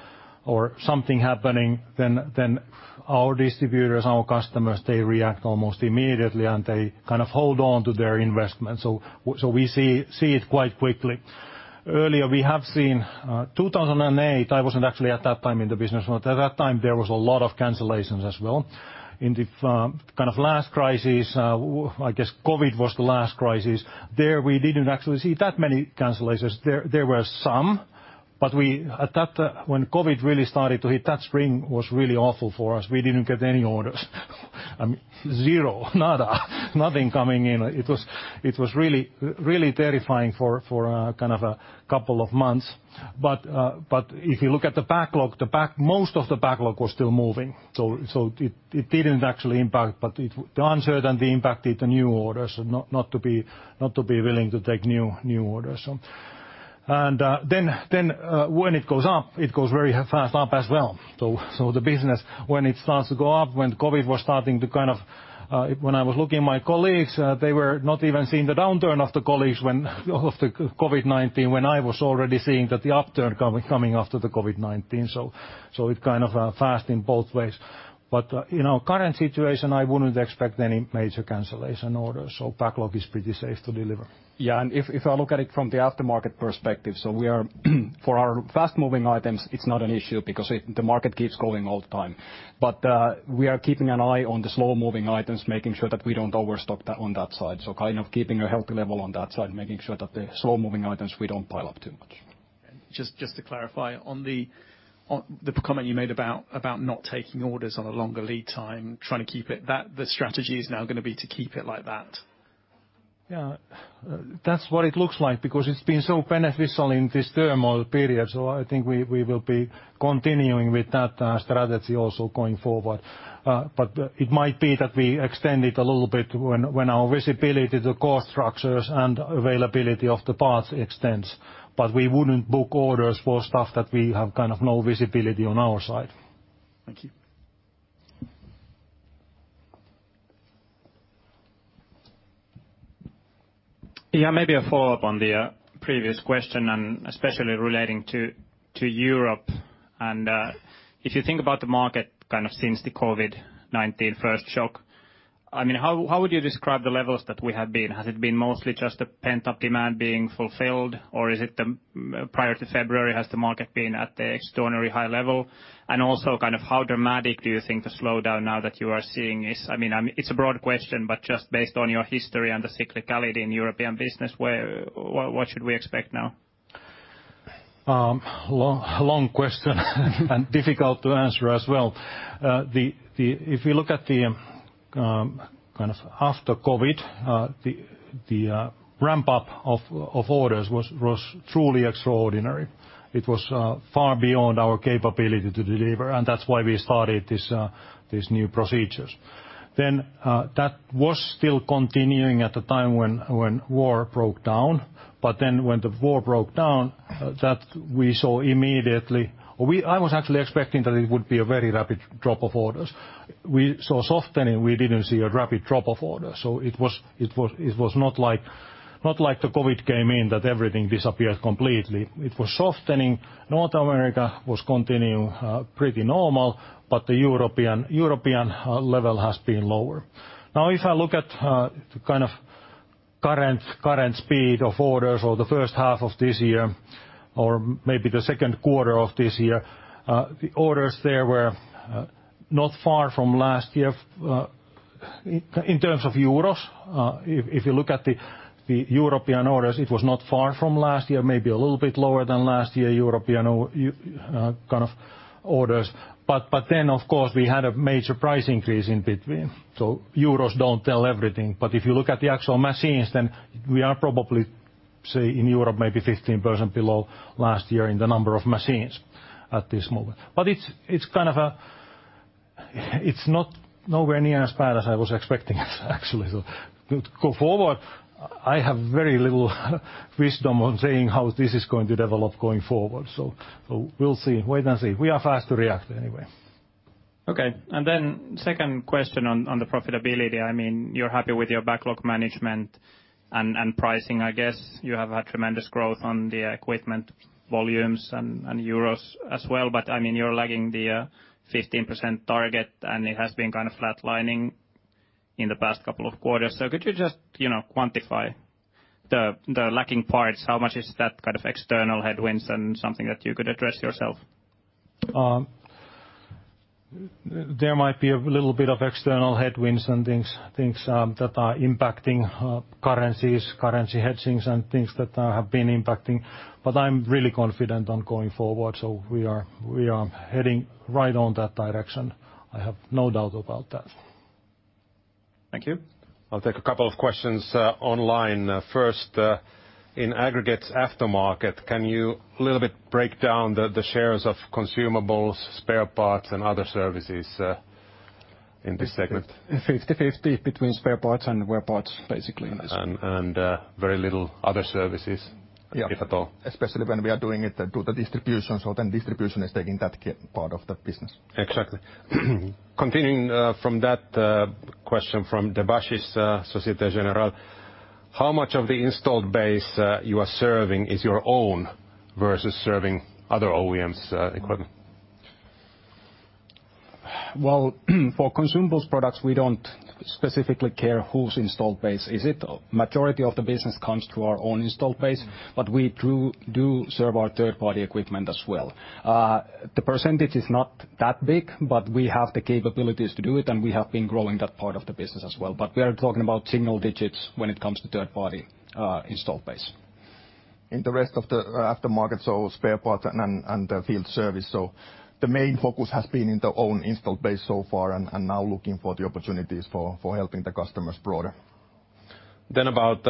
or something happening, then our distributors, our customers, they react almost immediately, and they kind of hold on to their investment. We see it quite quickly. Earlier, we have seen 2008. I wasn't actually at that time in the business, but at that time, there was a lot of cancellations as well. In the kind of last crisis, I guess COVID was the last crisis. There, we didn't actually see that many cancellations. There were some, but. When COVID really started to hit, that spring was really awful for us. We didn't get any orders. Zero, nada, nothing coming in. It was really terrifying for a couple of months. If you look at the backlog, most of the backlog was still moving. It didn't actually impact, but it. The uncertainty impacted the new orders, not to be willing to take new orders. Then when it goes up, it goes very fast up as well. The business, when it starts to go up, when COVID was starting to kind of. When I was looking at my colleagues, they were not even seeing the downturn from COVID-19, when I was already seeing that the upturn coming after the COVID-19. It kind of fast in both ways. In our current situation, I wouldn't expect any major cancellation orders. Backlog is pretty safe to deliver. Yeah. If I look at it from the aftermarket perspective, so we are for our fast-moving items, it's not an issue because the market keeps going all the time. But we are keeping an eye on the slow-moving items, making sure that we don't overstock that on that side. We kind of keep a healthy level on that side, making sure that the slow-moving items, we don't pile up too much. Just to clarify on the comment you made about not taking orders on a longer lead time, trying to keep it, that the strategy is now gonna be to keep it like that. Yeah. That's what it looks like because it's been so beneficial in this turmoil period. I think we will be continuing with that strategy also going forward. It might be that we extend it a little bit when our visibility to core structures and availability of the parts extends. We wouldn't book orders for stuff that we have kind of no visibility on our side. Thank you. Yeah, maybe a follow-up on the previous question and especially relating to Europe. If you think about the market kind of since the COVID-19 first shock, I mean, how would you describe the levels that we have been? Has it been mostly just a pent-up demand being fulfilled, or is it, prior to February, has the market been at the extraordinary high level? Also kind of how dramatic do you think the slowdown now that you are seeing is? I mean, it's a broad question, but just based on your history and the cyclicality in European business, where what should we expect now? Long question and difficult to answer as well. If you look at the kind of after COVID, the ramp-up of orders was truly extraordinary. It was far beyond our capability to deliver, and that's why we started these new procedures. That was still continuing at the time when war broke down. When the war broke down, we saw immediately. I was actually expecting that it would be a very rapid drop of orders. We saw a softening. We didn't see a rapid drop of orders. It was not like the COVID came in, that everything disappeared completely. It was softening. North America was continuing pretty normal, but the European level has been lower. Now, if I look at kind of current speed of orders or the first half of this year or maybe the second quarter of this year, the orders there were not far from last year in terms of euros. If you look at the European orders, it was not far from last year, maybe a little bit lower than last year European or kind of orders. But then, of course, we had a major price increase in between. So euros don't tell everything. But if you look at the actual machines, then we are probably, say, in Europe, maybe 15% below last year in the number of machines at this moment. But it's kind of a. It's not nowhere near as bad as I was expecting it, actually. To go forward, I have very little wisdom on saying how this is going to develop going forward. We'll see. Wait and see. We are fast to react anyway. Okay. Second question on the profitability, I mean, you're happy with your backlog management and pricing, I guess. You have had tremendous growth on the equipment volumes and euros as well. I mean, you're lagging the 15% target, and it has been kind of flatlining in the past couple of quarters. Could you just quantify the lagging parts? How much is that kind of external headwinds and something that you could address yourself? There might be a little bit of external headwinds and things that are impacting currencies, currency hedgings, and things that have been impacting. I'm really confident on going forward. We are heading right on that direction. I have no doubt about that. Thank you. I'll take a couple of questions, online. First, in aggregates aftermarket, can you a little bit break down the shares of consumables, spare parts, and other services, in this segment? 50/50 between spare parts and wear parts, basically. Very little other services. Yeah. if at all. Especially when we are doing it to the distribution. Distribution is taking that part of the business. Exactly. Continuing from that question from Debashis, Société Générale, how much of the installed base you are serving is your own versus serving other OEMs' equipment? Well, for consumables products, we don't specifically care whose installed base is it. Majority of the business comes to our own installed base, but we do serve our third-party equipment as well. The percentage is not that big, but we have the capabilities to do it, and we have been growing that part of the business as well. We are talking about single digits when it comes to third-party installed base. In the rest of the aftermarket, so spare parts and field service. The main focus has been in the own installed base so far and now looking for the opportunities for helping the customers broader. About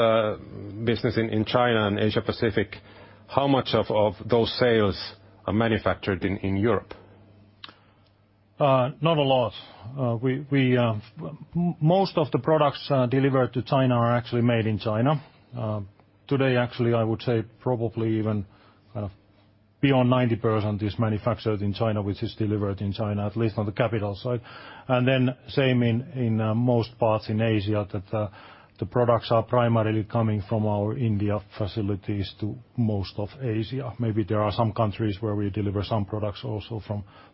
business in China and Asia Pacific, how much of those sales are manufactured in Europe? Not a lot. Most of the products delivered to China are actually made in China. Today, actually, I would say probably even beyond 90% is manufactured in China, which is delivered in China, at least on the capital side. Then same in most parts in Asia that the products are primarily coming from our India facilities to most of Asia. Maybe there are some countries where we deliver some products also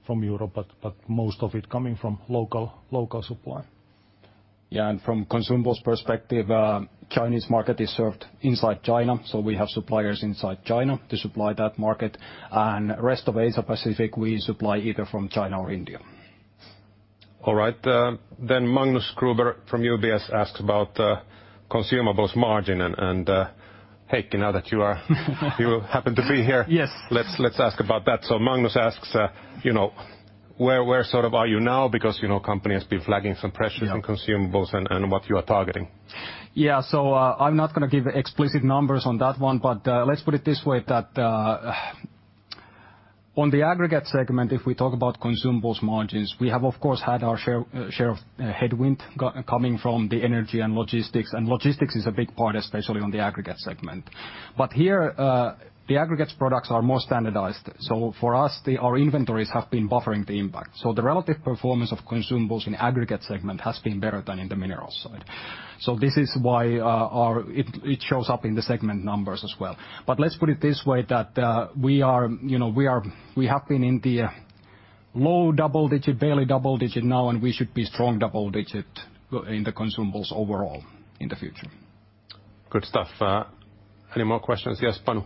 from Europe, but most of it coming from local supply. Yeah, from consumables perspective, Chinese market is served inside China, so we have suppliers inside China to supply that market. Rest of Asia-Pacific, we supply either from China or India. All right. Magnus Kruber from UBS asks about consumables margin and Heikki Metsälä. You happen to be here. Yes. Let's ask about that. Magnus asks, you know, where sort of are you now because, you know, company has been flagging some pressures. Yeah. in consumables and what you are targeting. I'm not gonna give explicit numbers on that one, but let's put it this way that on the aggregates segment, if we talk about consumables margins, we have, of course, had our share of headwind coming from the energy and logistics, and logistics is a big part, especially on the aggregates segment. Here, the aggregates products are more standardized, so for us, our inventories have been buffering the impact. This is why it shows up in the segment numbers as well. Let's put it this way, that we are, you know, we have been in the low double digit, barely double digit now, and we should be strong double digit in the consumables overall in the future. Good stuff. Any more questions? Yes, Panu.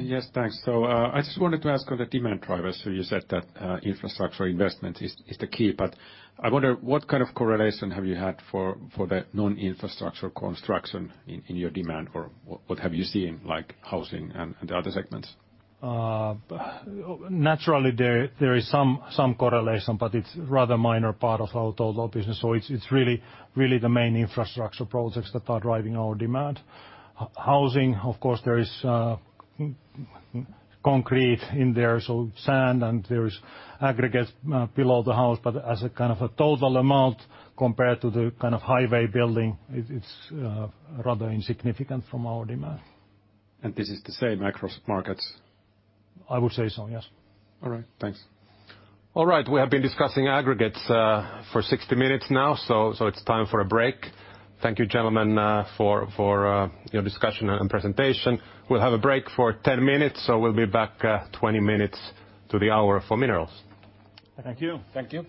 Yes, thanks. I just wanted to ask on the demand drivers. You said that infrastructure investment is the key, but I wonder what kind of correlation have you had for the non-infrastructure construction in your demand, or what have you seen, like housing and the other segments? Naturally, there is some correlation, but it's rather minor part of our total business, so it's really the main infrastructure projects that are driving our demand. Housing, of course, there is concrete in there, so sand and there is aggregates below the house. But as a kind of a total amount compared to the kind of highway building, it's rather insignificant from our demand. This is the same across markets? I would say so, yes. All right. Thanks. All right. We have been discussing aggregates for 60 minutes now, so it's time for a break. Thank you, gentlemen, for your discussion and presentation. We'll have a break for 10 minutes, so we'll be back 20 minutes to the hour for minerals. Thank you. Thank you.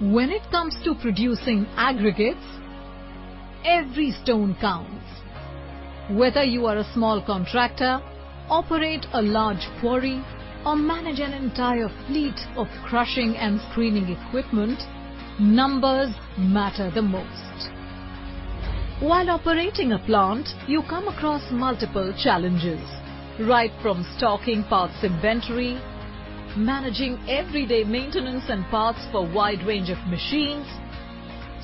Thank you very much. When it comes to producing aggregates, every stone counts. Whether you are a small contractor, operate a large quarry, or manage an entire fleet of crushing and screening equipment, numbers matter the most. While operating a plant, you come across multiple challenges, right from stocking parts inventory, managing everyday maintenance and parts for wide range of machines,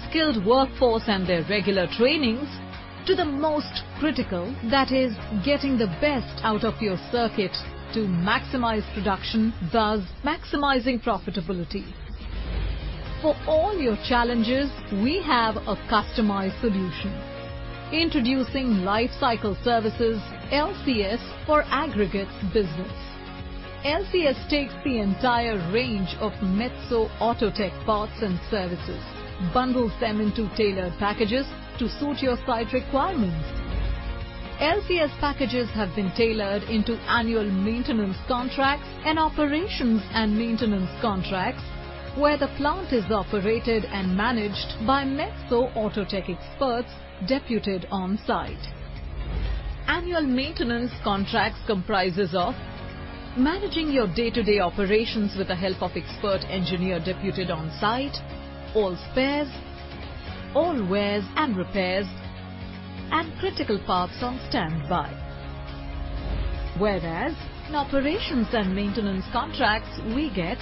skilled workforce and their regular trainings, to the most critical, that is getting the best out of your circuit to maximize production, thus maximizing profitability. For all your challenges, we have a customized solution. Introducing Lifecycle Services, LCS, for aggregates business. LCS takes the entire range of Metso Outotec parts and services, bundles them into tailored packages to suit your site requirements. LCS packages have been tailored into annual maintenance contracts and operations and maintenance contracts, where the plant is operated and managed by Metso Outotec experts deputed on-site. Annual maintenance contracts comprises of managing your day-to-day operations with the help of expert engineer deputed on-site, all spares, all wears and repairs, and critical parts on standby. Whereas in operations and maintenance contracts, we get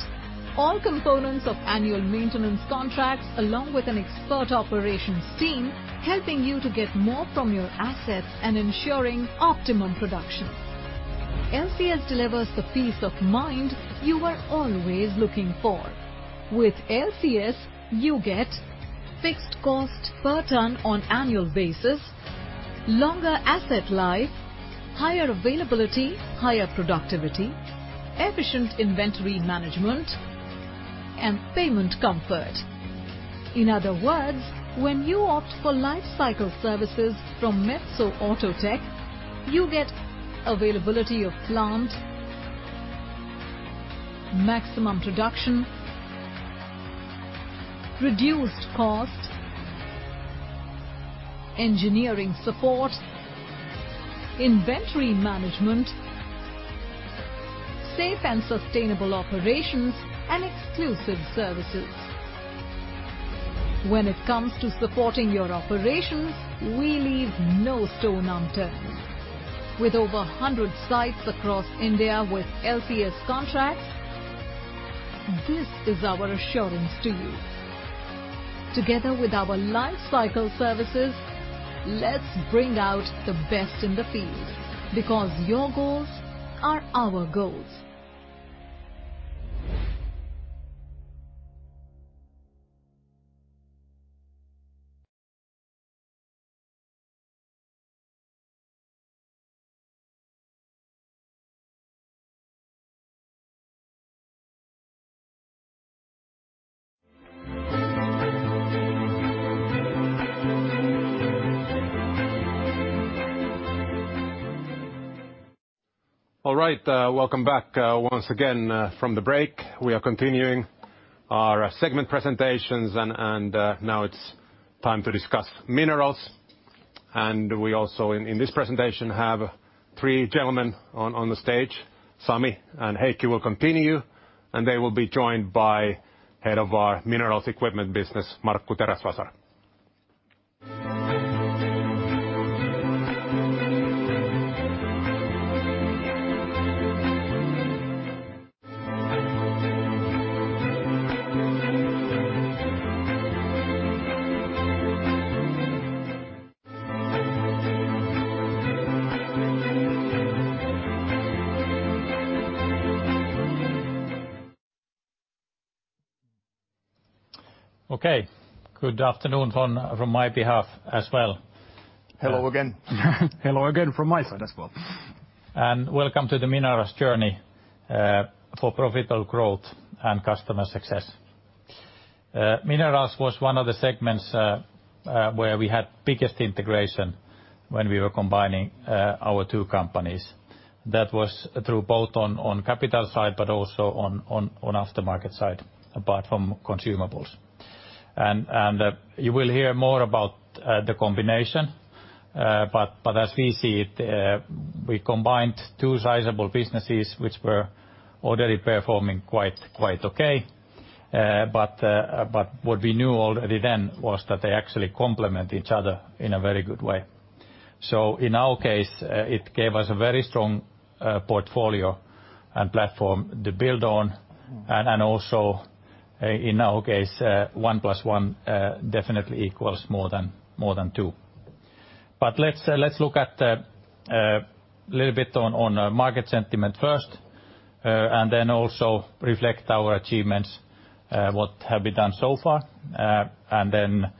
all components of annual maintenance contracts along with an expert operations team, helping you to get more from your assets and ensuring optimum production. LCS delivers the peace of mind you are always looking for. With LCS, you get fixed cost per ton on annual basis, longer asset life, higher availability, higher productivity, efficient inventory management, and payment comfort. In other words, when you opt for Lifecycle Services from Metso Outotec, you get availability of plant, maximum production, reduced costs, engineering support, inventory management, safe and sustainable operations, and exclusive services. When it comes to supporting your operations, we leave no stone unturned. With over 100 sites across India with LCS contracts, this is our assurance to you. Together with our lifecycle services, let's bring out the best in the field because your goals are our goals. All right. Welcome back, once again, from the break. We are continuing our segment presentations, now it's time to discuss minerals. We also in this presentation have three gentlemen on the stage. Sami and Heikki will continue, and they will be joined by head of our minerals equipment business, Markku Teräsvasara. Okay. Good afternoon on my behalf as well. Hello again. Hello again from my side as well. Welcome to the Minerals journey for profitable growth and customer success. Minerals was one of the segments where we had biggest integration when we were combining our two companies. That was through both on capital side, but also on aftermarket side, apart from Consumables. You will hear more about the combination. As we see it, we combined two sizable businesses which were already performing quite okay. What we knew already then was that they actually complement each other in a very good way. In our case, it gave us a very strong portfolio and platform to build on. In our case, 1 + 1 definitely equals more than two. Let's look at a little bit on market sentiment first, and then also reflect our achievements, what have we done so far. Then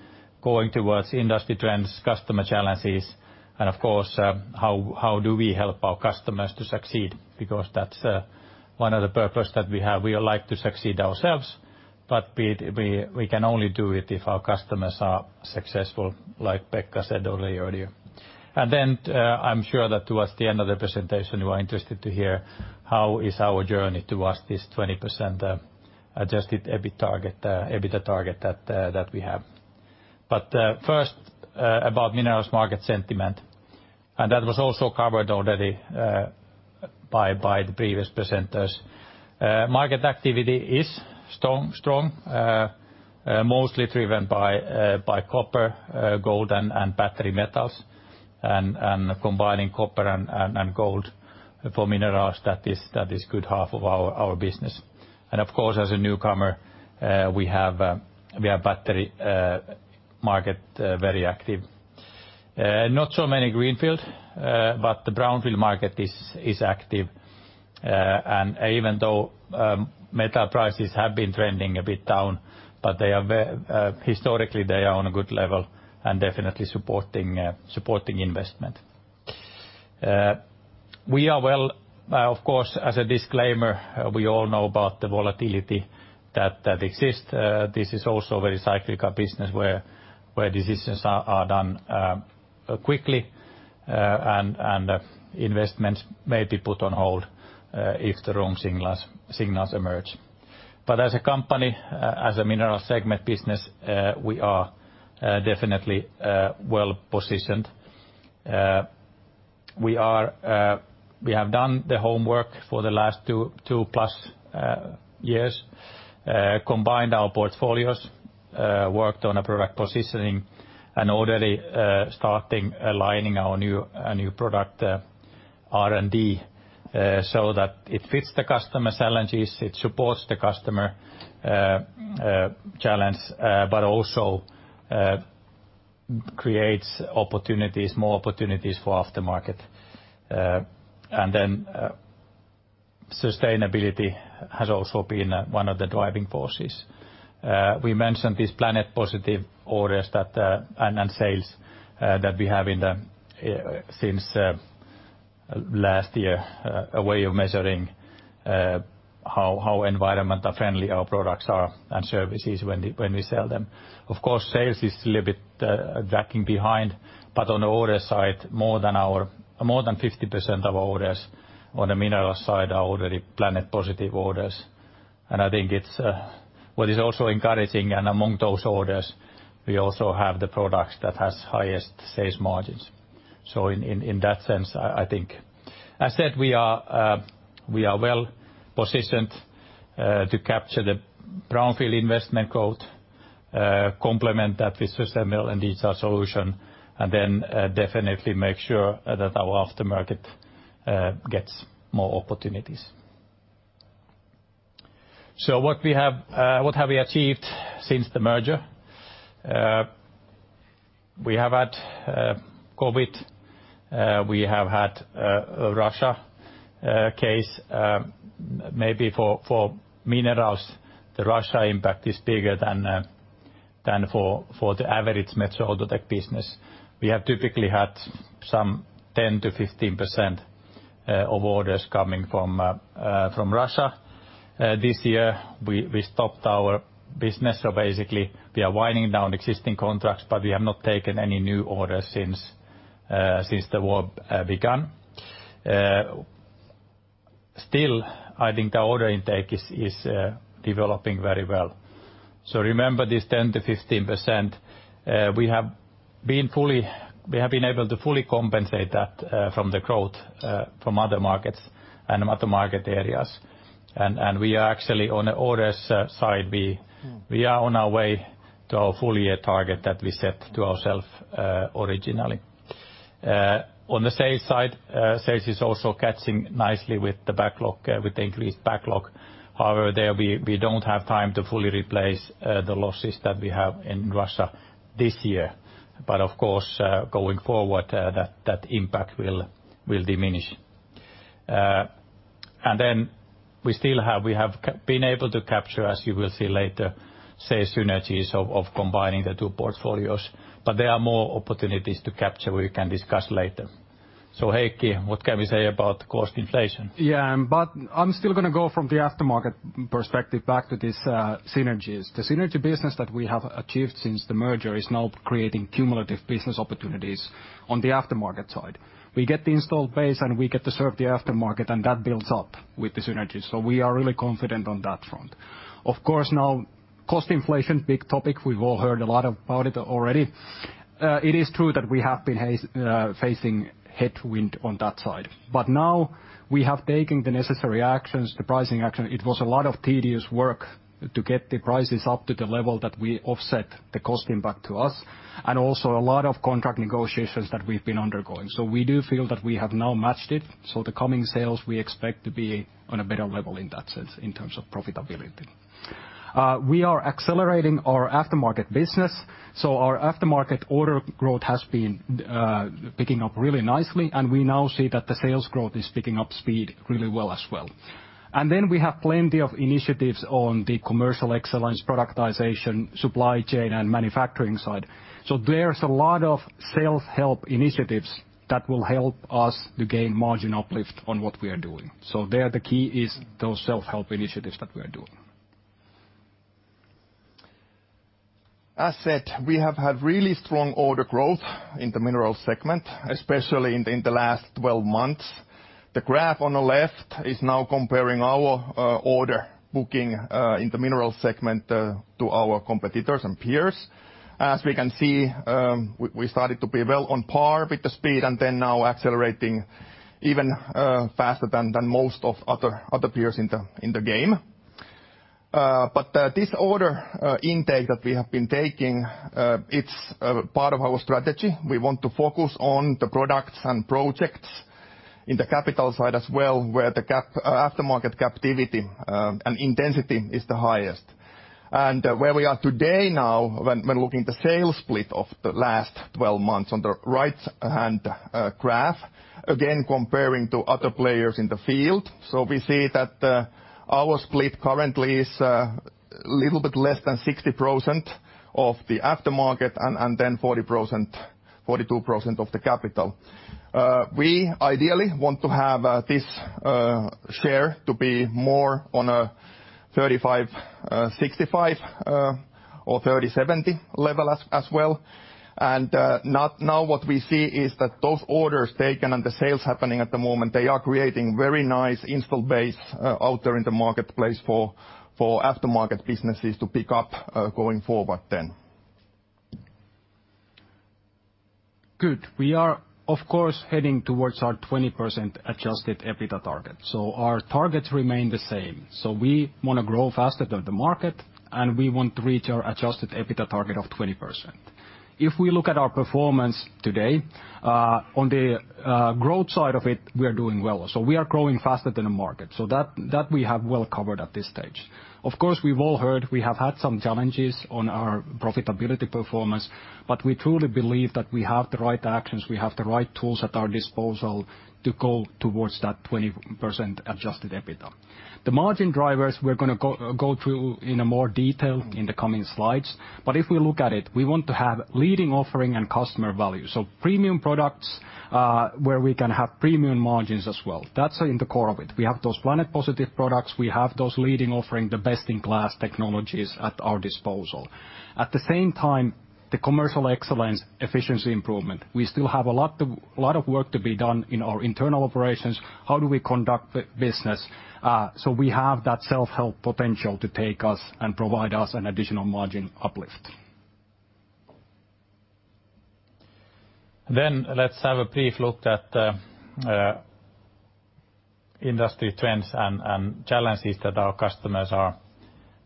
going towards industry trends, customer challenges, and of course, how do we help our customers to succeed? Because that's one of the purpose that we have. We all like to succeed ourselves, but we can only do it if our customers are successful, like Pekka said earlier. I'm sure that towards the end of the presentation, you are interested to hear how is our journey towards this 20% adjusted EBIT target, EBITDA target that we have. First, about minerals market sentiment, and that was also covered already, by the previous presenters. Market activity is strong, mostly driven by copper, gold and battery metals. Combining copper and gold for minerals, that is good half of our business. Of course, as a newcomer, we have battery market very active. Not so many greenfield, but the brownfield market is active. Even though metal prices have been trending a bit down, but they are historically on a good level and definitely supporting investment. Of course, as a disclaimer, we all know about the volatility that exists. This is also very cyclical business where decisions are done quickly, and investments may be put on hold if the wrong signals emerge. As a company, as a mineral segment business, we are definitely well-positioned. We have done the homework for the last 2+ years, combined our portfolios, worked on a product positioning and already starting aligning our new product R&D, so that it fits the customer's challenges, it supports the customer's challenge, but also creates opportunities, more opportunities for aftermarket. Sustainability has also been one of the driving forces. We mentioned these Planet Positive orders and sales that we have had since last year, a way of measuring how environmentally friendly our products and services are when we sell them. Of course, sales is a little bit lagging behind, but on the order side, more than 50% of orders on the mineral side are already Planet Positive orders. I think it's—What is also encouraging, and among those orders, we also have the products that has highest sales margins. In that sense, I think. As said, we are well-positioned to capture the brownfield investment growth, complement that with sustainable and digital solution, and then definitely make sure that our aftermarket gets more opportunities. What we have, what have we achieved since the merger? We have had COVID, we have had Russia. Maybe for minerals, the Russia impact is bigger than for the average Metso Outotec business. We have typically had some 10%-15% of orders coming from Russia. This year, we stopped our business. Basically, we are winding down existing contracts, but we have not taken any new orders since the war begun. Still, I think the order intake is developing very well. Remember this 10%-15%, we have been able to fully compensate that from the growth from other markets and other market areas. We are actually on the orders side, we are on our way to our full-year target that we set to ourself originally. On the sales side, sales is also catching nicely with the backlog, with the increased backlog. However, there, we don't have time to fully replace the losses that we have in Russia this year. Of course, going forward, that impact will diminish. We still have been able to capture, as you will see later, say synergies of combining the two portfolios, but there are more opportunities to capture, we can discuss later. Heikki, what can we say about cost inflation? Yeah. I'm still gonna go from the aftermarket perspective back to this, synergies. The synergy business that we have achieved since the merger is now creating cumulative business opportunities on the aftermarket side. We get the installed base, and we get to serve the aftermarket, and that builds up with the synergies. We are really confident on that front. Of course, now cost inflation, big topic, we've all heard a lot about it already. It is true that we have been facing headwind on that side. Now we have taken the necessary actions, the pricing action. It was a lot of tedious work to get the prices up to the level that we offset the cost impact to us, and also a lot of contract negotiations that we've been undergoing. We do feel that we have now matched it. The coming sales, we expect to be on a better level in that sense, in terms of profitability. We are accelerating our aftermarket business. Our aftermarket order growth has been picking up really nicely, and we now see that the sales growth is picking up speed really well as well. We have plenty of initiatives on the commercial excellence, productization, supply chain, and manufacturing side. There's a lot of self-help initiatives that will help us to gain margin uplift on what we are doing. There, the key is those self-help initiatives that we are doing. As said, we have had really strong order growth in the minerals segment, especially in the last 12 months. The graph on the left is now comparing our order booking in the minerals segment to our competitors and peers. As we can see, we started to be well on par with the speed and then now accelerating even faster than most other peers in the game. This order intake that we have been taking, it's a part of our strategy. We want to focus on the products and projects in the capital side as well, where the aftermarket captivity and intensity is the highest. Where we are today when looking at the sales split of the last twelve months on the right-hand graph, again, comparing to other players in the field. We see that our split currently is little bit less than 60% of the aftermarket and 42% of the capital. We ideally want to have this share to be more on a 35-65 or 30-70 level as well. Now what we see is that those orders taken and the sales happening at the moment, they are creating very nice installed base out there in the marketplace for aftermarket businesses to pick up going forward then. Good. We are, of course, heading towards our 20% adjusted EBITDA target. Our targets remain the same. We wanna grow faster than the market, and we want to reach our adjusted EBITDA target of 20%. If we look at our performance today, on the growth side of it, we are doing well. We are growing faster than the market. That we have well covered at this stage. Of course, we've all heard we have had some challenges on our profitability performance, but we truly believe that we have the right actions, we have the right tools at our disposal to go towards that 20% adjusted EBITDA. The margin drivers, we're gonna go through in more detail in the coming slides. If we look at it, we want to have leading offering and customer value. Premium products where we can have premium margins as well. That's in the core of it. We have those Planet Positive products. We have those leading offering, the best-in-class technologies at our disposal. At the same time, the commercial excellence, efficiency improvement. We still have a lot of work to be done in our internal operations. How do we conduct the business, so we have that self-help potential to take us and provide us an additional margin uplift. Let's have a brief look at the industry trends and challenges that our customers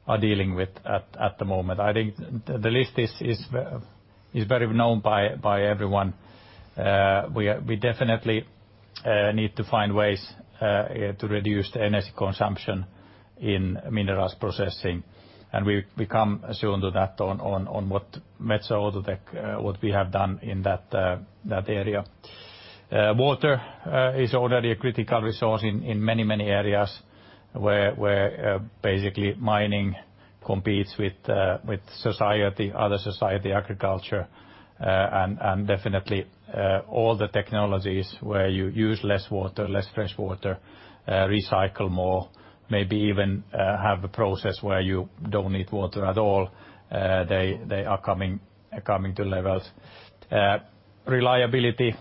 are dealing with at the moment. I think the list is well known by everyone. We definitely need to find ways to reduce the energy consumption in minerals processing. We come soon to that on what Metso Outotec, what we have done, in that area. Water is already a critical resource in many areas where basically mining competes with society, other society, agriculture. Definitely, all the technologies where you use less water, less fresh water, recycle more, maybe even have a process where you don't need water at all, they are coming to levels. Reliability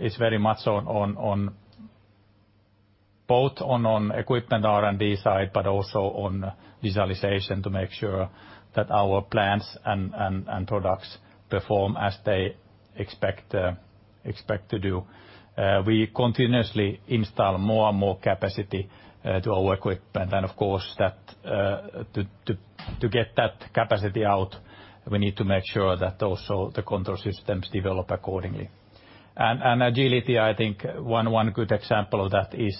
is very much on both equipment R&D side, but also on visualization to make sure that our plants and products perform as they expect to do. We continuously install more and more capacity to our equipment. Of course, to get that capacity out, we need to make sure that also the control systems develop accordingly. Agility, I think one good example of that is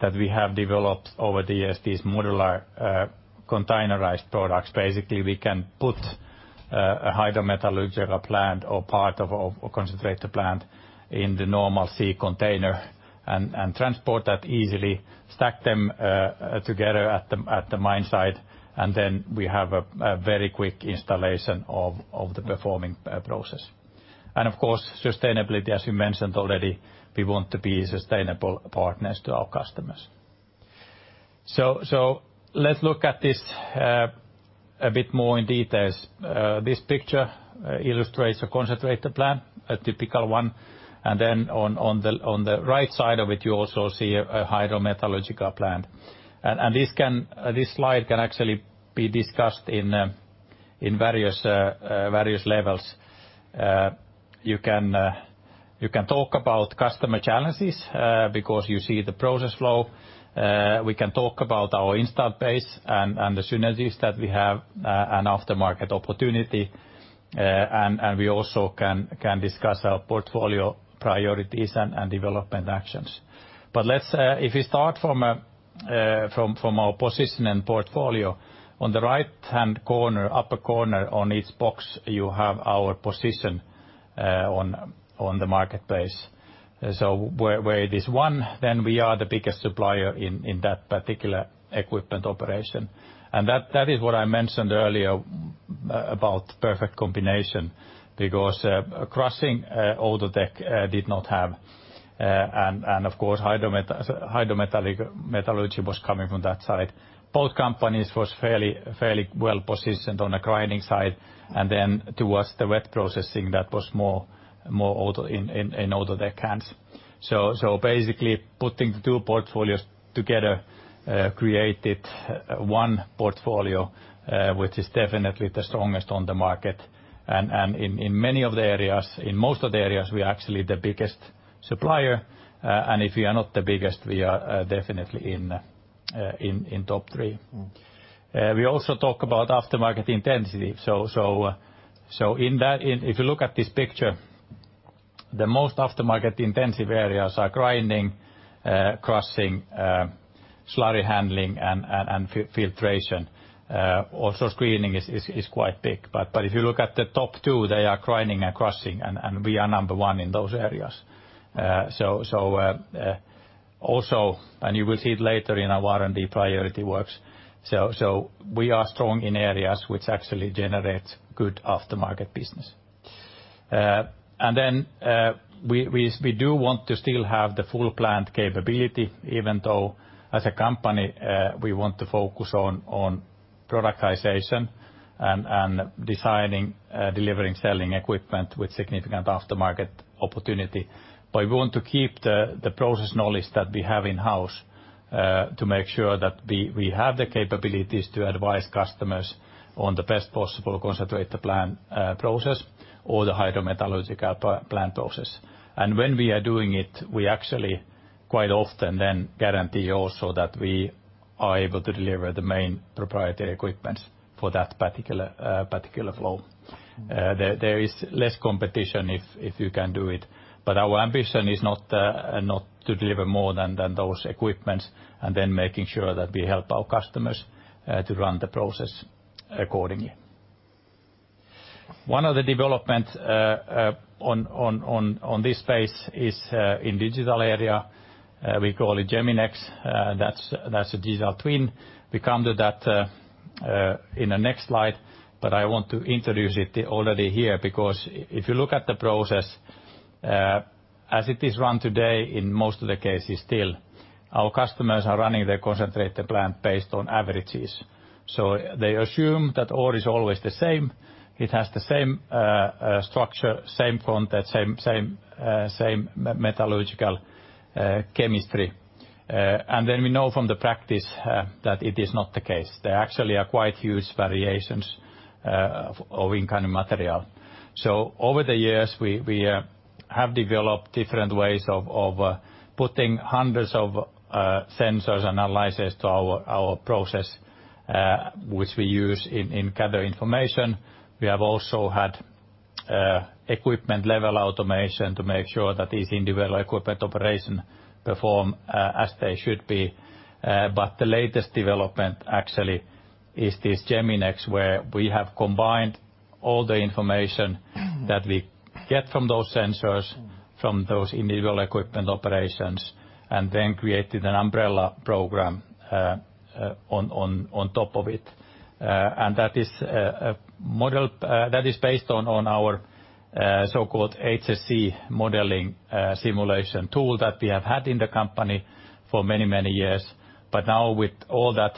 that we have developed over the years these modular containerized products. Basically, we can put a hydrometallurgical plant or part of a concentrator plant in the normal sea container and transport that easily, stack them together at the mine site, and then we have a very quick installation of the performing process. Of course, sustainability, as you mentioned already, we want to be sustainable partners to our customers. Let's look at this a bit more in detail. This picture illustrates a concentrator plant, a typical one, and then on the right side of it, you also see a hydrometallurgical plant. This slide can actually be discussed in various levels. You can talk about customer challenges because you see the process flow. We can talk about our installed base and the synergies that we have and aftermarket opportunity. We also can discuss our portfolio priorities and development actions. But let's if we start from our position and portfolio, on the right-hand corner, upper corner on each box, you have our position on the marketplace. So where it is one, then we are the biggest supplier in that particular equipment operation. That is what I mentioned earlier about perfect combination because crushing Outotec did not have and of course hydrometallurgy was coming from that side. Both companies was fairly well-positioned on the grinding side, and then towards the wet processing that was more in Outotec hands. Basically, putting the two portfolios together created one portfolio which is definitely the strongest on the market. In many of the areas, in most of the areas, we are actually the biggest supplier. If we are not the biggest, we are definitely in top three. We also talk about aftermarket intensity. In that, if you look at this picture, the most aftermarket intensive areas are grinding, crushing, slurry handling, and filtration. Also screening is quite big. If you look at the top two, they are grinding and crushing, and we are number one in those areas. You will see it later in our R&D priority works. We are strong in areas which actually generate good aftermarket business. We do want to still have the full plant capability, even though as a company, we want to focus on productization and designing, delivering, selling equipment with significant aftermarket opportunity. We want to keep the process knowledge that we have in-house, to make sure that we have the capabilities to advise customers on the best possible concentrator plant process or the hydrometallurgical plant process. When we are doing it, we actually quite often then guarantee also that we are able to deliver the main proprietary equipment for that particular flow. There is less competition if you can do it, but our ambition is not to deliver more than those equipments and then making sure that we help our customers to run the process accordingly. One of the developments on this space is in digital area, we call it Geminex. That's a digital twin. We come to that in the next slide, but I want to introduce it already here because if you look at the process as it is run today, in most of the cases still, our customers are running their concentrator plant based on averages. So they assume that ore is always the same. It has the same structure, same content, same metallurgical chemistry. We know from the practice that it is not the case. There actually are quite huge variations of incoming material. Over the years, we have developed different ways of putting hundreds of sensors, analyzers to our process, which we use to gather information. We have also had equipment-level automation to make sure that these individual equipment operations perform as they should be. The latest development actually is this Geminex, where we have combined all the information that we get from those sensors, from those individual equipment operations, and then created an umbrella program on top of it. That is a model that is based on our so-called HSC modeling simulation tool that we have had in the company for many years. Now with all that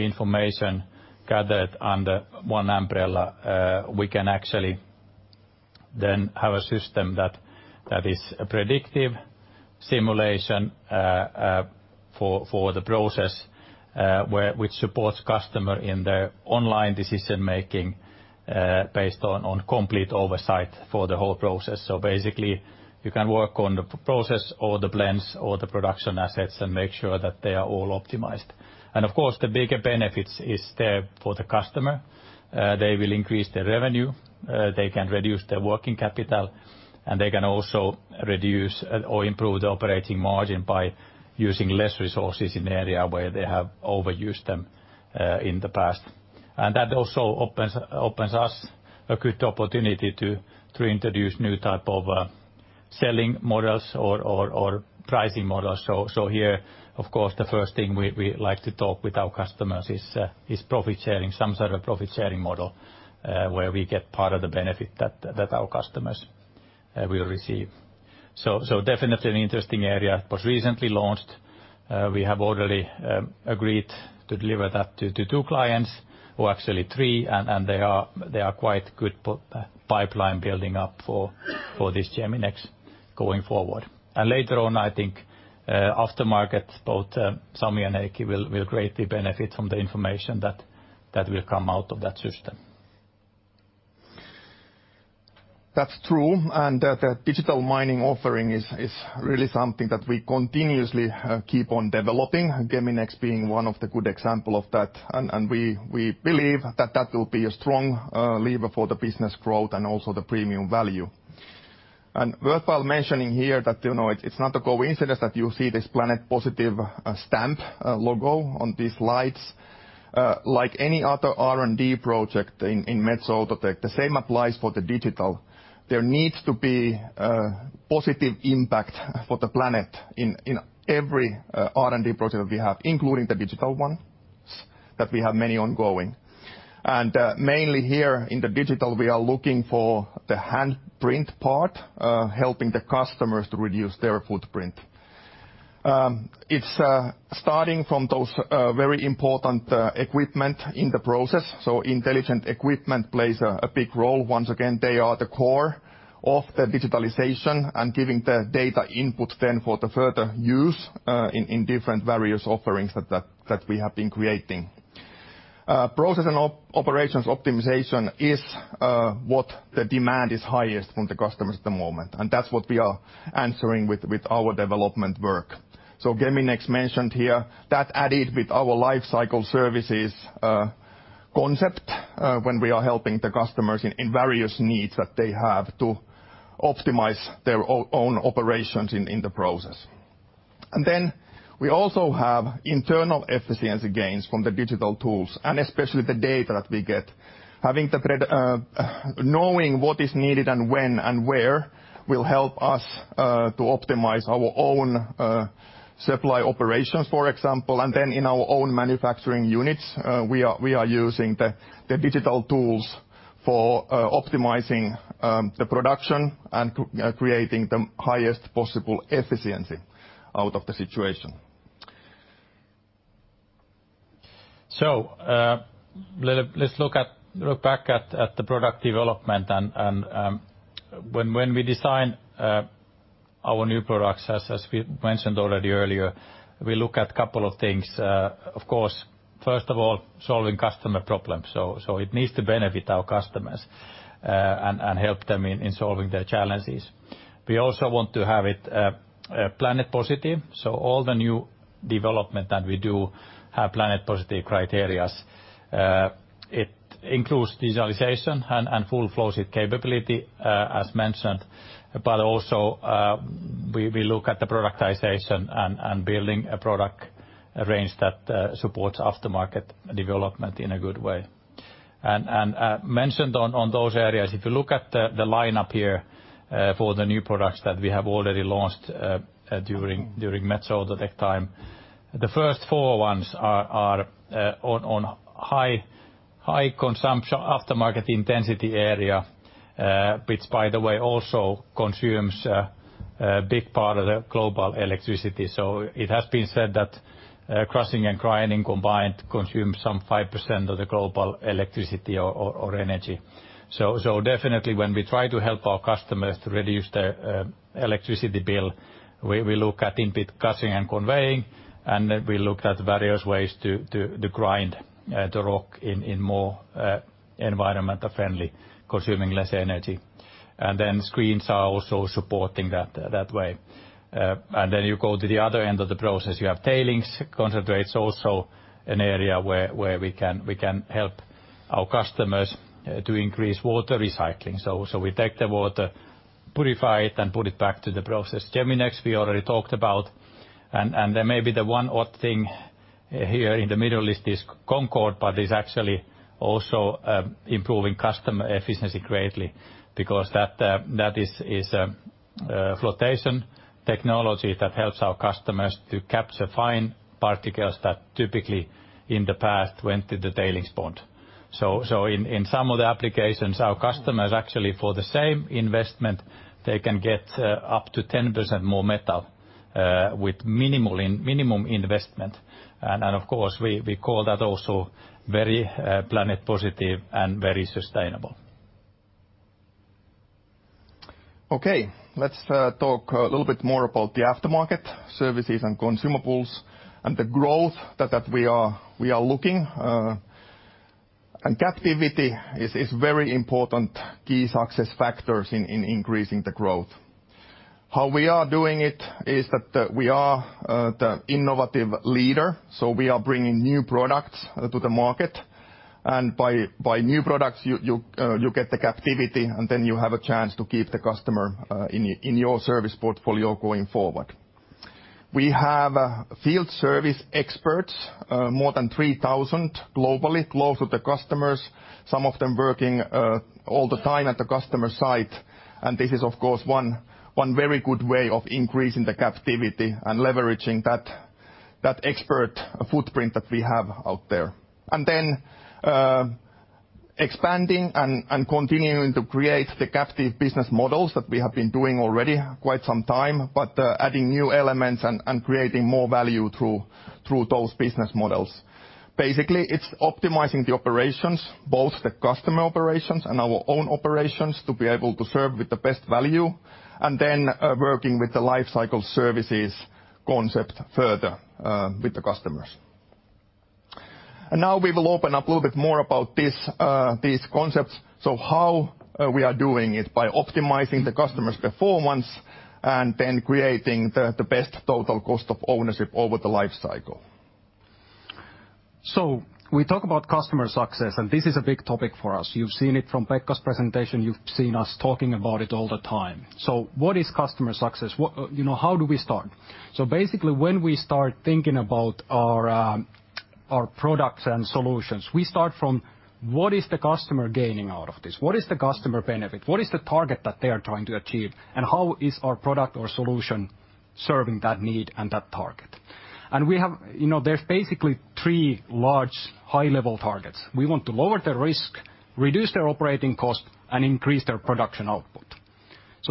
information gathered under one umbrella, we can actually then have a system that is a predictive simulation for the process, which supports customer in their online decision-making based on complete oversight for the whole process. Basically, you can work on the process or the blends or the production assets and make sure that they are all optimized. Of course, the bigger benefits is there for the customer. They will increase their revenue, they can reduce their working capital, and they can also reduce or improve the operating margin by using less resources in the area where they have overused them in the past. That also opens us a good opportunity to introduce new type of selling models or pricing models. Here, of course, the first thing we like to talk with our customers is profit sharing, some sort of profit sharing model, where we get part of the benefit that our customers will receive. Definitely an interesting area, was recently launched. We have already agreed to deliver that to two clients or actually three, and they are quite good pipeline building up for this Geminex going forward. Later on, I think, aftermarket, both Sami and Heikki will greatly benefit from the information that will come out of that system. That's true. The digital mining offering is really something that we continuously keep on developing, Geminex being one of the good example of that. We believe that that will be a strong lever for the business growth and also the premium value. Worthwhile mentioning here that it's not a coincidence that you see this Planet Positive stamp logo on these slides. Like any other R&D project in Metso Outotec, the same applies for the digital. There needs to be a positive impact for the planet in every R&D project that we have, including the digital one that we have many ongoing. Mainly here in the digital, we are looking for the hand print part, helping the customers to reduce their footprint. It's starting from those very important equipment in the process. Intelligent equipment plays a big role. Once again, they are the core of the digitalization and giving the data input then for the further use in different various offerings that we have been creating. Process and operations optimization is what the demand is highest from the customers at the moment, and that's what we are answering with our development work. Geminex mentioned here that added with our Lifecycle Services concept, when we are helping the customers in various needs that they have to optimize their own operations in the process. Then we also have internal efficiency gains from the digital tools and especially the data that we get. Knowing what is needed and when and where will help us to optimize our own supply operations, for example. In our own manufacturing units, we are using the digital tools for optimizing the production and you know, creating the highest possible efficiency out of the situation. Let's look back at the product development and when we design our new products, as we mentioned already earlier, we look at a couple of things. Of course, first of all, solving customer problems. It needs to benefit our customers and help them in solving their challenges. We also want to have it Planet Positive. All the new development that we do have Planet Positive criteria. It includes digitalization and full flow sheet capability, as mentioned. Also, we look at the productization and building a product range that supports aftermarket development in a good way. Mentioned on those areas, if you look at the lineup here for the new products that we have already launched during Metso Outotec time, the first four ones are on high consumption aftermarket intensity area, which by the way, also consumes a big part of the global electricity. It has been said that crushing and grinding combined consume some 5% of the global electricity or energy. Definitely when we try to help our customers to reduce their electricity bill, we look at in-pit crushing and conveying, and then we look at various ways to grind the rock in more environmental friendly, consuming less energy. Then screens are also supporting that way. you go to the other end of the process, you have tailings, concentrates also an area where we can help our customers to increase water recycling. We take the water Purify it and put it back to the process. Geminex, we already talked about. Maybe the one odd thing here in the middle list is Concorde Cell, but actually also improving customer efficiency greatly because that is flotation technology that helps our customers to capture fine particles that typically in the past went to the tailings pond. In some of the applications, our customers actually, for the same investment, they can get up to 10% more metal with minimum investment. Of course we call that also very Planet Positive and very sustainable. Okay, let's talk a little bit more about the aftermarket services and consumables and the growth that we are looking. Captivity is very important key success factors in increasing the growth. How we are doing it is that we are the innovative leader, so we are bringing new products to the market. By new products you get the captivity and then you have a chance to keep the customer in your service portfolio going forward. We have field service experts, more than 3,000 globally, close to the customers, some of them working all the time at the customer site. This is of course one very good way of increasing the captivity and leveraging that expert footprint that we have out there. Expanding and continuing to create the captive business models that we have been doing already quite some time, but adding new elements and creating more value through those business models. Basically, it's optimizing the operations, both the customer operations and our own operations, to be able to serve with the best value, and then working with the Lifecycle Services concept further with the customers. Now we will open up a little bit more about these concepts. How we are doing it by optimizing the customer's performance and then creating the best total cost of ownership over the lifecycle. We talk about customer success, and this is a big topic for us. You've seen it from Pekka's presentation. You've seen us talking about it all the time. What is customer success? What, you know, how do we start? Basically, when we start thinking about our products and solutions, we start from what is the customer gaining out of this? What is the customer benefit? What is the target that they are trying to achieve? And how is our product or solution serving that need and that target? And we have, you know, there's basically three large high-level targets. We want to lower their risk, reduce their operating cost, and increase their production output.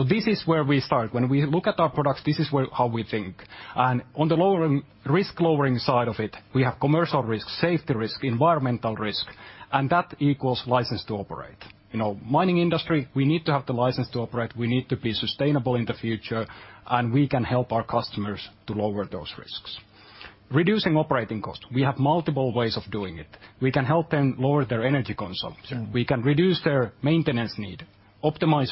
This is where we start. When we look at our products, this is where how we think. On the lowering, risk-lowering side of it, we have commercial risk, safety risk, environmental risk, and that equals license to operate. You know, mining industry, we need to have the license to operate. We need to be sustainable in the future, and we can help our customers to lower those risks. Reducing operating cost, we have multiple ways of doing it. We can help them lower their energy consumption. We can reduce their maintenance need, optimize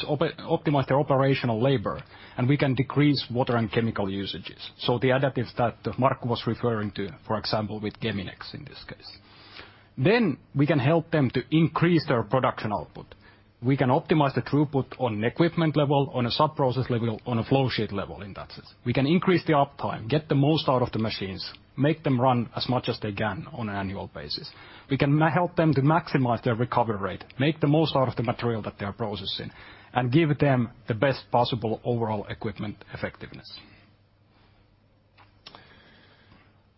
their operational labor, and we can decrease water and chemical usages. The additives that Mark was referring to, for example, with Geminex in this case. We can help them to increase their production output. We can optimize the throughput on equipment level, on a sub-process level, on a flow sheet level in that sense. We can increase the uptime, get the most out of the machines, make them run as much as they can on an annual basis. We can help them to maximize their recovery rate, make the most out of the material that they are processing, and give them the best possible overall equipment effectiveness.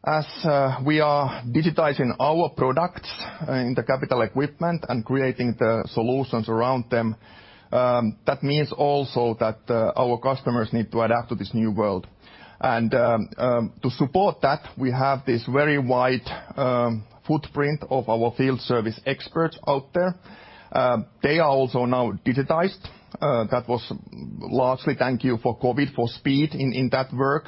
As we are digitizing our products in the capital equipment and creating the solutions around them, that means also that our customers need to adapt to this new world. To support that, we have this very wide footprint of our field service experts out there. They are also now digitized. That was largely thanks to COVID for speeding up that work,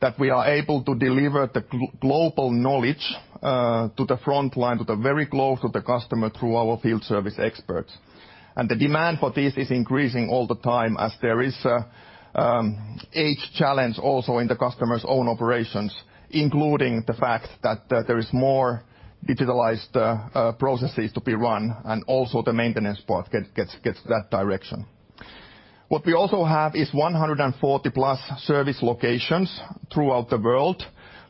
that we are able to deliver the global knowledge to the front line, very close to the customer through our field service experts. The demand for this is increasing all the time as there is an age challenge also in the customer's own operations, including the fact that there is more digitalized processes to be run, and also the maintenance part gets in that direction. What we also have is 140+ service locations throughout the world.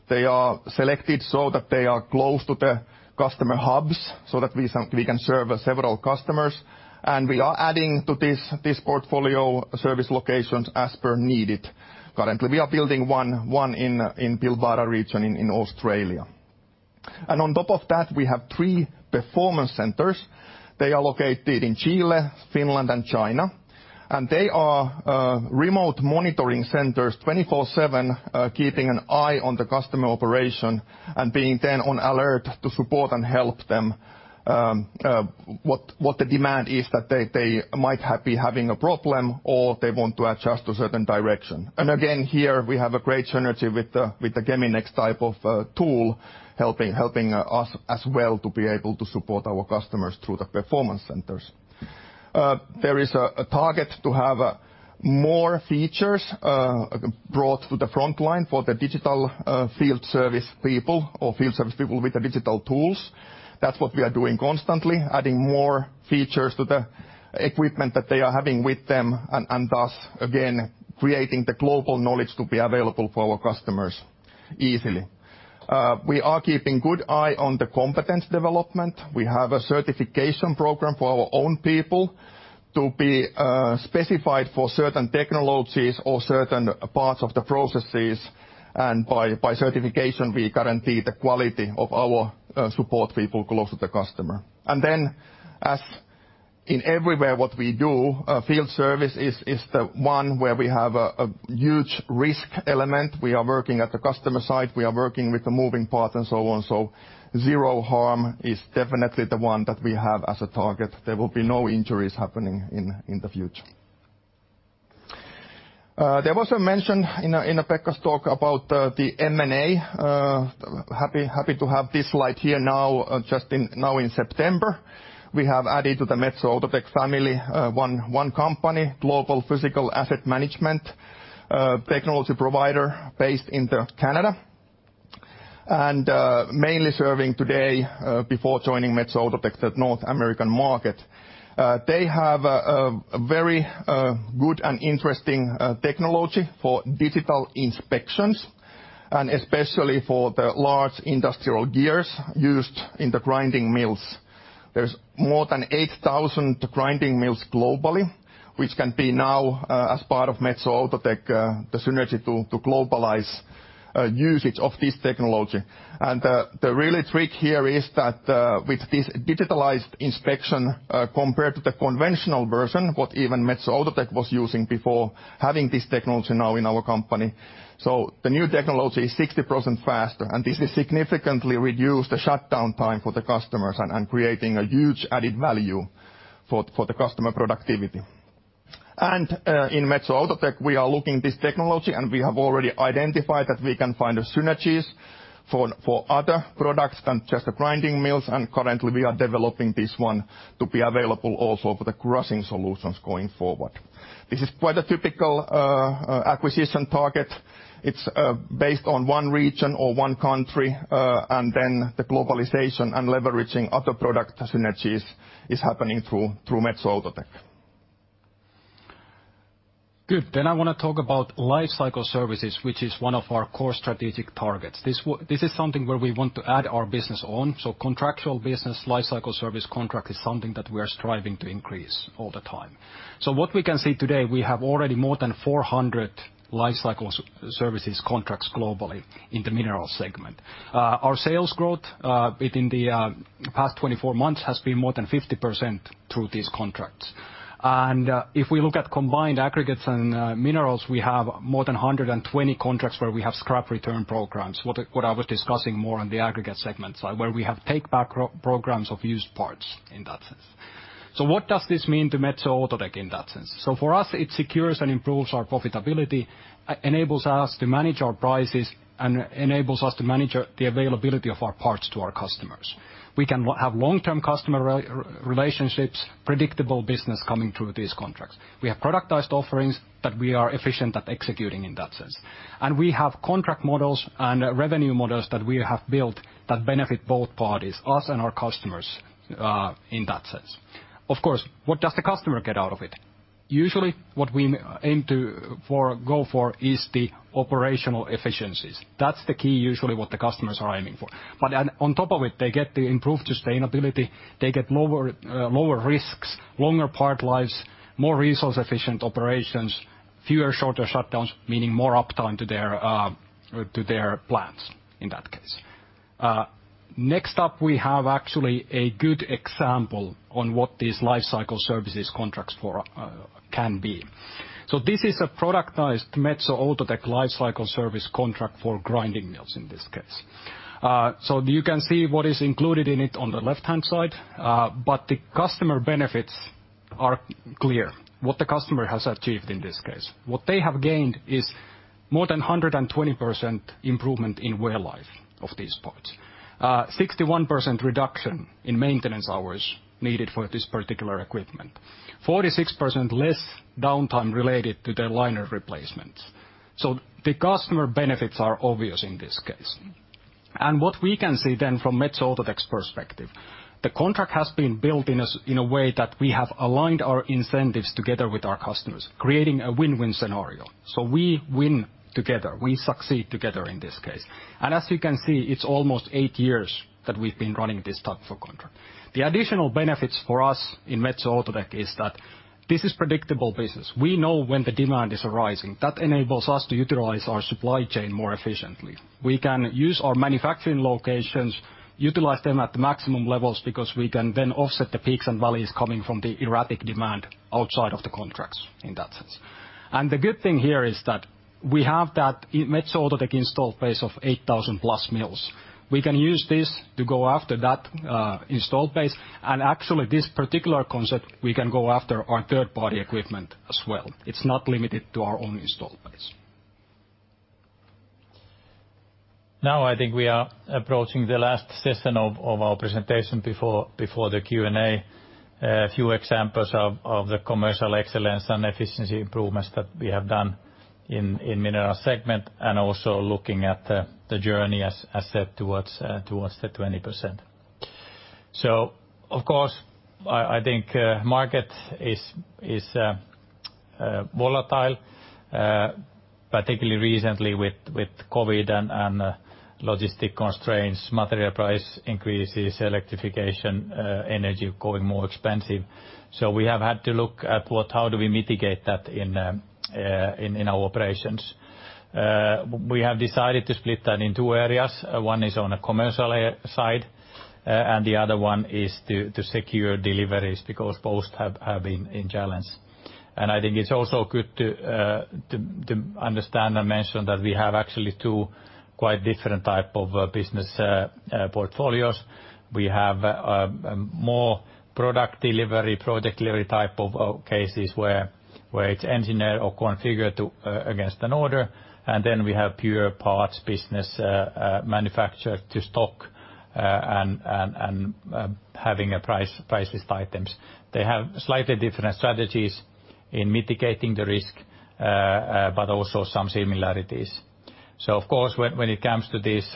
They are selected so that they are close to the customer hubs, so that we can serve several customers. We are adding to this portfolio service locations as needed. Currently, we are building one in Pilbara region in Australia. On top of that, we have three performance centers. They are located in Chile, Finland, and China. They are remote monitoring centers, 24/7, keeping an eye on the customer operation and being then on alert to support and help them, what the demand is that they might be having a problem or they want to adjust a certain direction. Again, here we have a great synergy with the Geminex type of tool helping us as well to be able to support our customers through the performance centers. There is a target to have more features brought to the frontline for the digital field service people or field service people with the digital tools. That's what we are doing constantly, adding more features to the equipment that they are having with them and thus again, creating the global knowledge to be available for our customers easily. We are keeping a good eye on the competence development. We have a certification program for our own people to be specified for certain technologies or certain parts of the processes. By certification, we guarantee the quality of our support people close to the customer. As in everywhere what we do, field service is the one where we have a huge risk element. We are working at the customer site. We are working with the moving parts and so on. Zero harm is definitely the one that we have as a target. There will be no injuries happening in the future. There was a mention in Pekka's talk about the M&A. Happy to have this slide here now, just now in September. We have added to the Metso Outotec family one company, Global Physical Asset Management, technology provider based in Canada. Mainly serving today, before joining Metso Outotec, the North American market. They have a very good and interesting technology for digital inspections and especially for the large industrial gears used in the grinding mills. There's more than 8,000 grinding mills globally, which can now be, as part of Metso Outotec, the synergy tool to globalize usage of this technology. The real trick here is that with this digitized inspection compared to the conventional version that even Metso Outotec was using before, having this technology now in our company. The new technology is 60% faster, and this will significantly reduce the shutdown time for the customers and creating a huge added value for the customer productivity. In Metso Outotec, we are looking this technology, and we have already identified that we can find synergies for other products than just the grinding mills. Currently, we are developing this one to be available also for the crushing solutions going forward. This is quite a typical acquisition target. It's based on one region or one country, and then the globalization and leveraging other product synergies is happening through Metso Outotec. Good. I wanna talk about Lifecycle Services, which is one of our core strategic targets. This is something where we want to add our business on. Contractual business, Lifecycle Services contract is something that we are striving to increase all the time. What we can see today, we have already more than 400 Lifecycle Services contracts globally in the minerals segment. Our sales growth within the past 24 months has been more than 50% through these contracts. If we look at combined aggregates and minerals, we have more than 120 contracts where we have scrap return programs, what I was discussing more on the aggregate segment side, where we have take-back programs of used parts in that sense. What does this mean to Metso Outotec in that sense? For us, it secures and improves our profitability, enables us to manage our prices, and enables us to manage the availability of our parts to our customers. We can have long-term customer relationships, predictable business coming through these contracts. We have productized offerings that we are efficient at executing in that sense. We have contract models and revenue models that we have built that benefit both parties, us and our customers, in that sense. Of course, what does the customer get out of it? Usually, what we aim to go for is the operational efficiencies. That's the key usually what the customers are aiming for. On top of it, they get the improved sustainability, they get lower risks, longer part lives, more resource-efficient operations, fewer shorter shutdowns, meaning more uptime to their plants in that case. Next up, we have actually a good example on what these Lifecycle Services contracts for can be. This is a productized Metso Outotec Lifecycle Services contract for grinding mills in this case. You can see what is included in it on the left-hand side, but the customer benefits are clear, what the customer has achieved in this case. What they have gained is more than 120% improvement in wear life of these parts. 61% reduction in maintenance hours needed for this particular equipment. 46% less downtime related to their liner replacements. The customer benefits are obvious in this case. What we can see then from Metso Outotec's perspective, the contract has been built in a way that we have aligned our incentives together with our customers, creating a win-win scenario. We win together, we succeed together in this case. As you can see, it's almost eight years that we've been running this type of contract. The additional benefits for us in Metso Outotec is that this is predictable business. We know when the demand is rising. That enables us to utilize our supply chain more efficiently. We can use our manufacturing locations, utilize them at maximum levels because we can then offset the peaks and valleys coming from the erratic demand outside of the contracts in that sense. The good thing here is that we have that Metso Outotec installed base of 8,000+ mills. We can use this to go after that installed base, and actually, this particular concept, we can go after our third-party equipment as well. It's not limited to our own installed base. I think we are approaching the last session of our presentation before the Q&A. A few examples of the commercial excellence and efficiency improvements that we have done in Minerals segment, and also looking at the journey as said towards 20%. Of course, I think market is volatile, particularly recently with COVID and logistics constraints, material price increases, electrification, energy going more expensive. We have had to look at how do we mitigate that in our operations. We have decided to split that in two areas. One is on a commercial side, and the other one is to secure deliveries because both have been a challenge. I think it's also good to understand and mention that we have actually two quite different type of business portfolios. We have more product delivery, project delivery type of cases where it's engineered or configured to order. We have pure parts business manufactured to stock and having a price list items. They have slightly different strategies in mitigating the risk but also some similarities. Of course, when it comes to these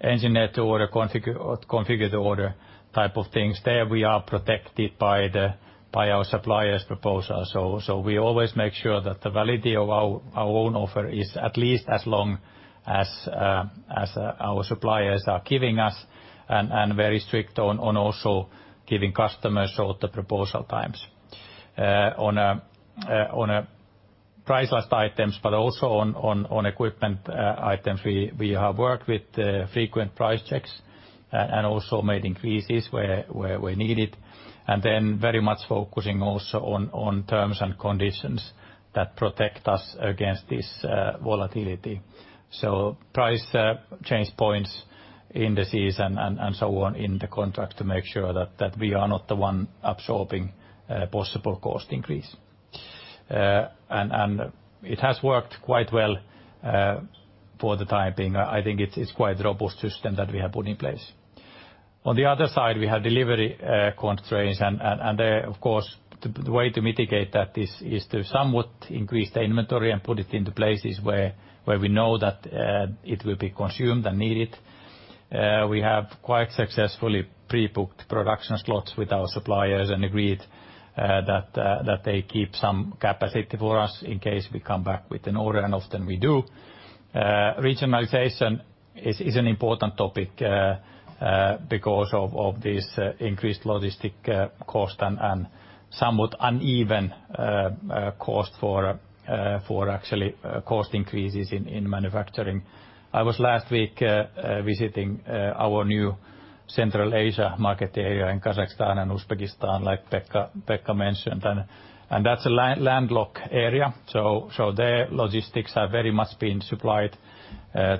engineer to order, configure to order type of things, there we are protected by our suppliers' proposals. We always make sure that the validity of our own offer is at least as long as our suppliers are giving us and very strict on also giving customers all the lead times. On price list items, but also on equipment items, we have worked with frequent price checks and also made increases where we need it, and then very much focusing also on terms and conditions that protect us against this volatility, price change points, indices and so on in the contract to make sure that we are not the one absorbing possible cost increase. It has worked quite well for the time being. I think it's quite a robust system that we have put in place. On the other side, we have delivery constraints. There, of course, the way to mitigate that is to somewhat increase the inventory and put it into places where we know that it will be consumed and needed. We have quite successfully pre-booked production slots with our suppliers and agreed that they keep some capacity for us in case we come back with an order, and often we do. Regionalization is an important topic because of this increased logistics cost and somewhat uneven cost for actually cost increases in manufacturing. I was last week visiting our new Central Asia market area in Kazakhstan and Uzbekistan, like Pekka mentioned. That's a landlocked area. Their logistics have very much been supplied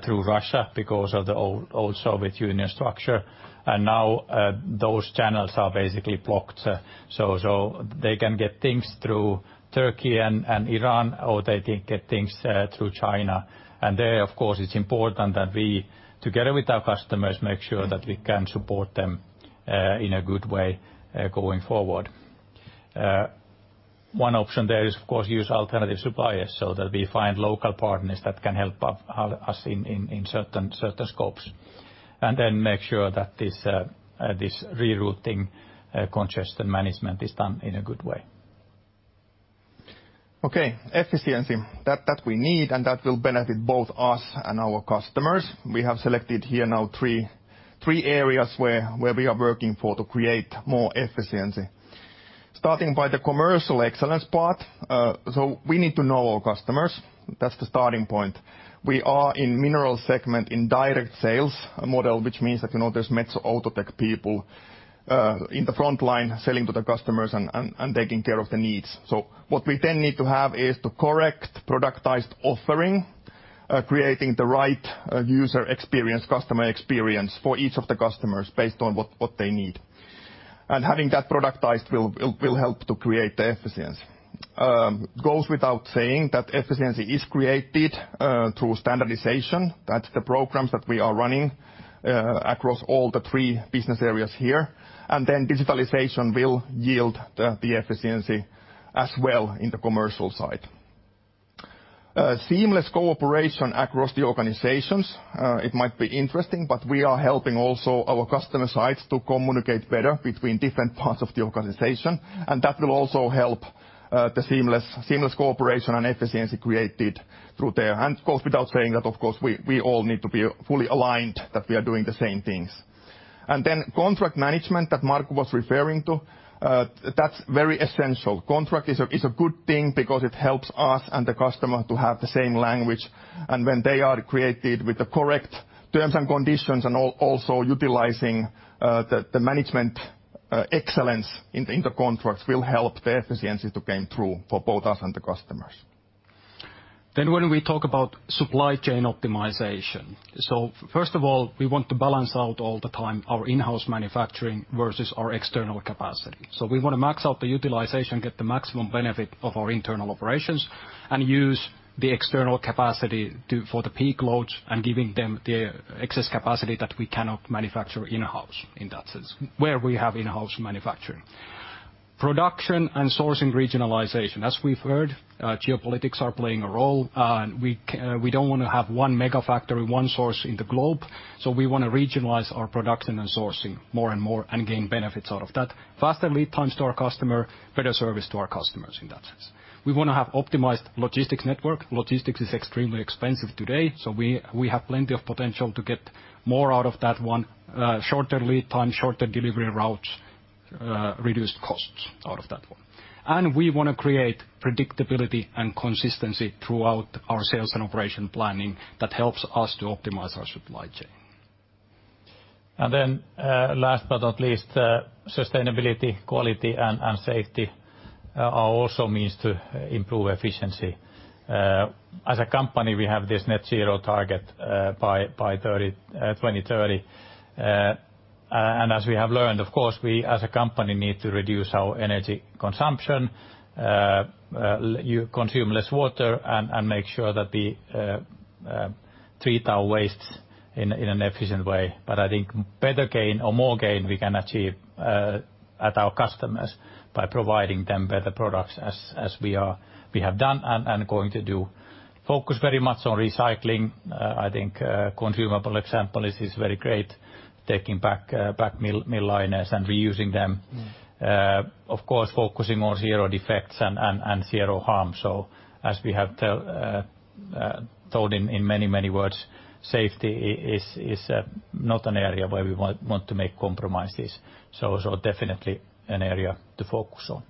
through Russia because of the old Soviet Union structure. Now, those channels are basically blocked. They can get things through Turkey and Iran, or they can get things through China. There, of course, it is important that we, together with our customers, make sure that we can support them in a good way going forward. One option there is, of course, use alternative suppliers so that we find local partners that can help us in certain scopes. Then make sure that this rerouting conscious and management is done in a good way. Okay. Efficiency. That we need and that will benefit both us and our customers. We have selected here now three areas where we are working for to create more efficiency. Starting by the commercial excellence part. We need to know our customers. That's the starting point. We are in Minerals segment in direct sales model, which means that, you know, there's Metso Outotec people in the front line selling to the customers and taking care of the needs. What we then need to have is the correct productized offering, creating the right user experience, customer experience for each of the customers based on what they need. Having that productized will help to create the efficiency. Goes without saying that efficiency is created through standardization. That's the programs that we are running across all the three business areas here. Digitalization will yield the efficiency as well in the commercial side. Seamless cooperation across the organizations. It might be interesting, but we are helping also our customer sites to communicate better between different parts of the organization. That will also help the seamless cooperation and efficiency created through there. Of course, without saying that, of course, we all need to be fully aligned that we are doing the same things. Contract management that Markku was referring to, that's very essential. Contract is a good thing because it helps us and the customer to have the same language. When they are created with the correct terms and conditions and also utilizing the management excellence in the contracts will help the efficiency to come through for both us and the customers. When we talk about supply chain optimization. First of all, we want to balance out all the time our in-house manufacturing versus our external capacity. We wanna max out the utilization, get the maximum benefit of our internal operations, and use the external capacity for the peak loads and giving them the excess capacity that we cannot manufacture in-house in that sense, where we have in-house manufacturing. Production and sourcing regionalization. As we've heard, geopolitics are playing a role, and we don't wanna have one mega factory, one source in the globe. We wanna regionalize our production and sourcing more and more and gain benefits out of that. Faster lead times to our customer, better service to our customers in that sense. We wanna have optimized logistics network. Logistics is extremely expensive today, so we have plenty of potential to get more out of that one, shorter lead time, shorter delivery routes, reduced costs out of that one. We wanna create predictability and consistency throughout our sales and operation planning that helps us to optimize our supply chain. Last but not least, sustainability, quality, and safety are also means to improve efficiency. As a company, we have this net zero target by 2030. And as we have learned, of course, we as a company need to reduce our energy consumption, we consume less water and make sure that we treat our waste in an efficient way. I think better gain or more gain we can achieve at our customers by providing them better products as we have done and going to do. Focus very much on recycling. I think, consumable example is very great, taking back mill liners and reusing them. Of course, focusing on zero defects and zero harm. As we have told in many words, safety is not an area where we want to make compromises. Definitely an area to focus on.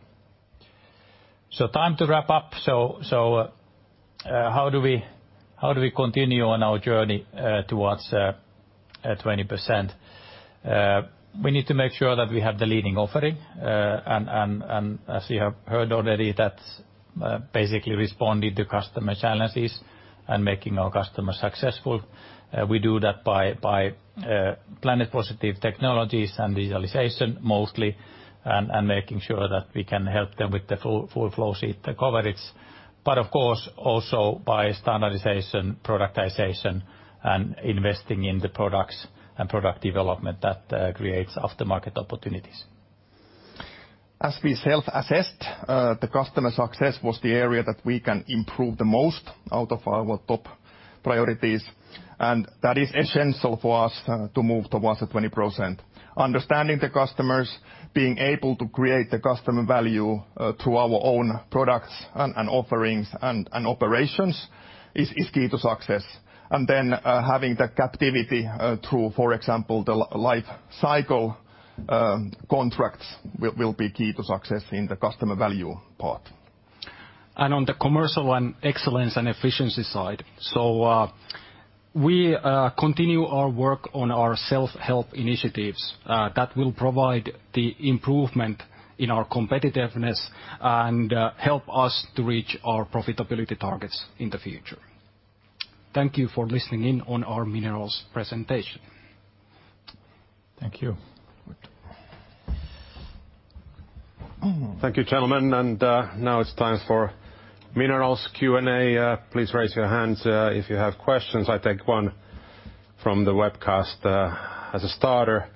Time to wrap up. How do we continue on our journey towards 20%? We need to make sure that we have the leading offering. As you have heard already, that's basically responding to customer challenges and making our customers successful. We do that by Planet Positive technologies and visualization mostly, and making sure that we can help them with the full flow sheet coverage, but of course also by standardization, productization, and investing in the products and product development that creates aftermarket opportunities. As we self-assessed, the customer success was the area that we can improve the most out of our top priorities, and that is essential for us to move towards the 20%. Understanding the customers, being able to create the customer value through our own products and offerings and operations is key to success. Having the captivity through, for example, the life cycle contracts will be key to success in the customer value part. On the commercial and excellence and efficiency side, we continue our work on our self-help initiatives that will provide the improvement in our competitiveness and help us to reach our profitability targets in the future. Thank you for listening in on our minerals presentation. Thank you. Good. Thank you, gentlemen, and now it's time for minerals Q&A. Please raise your hands if you have questions. I'll take one from the webcast. As a starter,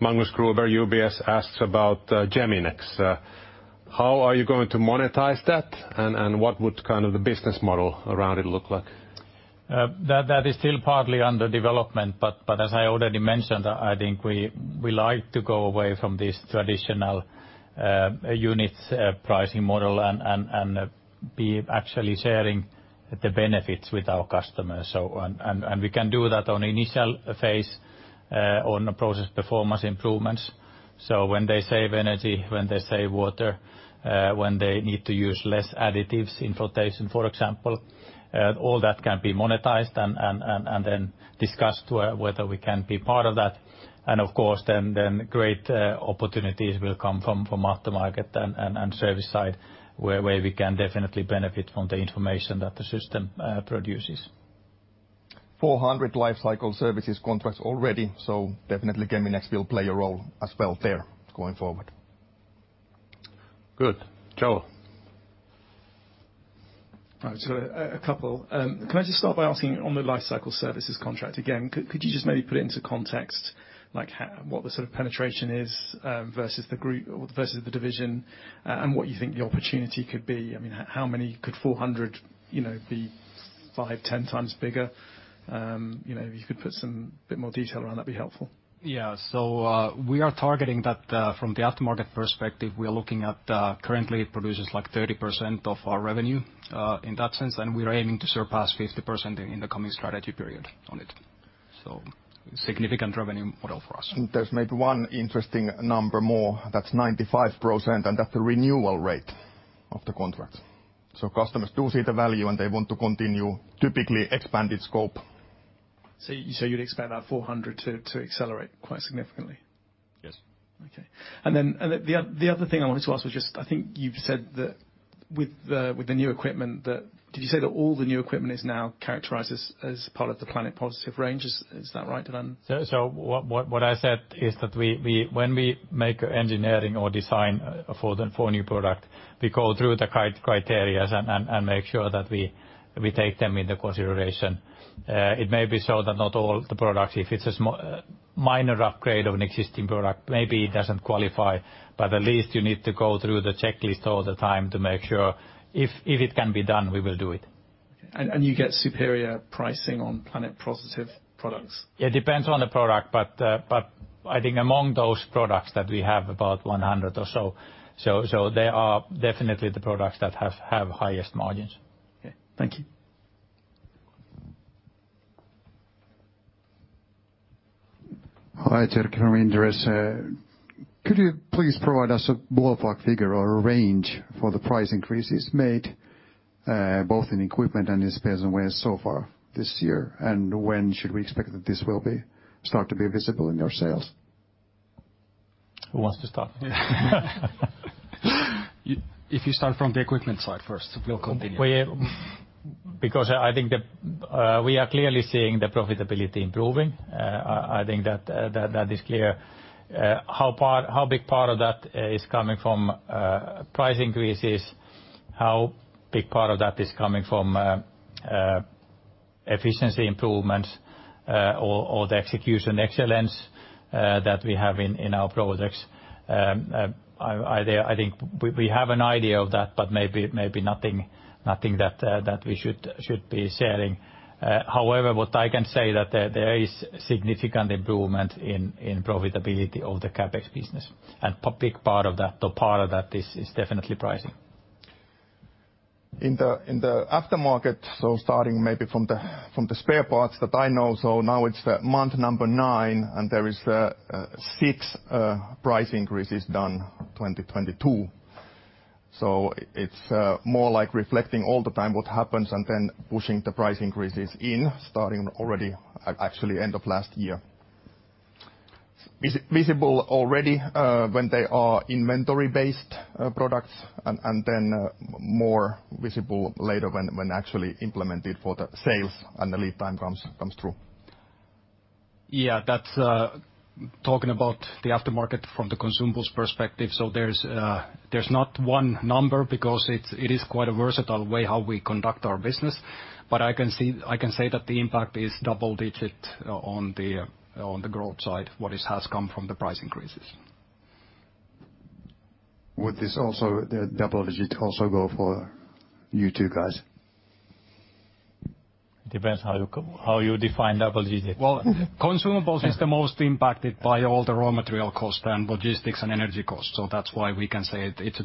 Magnus Kruber, UBS, asks about Geminex. How are you going to monetize that, and what would kind of the business model around it look like? That is still partly under development, but as I already mentioned, I think we like to go away from this traditional units pricing model and be actually sharing the benefits with our customers. We can do that on initial phase on process performance improvements. When they save energy, when they save water, when they need to use less additives in flotation, for example, all that can be monetized and then discussed whether we can be part of that. Of course then great opportunities will come from aftermarket and service side where we can definitely benefit from the information that the system produces. 400 Lifecycle Services contracts already, so definitely Geminex will play a role as well there going forward. Good. Joel? Can I just start by asking on the Lifecycle Services contract again? Could you just maybe put it into context, like what the sort of penetration is versus the group or versus the division, and what you think the opportunity could be? I mean, how many could 400, you know, be 5, 10 times bigger? You know, if you could put some bit more detail around, that'd be helpful. We are targeting that from the aftermarket perspective. We are looking at currently it produces like 30% of our revenue in that sense, and we are aiming to surpass 50% in the coming strategy period on it. Significant revenue model for us. There's maybe one interesting number more, that's 95%, and that's the renewal rate of the contract. Customers do see the value, and they want to continue, typically expanded scope. You'd expect that 400 to accelerate quite significantly? Yes. Okay. The other thing I wanted to ask was just, I think you've said that with the new equipment that. Did you say that all the new equipment is now characterized as part of the Planet Positive range? Is that right, Ivan? What I said is that we when we make engineering or design for a new product, we go through the criteria and make sure that we take them into consideration. It may be so that not all the products, if it's a minor upgrade of an existing product, maybe it doesn't qualify. At least you need to go through the checklist all the time to make sure if it can be done, we will do it. You get superior pricing on Planet Positive products? It depends on the product, but I think among those products that we have about 100 or so they are definitely the products that have highest margins. Okay. Thank you. Hi, Erkki from Inderes, could you please provide us a ballpark figure or a range for the price increases made, both in equipment and in spares and wears so far this year? When should we expect that this will start to be visible in your sales? Who wants to start? If you start from the equipment side first, we'll continue. Because I think we are clearly seeing the profitability improving. I think that is clear. How big part of that is coming from price increases, how big part of that is coming from efficiency improvements, or the execution excellence that we have in our projects. I think we have an idea of that, but maybe nothing that we should be sharing. However, what I can say that there is significant improvement in profitability of the CapEx business. Big part of that, the part of that is definitely pricing. In the aftermarket, starting maybe from the spare parts that I know, now it's month number 9, and there is six price increases done, 2022. It's more like reflecting all the time what happens and then pushing the price increases in starting already actually end of last year. Visible already when they are inventory-based products and then more visible later when actually implemented for the sales and the lead time comes through. Yeah. That's talking about the aftermarket from the consumables perspective. There's not one number because it is quite a versatile way how we conduct our business. I can say that the impact is double-digit on the growth side, what has come from the price increases. Would this also, the double digit also go for you two guys? It depends how you define double digit. Well, consumables is the most impacted by all the raw material costs and logistics and energy costs. That's why we can say it's a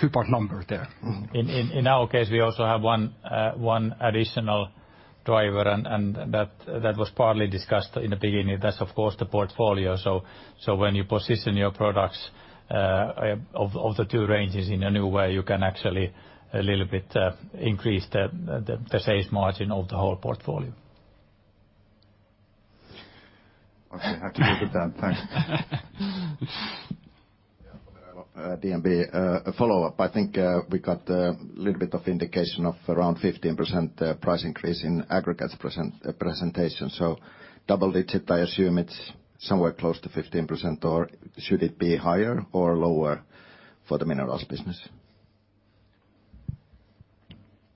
two-part number there. In our case, we also have one additional driver, and that was partly discussed in the beginning. That's of course the portfolio. When you position your products of the two ranges in a new way, you can actually a little bit increase the sales margin of the whole portfolio. Okay. I can live with that. Thanks. Yeah. DNB, a follow-up. I think we got a little bit of indication of around 15% price increase in aggregates presentation. Double digit, I assume it's somewhere close to 15%, or should it be higher or lower for the minerals business?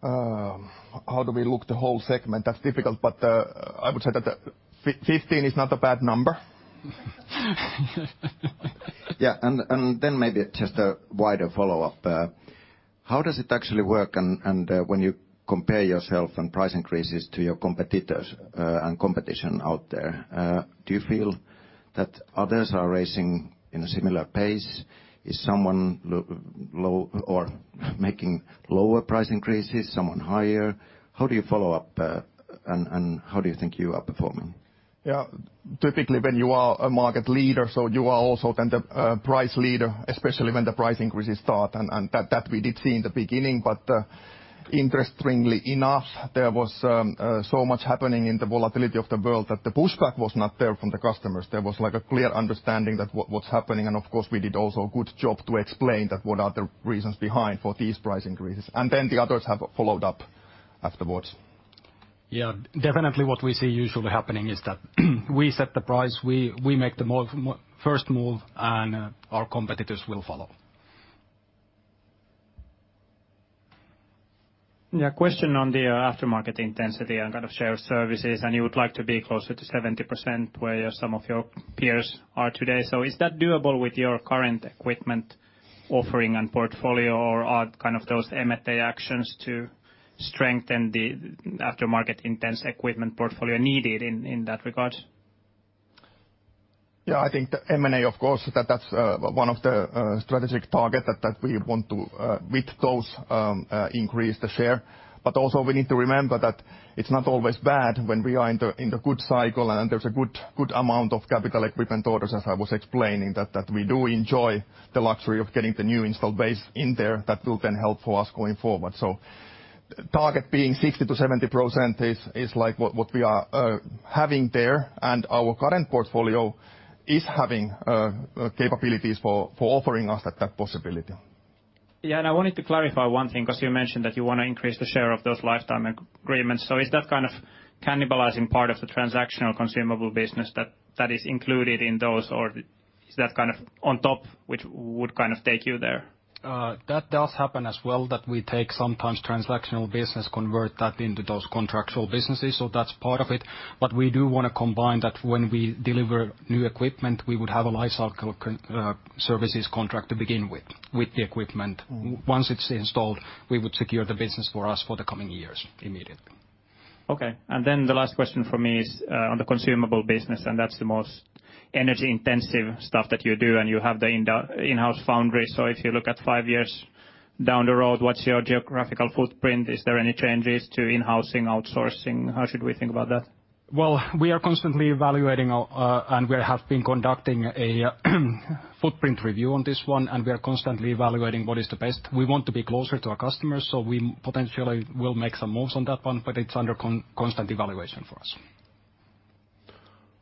How do we look at the whole segment? That's difficult, but I would say that 15 is not a bad number. Then maybe just a wider follow-up. How does it actually work and when you compare yourself and price increases to your competitors and competition out there, do you feel that others are raising in a similar pace? Is someone low or making lower price increases, someone higher? How do you follow up and how do you think you are performing? Yeah. Typically, when you are a market leader, so you are also then the price leader, especially when the price increases start, and that we did see in the beginning. Interestingly enough, there was so much happening in the volatility of the world that the pushback was not there from the customers. There was like a clear understanding that what's happening, and of course, we did also a good job to explain that what are the reasons behind for these price increases. Then the others have followed up afterwards. Yeah. Definitely what we see usually happening is that we set the price, we make the first move, and our competitors will follow. Yeah. Question on the aftermarket intensity and kind of service share, and you would like to be closer to 70% where some of your peers are today. Is that doable with your current equipment offering and portfolio or are kind of those M&A actions to strengthen the aftermarket intensive equipment portfolio needed in that regard? Yeah. I think the M&A, of course, that's one of the strategic target that we want to with those increase the share. Also we need to remember that it's not always bad when we are in the good cycle and there's a good amount of capital equipment orders, as I was explaining, that we do enjoy the luxury of getting the new installed base in there that will then help for us going forward. Target being 60%-70% is like what we are having there. Our current portfolio is having capabilities for offering us that possibility. Yeah, I wanted to clarify one thing 'cause you mentioned that you wanna increase the share of those lifetime agreements. Is that kind of cannibalizing part of the transactional consumable business that is included in those, or is that kind of on top which would kind of take you there? That does happen as well, that we take sometimes transactional business, convert that into those contractual businesses. That's part of it. We do wanna combine that when we deliver new equipment, we would have a Lifecycle Services contract to begin with the equipment. Once it's installed, we would secure the business for us for the coming years immediately. Okay. The last question from me is on the consumable business, and that's the most energy-intensive stuff that you do, and you have the in-house foundry. If you look at five years down the road, what's your geographical footprint? Is there any changes to in-housing, outsourcing? How should we think about that? Well, we are constantly evaluating, and we have been conducting a footprint review on this one, and we are constantly evaluating what is the best. We want to be closer to our customers, so we potentially will make some moves on that one, but it's under constant evaluation for us.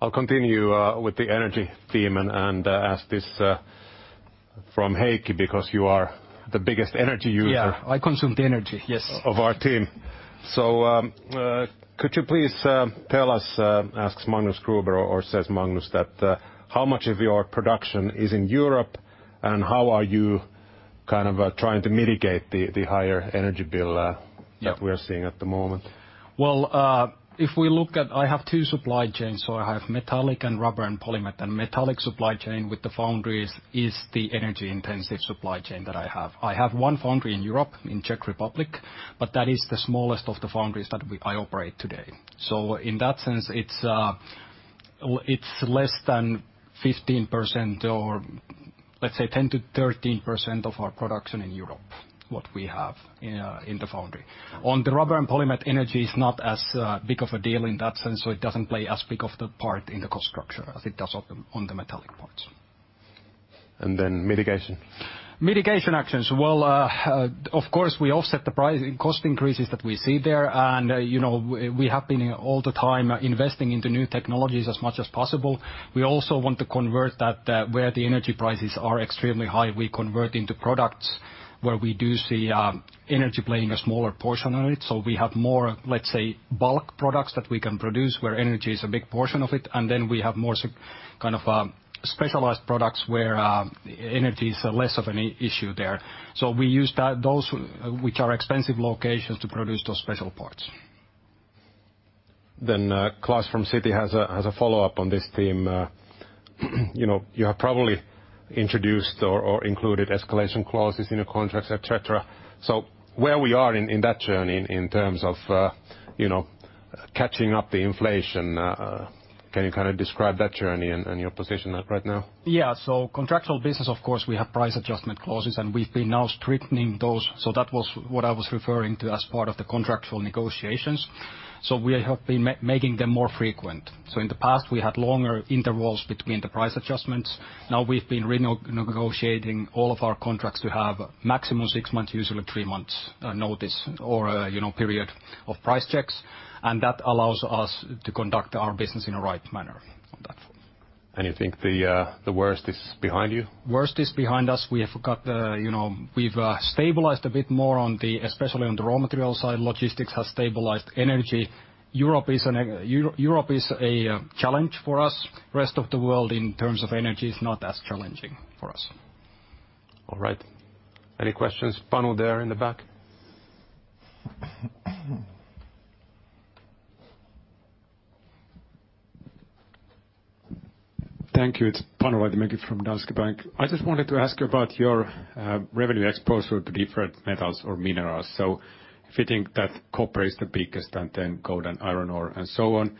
I'll continue with the energy theme and ask this from Heikki because you are the biggest energy user. Yeah, I consume the energy, yes.... of our team. Could you please tell us, asks Magnus Kruber or says Magnus, that how much of your production is in Europe, and how are you trying to mitigate the higher energy bill? Yeah that we are seeing at the moment? Well, if we look at I have two supply chains. I have metallic and rubber and Poly-Met. Metallic supply chain with the foundries is the energy-intensive supply chain that I have. I have one foundry in Europe, in Czech Republic, but that is the smallest of the foundries that I operate today. In that sense, it's less than 15% or let's say 10%-13% of our production in Europe, what we have in the foundry. On the rubber and Poly-Met energy, it's not as big of a deal in that sense, so it doesn't play as big of the part in the cost structure as it does on the metallic parts. Mitigation. Mitigation actions. Well, of course, we offset the cost increases that we see there. You know, we have been all the time investing into new technologies as much as possible. We also want to convert that where the energy prices are extremely high. We convert into products where we do see energy playing a smaller portion on it. We have more, let's say, bulk products that we can produce where energy is a big portion of it, and then we have more kind of specialized products where energy is less of an issue there. We use those which are expensive locations to produce those special parts. Klas from Citi has a follow-up on this theme. You know, you have probably introduced or included escalation clauses in your contracts, et cetera. Where we are in that journey in terms of you know, catching up to the inflation, can you kind of describe that journey and your position right now? Yeah. Contractual business, of course, we have price adjustment clauses, and we've been now strengthening those. That was what I was referring to as part of the contractual negotiations. We have been making them more frequent. In the past, we had longer intervals between the price adjustments. Now we've been renegotiating all of our contracts to have maximum six months, usually three months, notice or, you know, period of price checks, and that allows us to conduct our business in a right manner on that. You think the worst is behind you? Worst is behind us. You know, we've stabilized a bit more, especially on the raw material side. Logistics has stabilized. Energy, Europe is a challenge for us. Rest of the world in terms of energy is not as challenging for us. All right. Any questions? Panu there in the back. Thank you. It's Panu Laitinmäki from Danske Bank. I just wanted to ask about your revenue exposure to different metals or minerals. If you think that copper is the biggest, and then gold and iron ore and so on,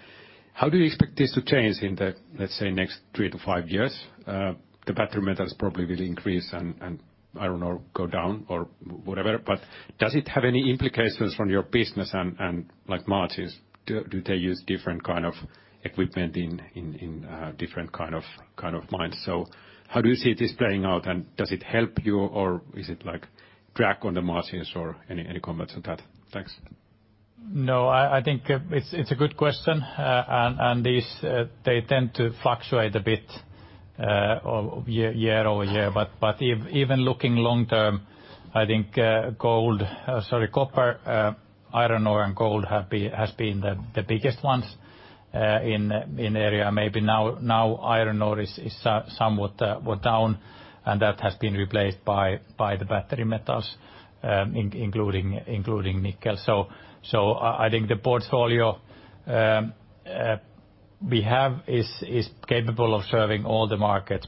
how do you expect this to change in the, let's say, next 3-5 years? The battery metals probably will increase and iron ore go down or whatever. Does it have any implications on your business and like margins? Do they use different kind of equipment in different kind of mines? How do you see this playing out, and does it help you, or is it like drag on the margins or any comments on that? Thanks. No, I think it's a good question. These tend to fluctuate a bit year over year. Even looking long term, I think gold, sorry, copper, iron ore, and gold have been the biggest ones in area. Now iron ore is somewhat down, and that has been replaced by the battery metals, including nickel. I think the portfolio we have is capable of serving all the markets.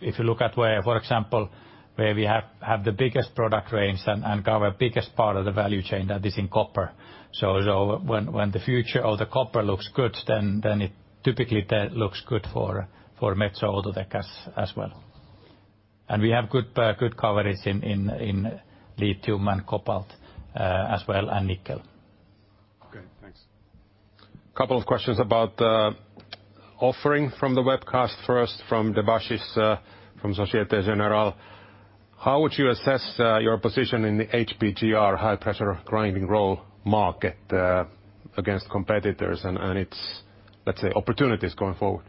If you look at where, for example, where we have the biggest product range and cover biggest part of the value chain, that is in copper. When the future of the copper looks good, then it typically looks good for Metso Outotec as well. We have good coverage in lithium and cobalt as well, and nickel. Okay, thanks. Couple of questions about offering from the webcast. First from Debashis from Société Générale. How would you assess your position in the HPGR, high pressure grinding roll market against competitors and its, let's say, opportunities going forward?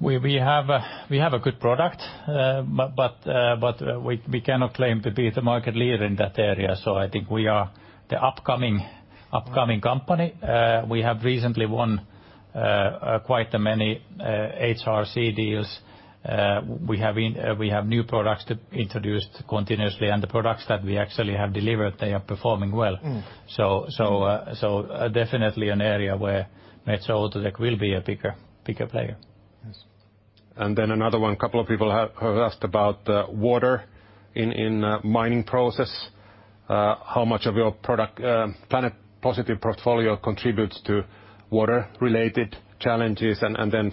We have a good product. We cannot claim to be the market leader in that area. I think we are the upcoming company. We have recently won quite a many HRC deals. We have new products to introduce continuously, and the products that we actually have delivered, they are performing well. Definitely an area where Metso Outotec will be a bigger player. Yes. Another one. Couple of people have asked about water in a mining process. How much of your product Planet Positive portfolio contributes to water-related challenges?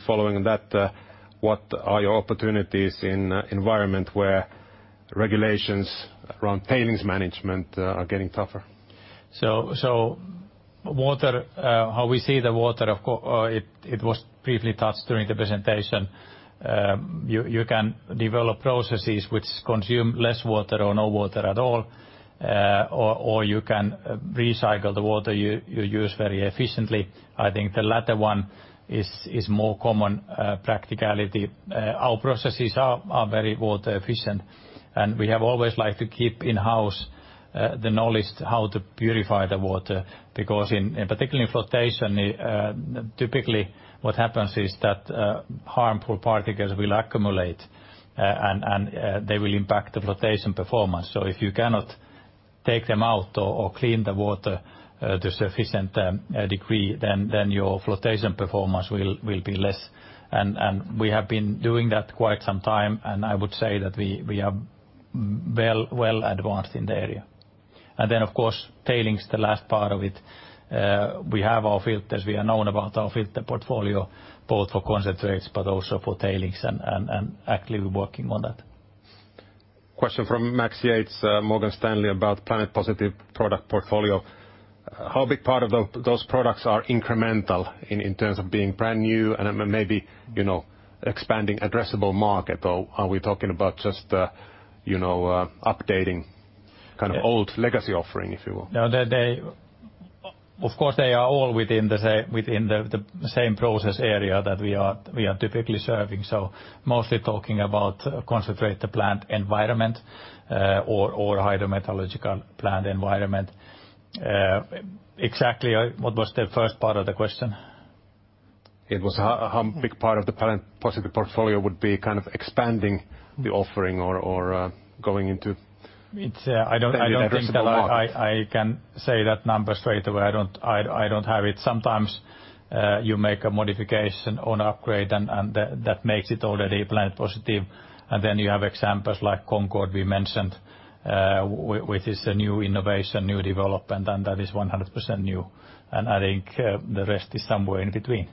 Following that, what are your opportunities in an environment where regulations around tailings management are getting tougher? Water, how we see the water efficiency, it was briefly touched during the presentation. You can develop processes which consume less water or no water at all, or you can recycle the water you use very efficiently. I think the latter one is more common in practice. Our processes are very water efficient, and we have always liked to keep in-house the knowledge how to purify the water because in particular in flotation, typically what happens is that harmful particles will accumulate, and they will impact the flotation performance. If you cannot take them out or clean the water at a sufficient degree then your flotation performance will be less. We have been doing that quite some time, and I would say that we are well advanced in the area. Then of course tailings, the last part of it, we have our filters. We are known for our filter portfolio both for concentrates but also for tailings and actually working on that. Question from Max Yates, Morgan Stanley, about Planet Positive product portfolio. How big part of those products are incremental in terms of being brand new and maybe, you know, expanding addressable market? Or are we talking about just, you know, updating kind of old legacy offering, if you will? No, they. Of course they are all within the same process area that we are typically serving. Mostly talking about concentrate plant environment, or hydrometallurgical plant environment. Exactly, what was the first part of the question? How big part of the Planet Positive portfolio would be kind of expanding the offering or going into- I don't think that I. addressable market. I can say that number straight away. I don't have it. Sometimes you make a modification on upgrade and that makes it already Planet Positive. Then you have examples like Concorde we mentioned, which is a new innovation, new development, and that is 100% new. I think the rest is somewhere in between.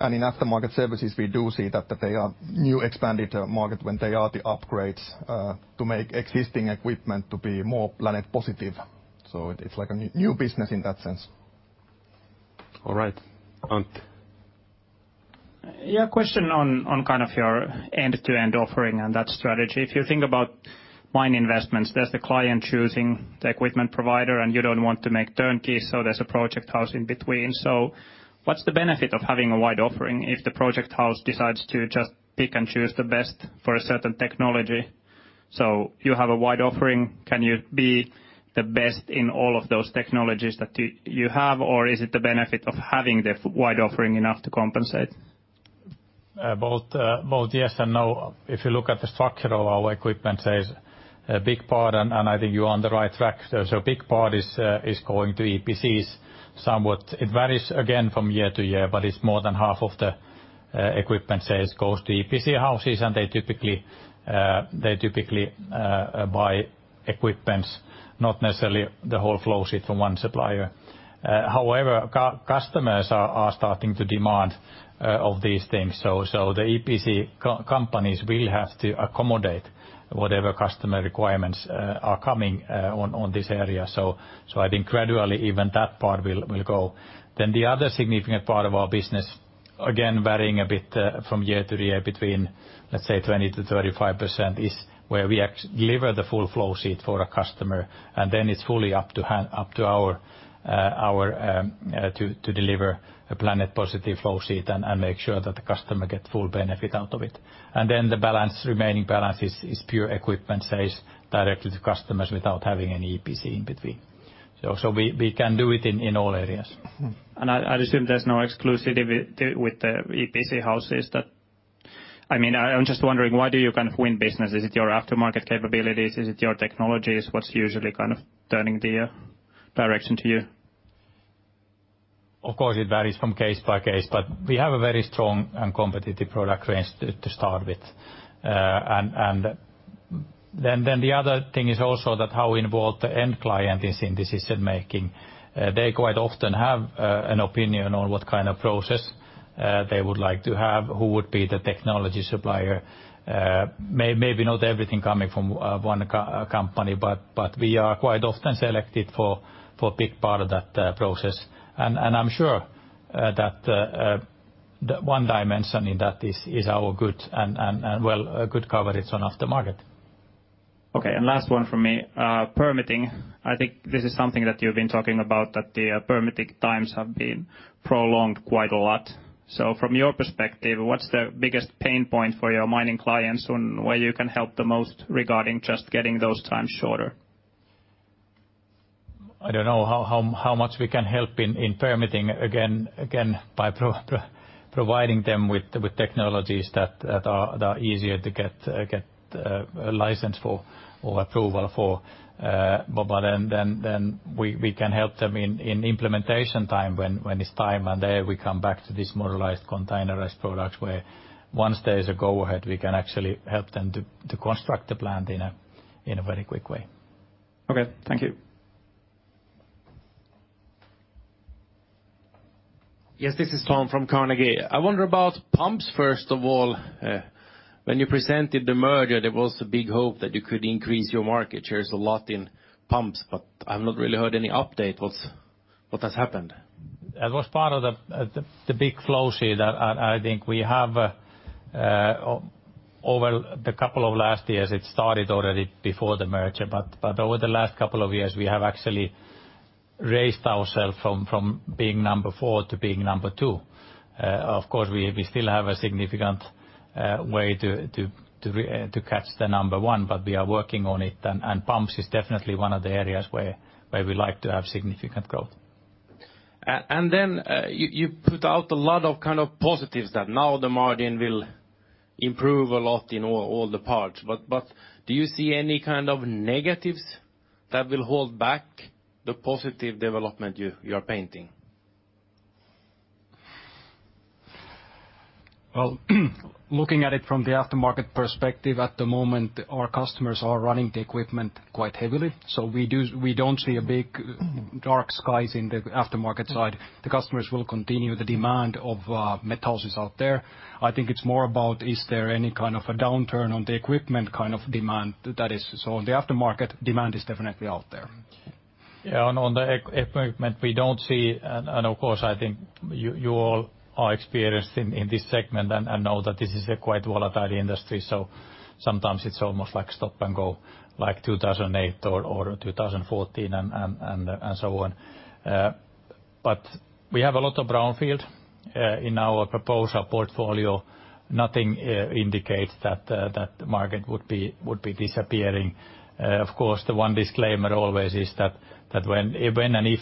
In aftermarket services, we do see that there's a new expanded market with the upgrades to make existing equipment to be more Planet Positive. So it's like a new business in that sense. All right. Antti. Yeah, question on kind of your end-to-end offering and that strategy. If you think about mine investments, there's the client choosing the equipment provider, and you don't want to make turnkeys, so there's a project house in between. What's the benefit of having a wide offering if the project house decides to just pick and choose the best for a certain technology? You have a wide offering, can you be the best in all of those technologies that you have? Or is it the benefit of having the wide offering enough to compensate? Both yes and no. If you look at the structure of our equipment sales, a big part, I think you are on the right track. Big part is going to EPCs. Somewhat it varies again from year to year, but it's more than half of the equipment sales goes to EPC houses, and they typically buy equipments, not necessarily the whole flowsheet from one supplier. However, customers are starting to demand of these things. The EPC companies will have to accommodate whatever customer requirements are coming on this area. I think gradually even that part will go. The other significant part of our business, again, varying a bit from year to year between, let's say, 20%-35% is where we actually deliver the full flowsheet for a customer, and then it's fully up to us to deliver a Planet Positive flowsheet and make sure that the customer get full benefit out of it. The balance, remaining balance is pure equipment sales directly to customers without having any EPC in between. We can do it in all areas. I assume there's no exclusivity with the EPC houses. I mean, I'm just wondering why do you kind of win business? Is it your aftermarket capabilities? Is it your technologies? What's usually kind of turning the direction to you? Of course, it varies from case by case, but we have a very strong and competitive product range to start with. The other thing is also that how involved the end client is in decision-making. They quite often have an opinion on what kind of process they would like to have, who would be the technology supplier. Maybe not everything coming from one company, but we are quite often selected for a big part of that process. I'm sure one dimension in that is our good and well a good coverage on aftermarket. Okay. Last one from me. Permitting, I think this is something that you've been talking about that the permitting times have been prolonged quite a lot. From your perspective, what's the biggest pain point for your mining clients on where you can help the most regarding just getting those times shorter? I don't know how much we can help in permitting, again by providing them with technologies that are easier to get a license for or approval for. We can help them in implementation time when it's time and there we come back to this modularized containerized product where once there's a go-ahead, we can actually help them to construct the plant in a very quick way. Okay. Thank you. Yes, this is Tom from Carnegie. I wonder about pumps, first of all. When you presented the merger, there was a big hope that you could increase your market shares a lot in pumps, but I've not really heard any update. What has happened? That was part of the big flow sheet. I think we have over the couple of last years, it started already before the merger. Over the last couple of years, we have actually raised ourself from being number four to being number two. Of course, we still have a significant way to catch the number one, but we are working on it and pumps is definitely one of the areas where we like to have significant growth. You put out a lot of kind of positives that now the margin will improve a lot in all the parts. Do you see any kind of negatives that will hold back the positive development you are painting? Well, looking at it from the aftermarket perspective at the moment, our customers are running the equipment quite heavily. We don't see a big dark skies in the aftermarket side. The customers will continue. The demand of metals is out there. I think it's more about is there any kind of a downturn on the equipment kind of demand that is. On the aftermarket, demand is definitely out there. Yeah, on the equipment, we don't see and of course, I think you all are experienced in this segment and know that this is a quite volatile industry, so sometimes it's almost like stop-and-go, like 2008 or 2014 and so on. We have a lot of brownfield in our proposal portfolio. Nothing indicates that market would be disappearing. Of course, the one disclaimer always is that when and if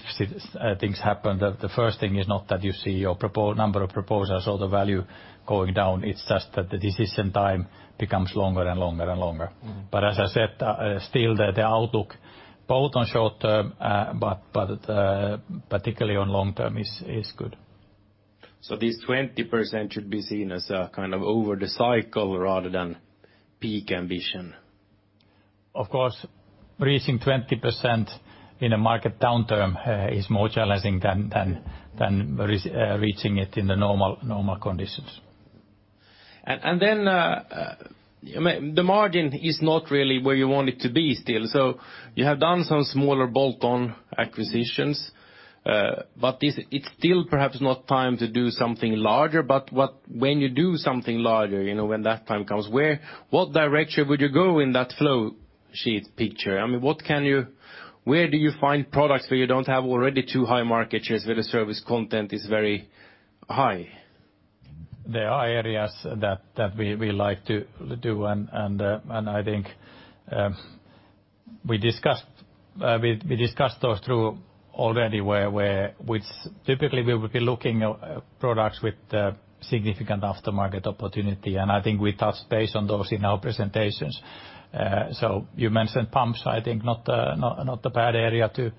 things happen, the first thing is not that you see your number of proposals or the value going down, it's just that the decision time becomes longer and longer and longer. As I said, still the outlook both on short-term, but particularly on long term is good. These 20% should be seen as a kind of over the cycle rather than peak ambition. Of course, reaching 20% in a market downturn is more challenging than reaching it in the normal conditions. I mean, the margin is not really where you want it to be still. You have done some smaller bolt-on acquisitions. Is it still perhaps not time to do something larger? When you do something larger, you know, when that time comes, what direction would you go in that flow sheet picture? I mean, where do you find products where you don't have already too high market shares, where the service content is very high? There are areas that we like to do and I think we discussed those through already which typically we would be looking at products with significant aftermarket opportunity. I think we touched base on those in our presentations. You mentioned pumps, I think not a bad area to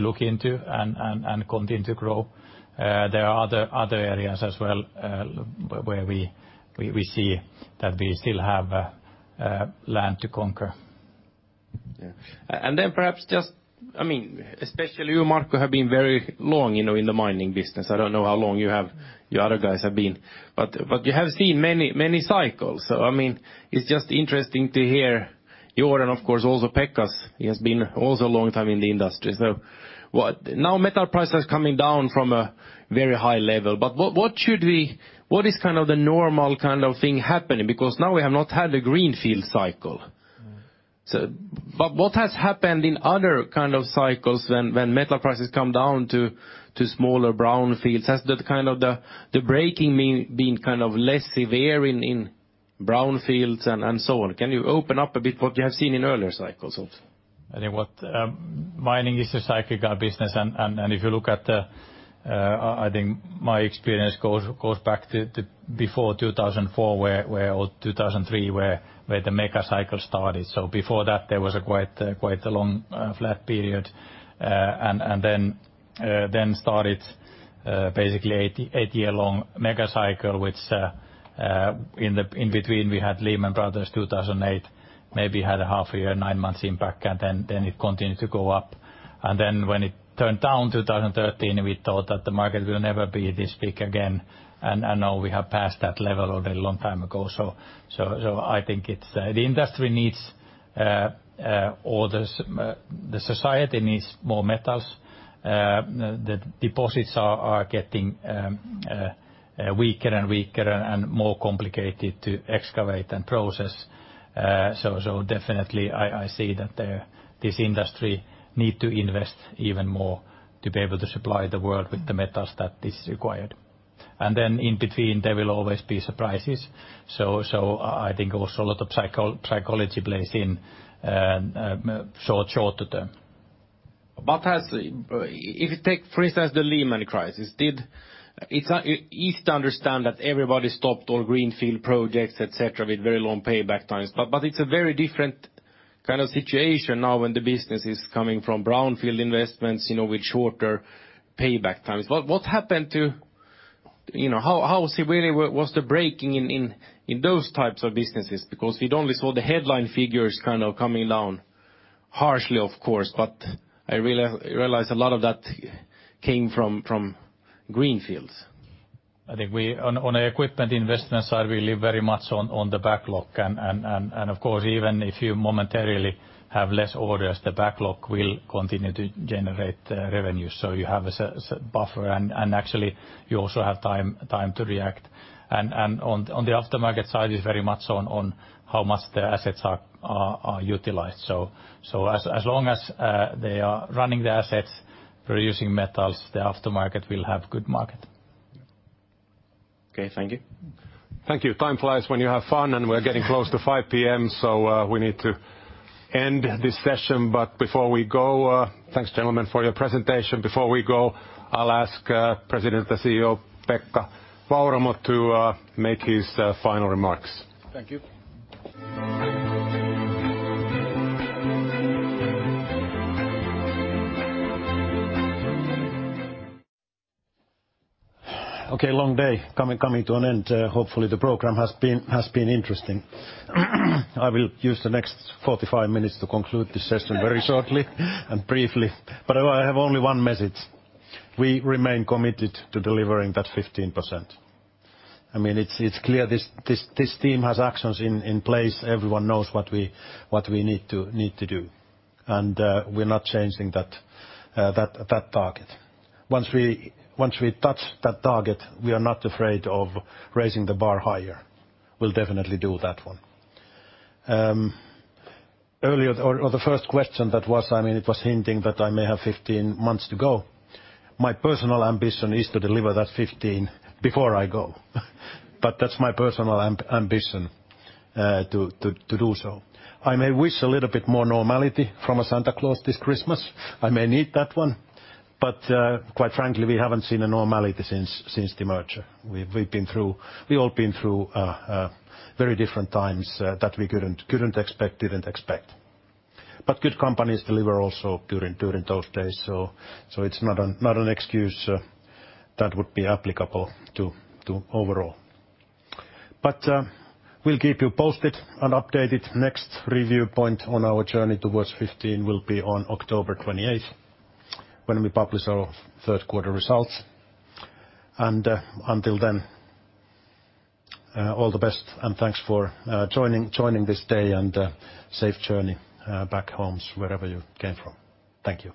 look into and continue to grow. There are other areas as well where we see that we still have land to conquer. Yeah. Then perhaps just, I mean, especially you, Markku, have been very long, you know, in the mining business. I don't know how long you other guys have been. You have seen many cycles. I mean, it's just interesting to hear you, and of course, also Pekka, he has been also a long time in the industry. Now metal prices coming down from a very high level, but what is kind of the normal kind of thing happening? Because now we have not had a greenfield cycle. What has happened in other kind of cycles when metal prices come down to smaller brownfields? Has the kind of the breaking been kind of less severe in brownfields and so on? Can you open up a bit what you have seen in earlier cycles also? I think mining is a cyclical business and if you look at I think my experience goes back to before 2004—or 2003, where the mega cycle started. Before that, there was quite a long flat period. Then it started basically 80-year long mega cycle, which in between we had Lehman Brothers 2008, maybe had a half a year, nine months impact, and then it continued to go up. Then when it turned down 2013, we thought that the market will never be this big again. Now we have passed that level already a long time ago. I think it's the industry needs or the society needs more metals. The deposits are getting weaker and weaker and more complicated to excavate and process. Definitely, I see that this industry need to invest even more to be able to supply the world with the metals that is required. Then in between there will always be surprises. I think also a lot of psychology plays in short term. If you take, for instance, the Lehman Brothers crisis, it's easy to understand that everybody stopped all greenfield projects, et cetera, with very long payback times. It's a very different kind of situation now when the business is coming from brownfield investments, you know, with shorter payback times. What happened to, you know, how severely was the break in those types of businesses? Because we only saw the headline figures kind of coming down harshly, of course, but I realize a lot of that came from greenfields. On the equipment investment side, we live very much on the backlog. Of course, even if you momentarily have less orders, the backlog will continue to generate revenue. You have a certain buffer and actually you also have time to react. On the aftermarket side, it's very much on how much the assets are utilized. As long as they are running the assets, producing metals, the aftermarket will have good market. Okay. Thank you. Thank you. Time flies when you have fun, and we're getting close to 5 P.M., so we need to end this session. Before we go, thanks, gentlemen, for your presentation. Before we go, I'll ask President and CEO Pekka Vauramo to make his final remarks. Thank you. Okay, long day coming to an end. Hopefully, the program has been interesting. I will use the next 4-5 minutes to conclude this session very shortly and briefly. I have only one message: We remain committed to delivering that 15%. I mean, it's clear this team has actions in place. Everyone knows what we need to do. We're not changing that target. Once we touch that target, we are not afraid of raising the bar higher. We'll definitely do that one. Earlier or the first question that was I mean, it was hinting that I may have 15 months to go. My personal ambition is to deliver that 15 before I go. That's my personal ambition to do so. I may wish a little bit more normality from a Santa Claus this Christmas. I may need that one, but quite frankly, we haven't seen a normality since the merger. We've all been through very different times that we couldn't expect, didn't expect. Good companies deliver also during those days. It's not an excuse that would be applicable to overall. We'll keep you posted and updated. Next review point on our journey towards 15 will be on October twenty-eighth when we publish our third quarter results. Until then, all the best and thanks for joining this day and safe journey back homes wherever you came from. Thank you.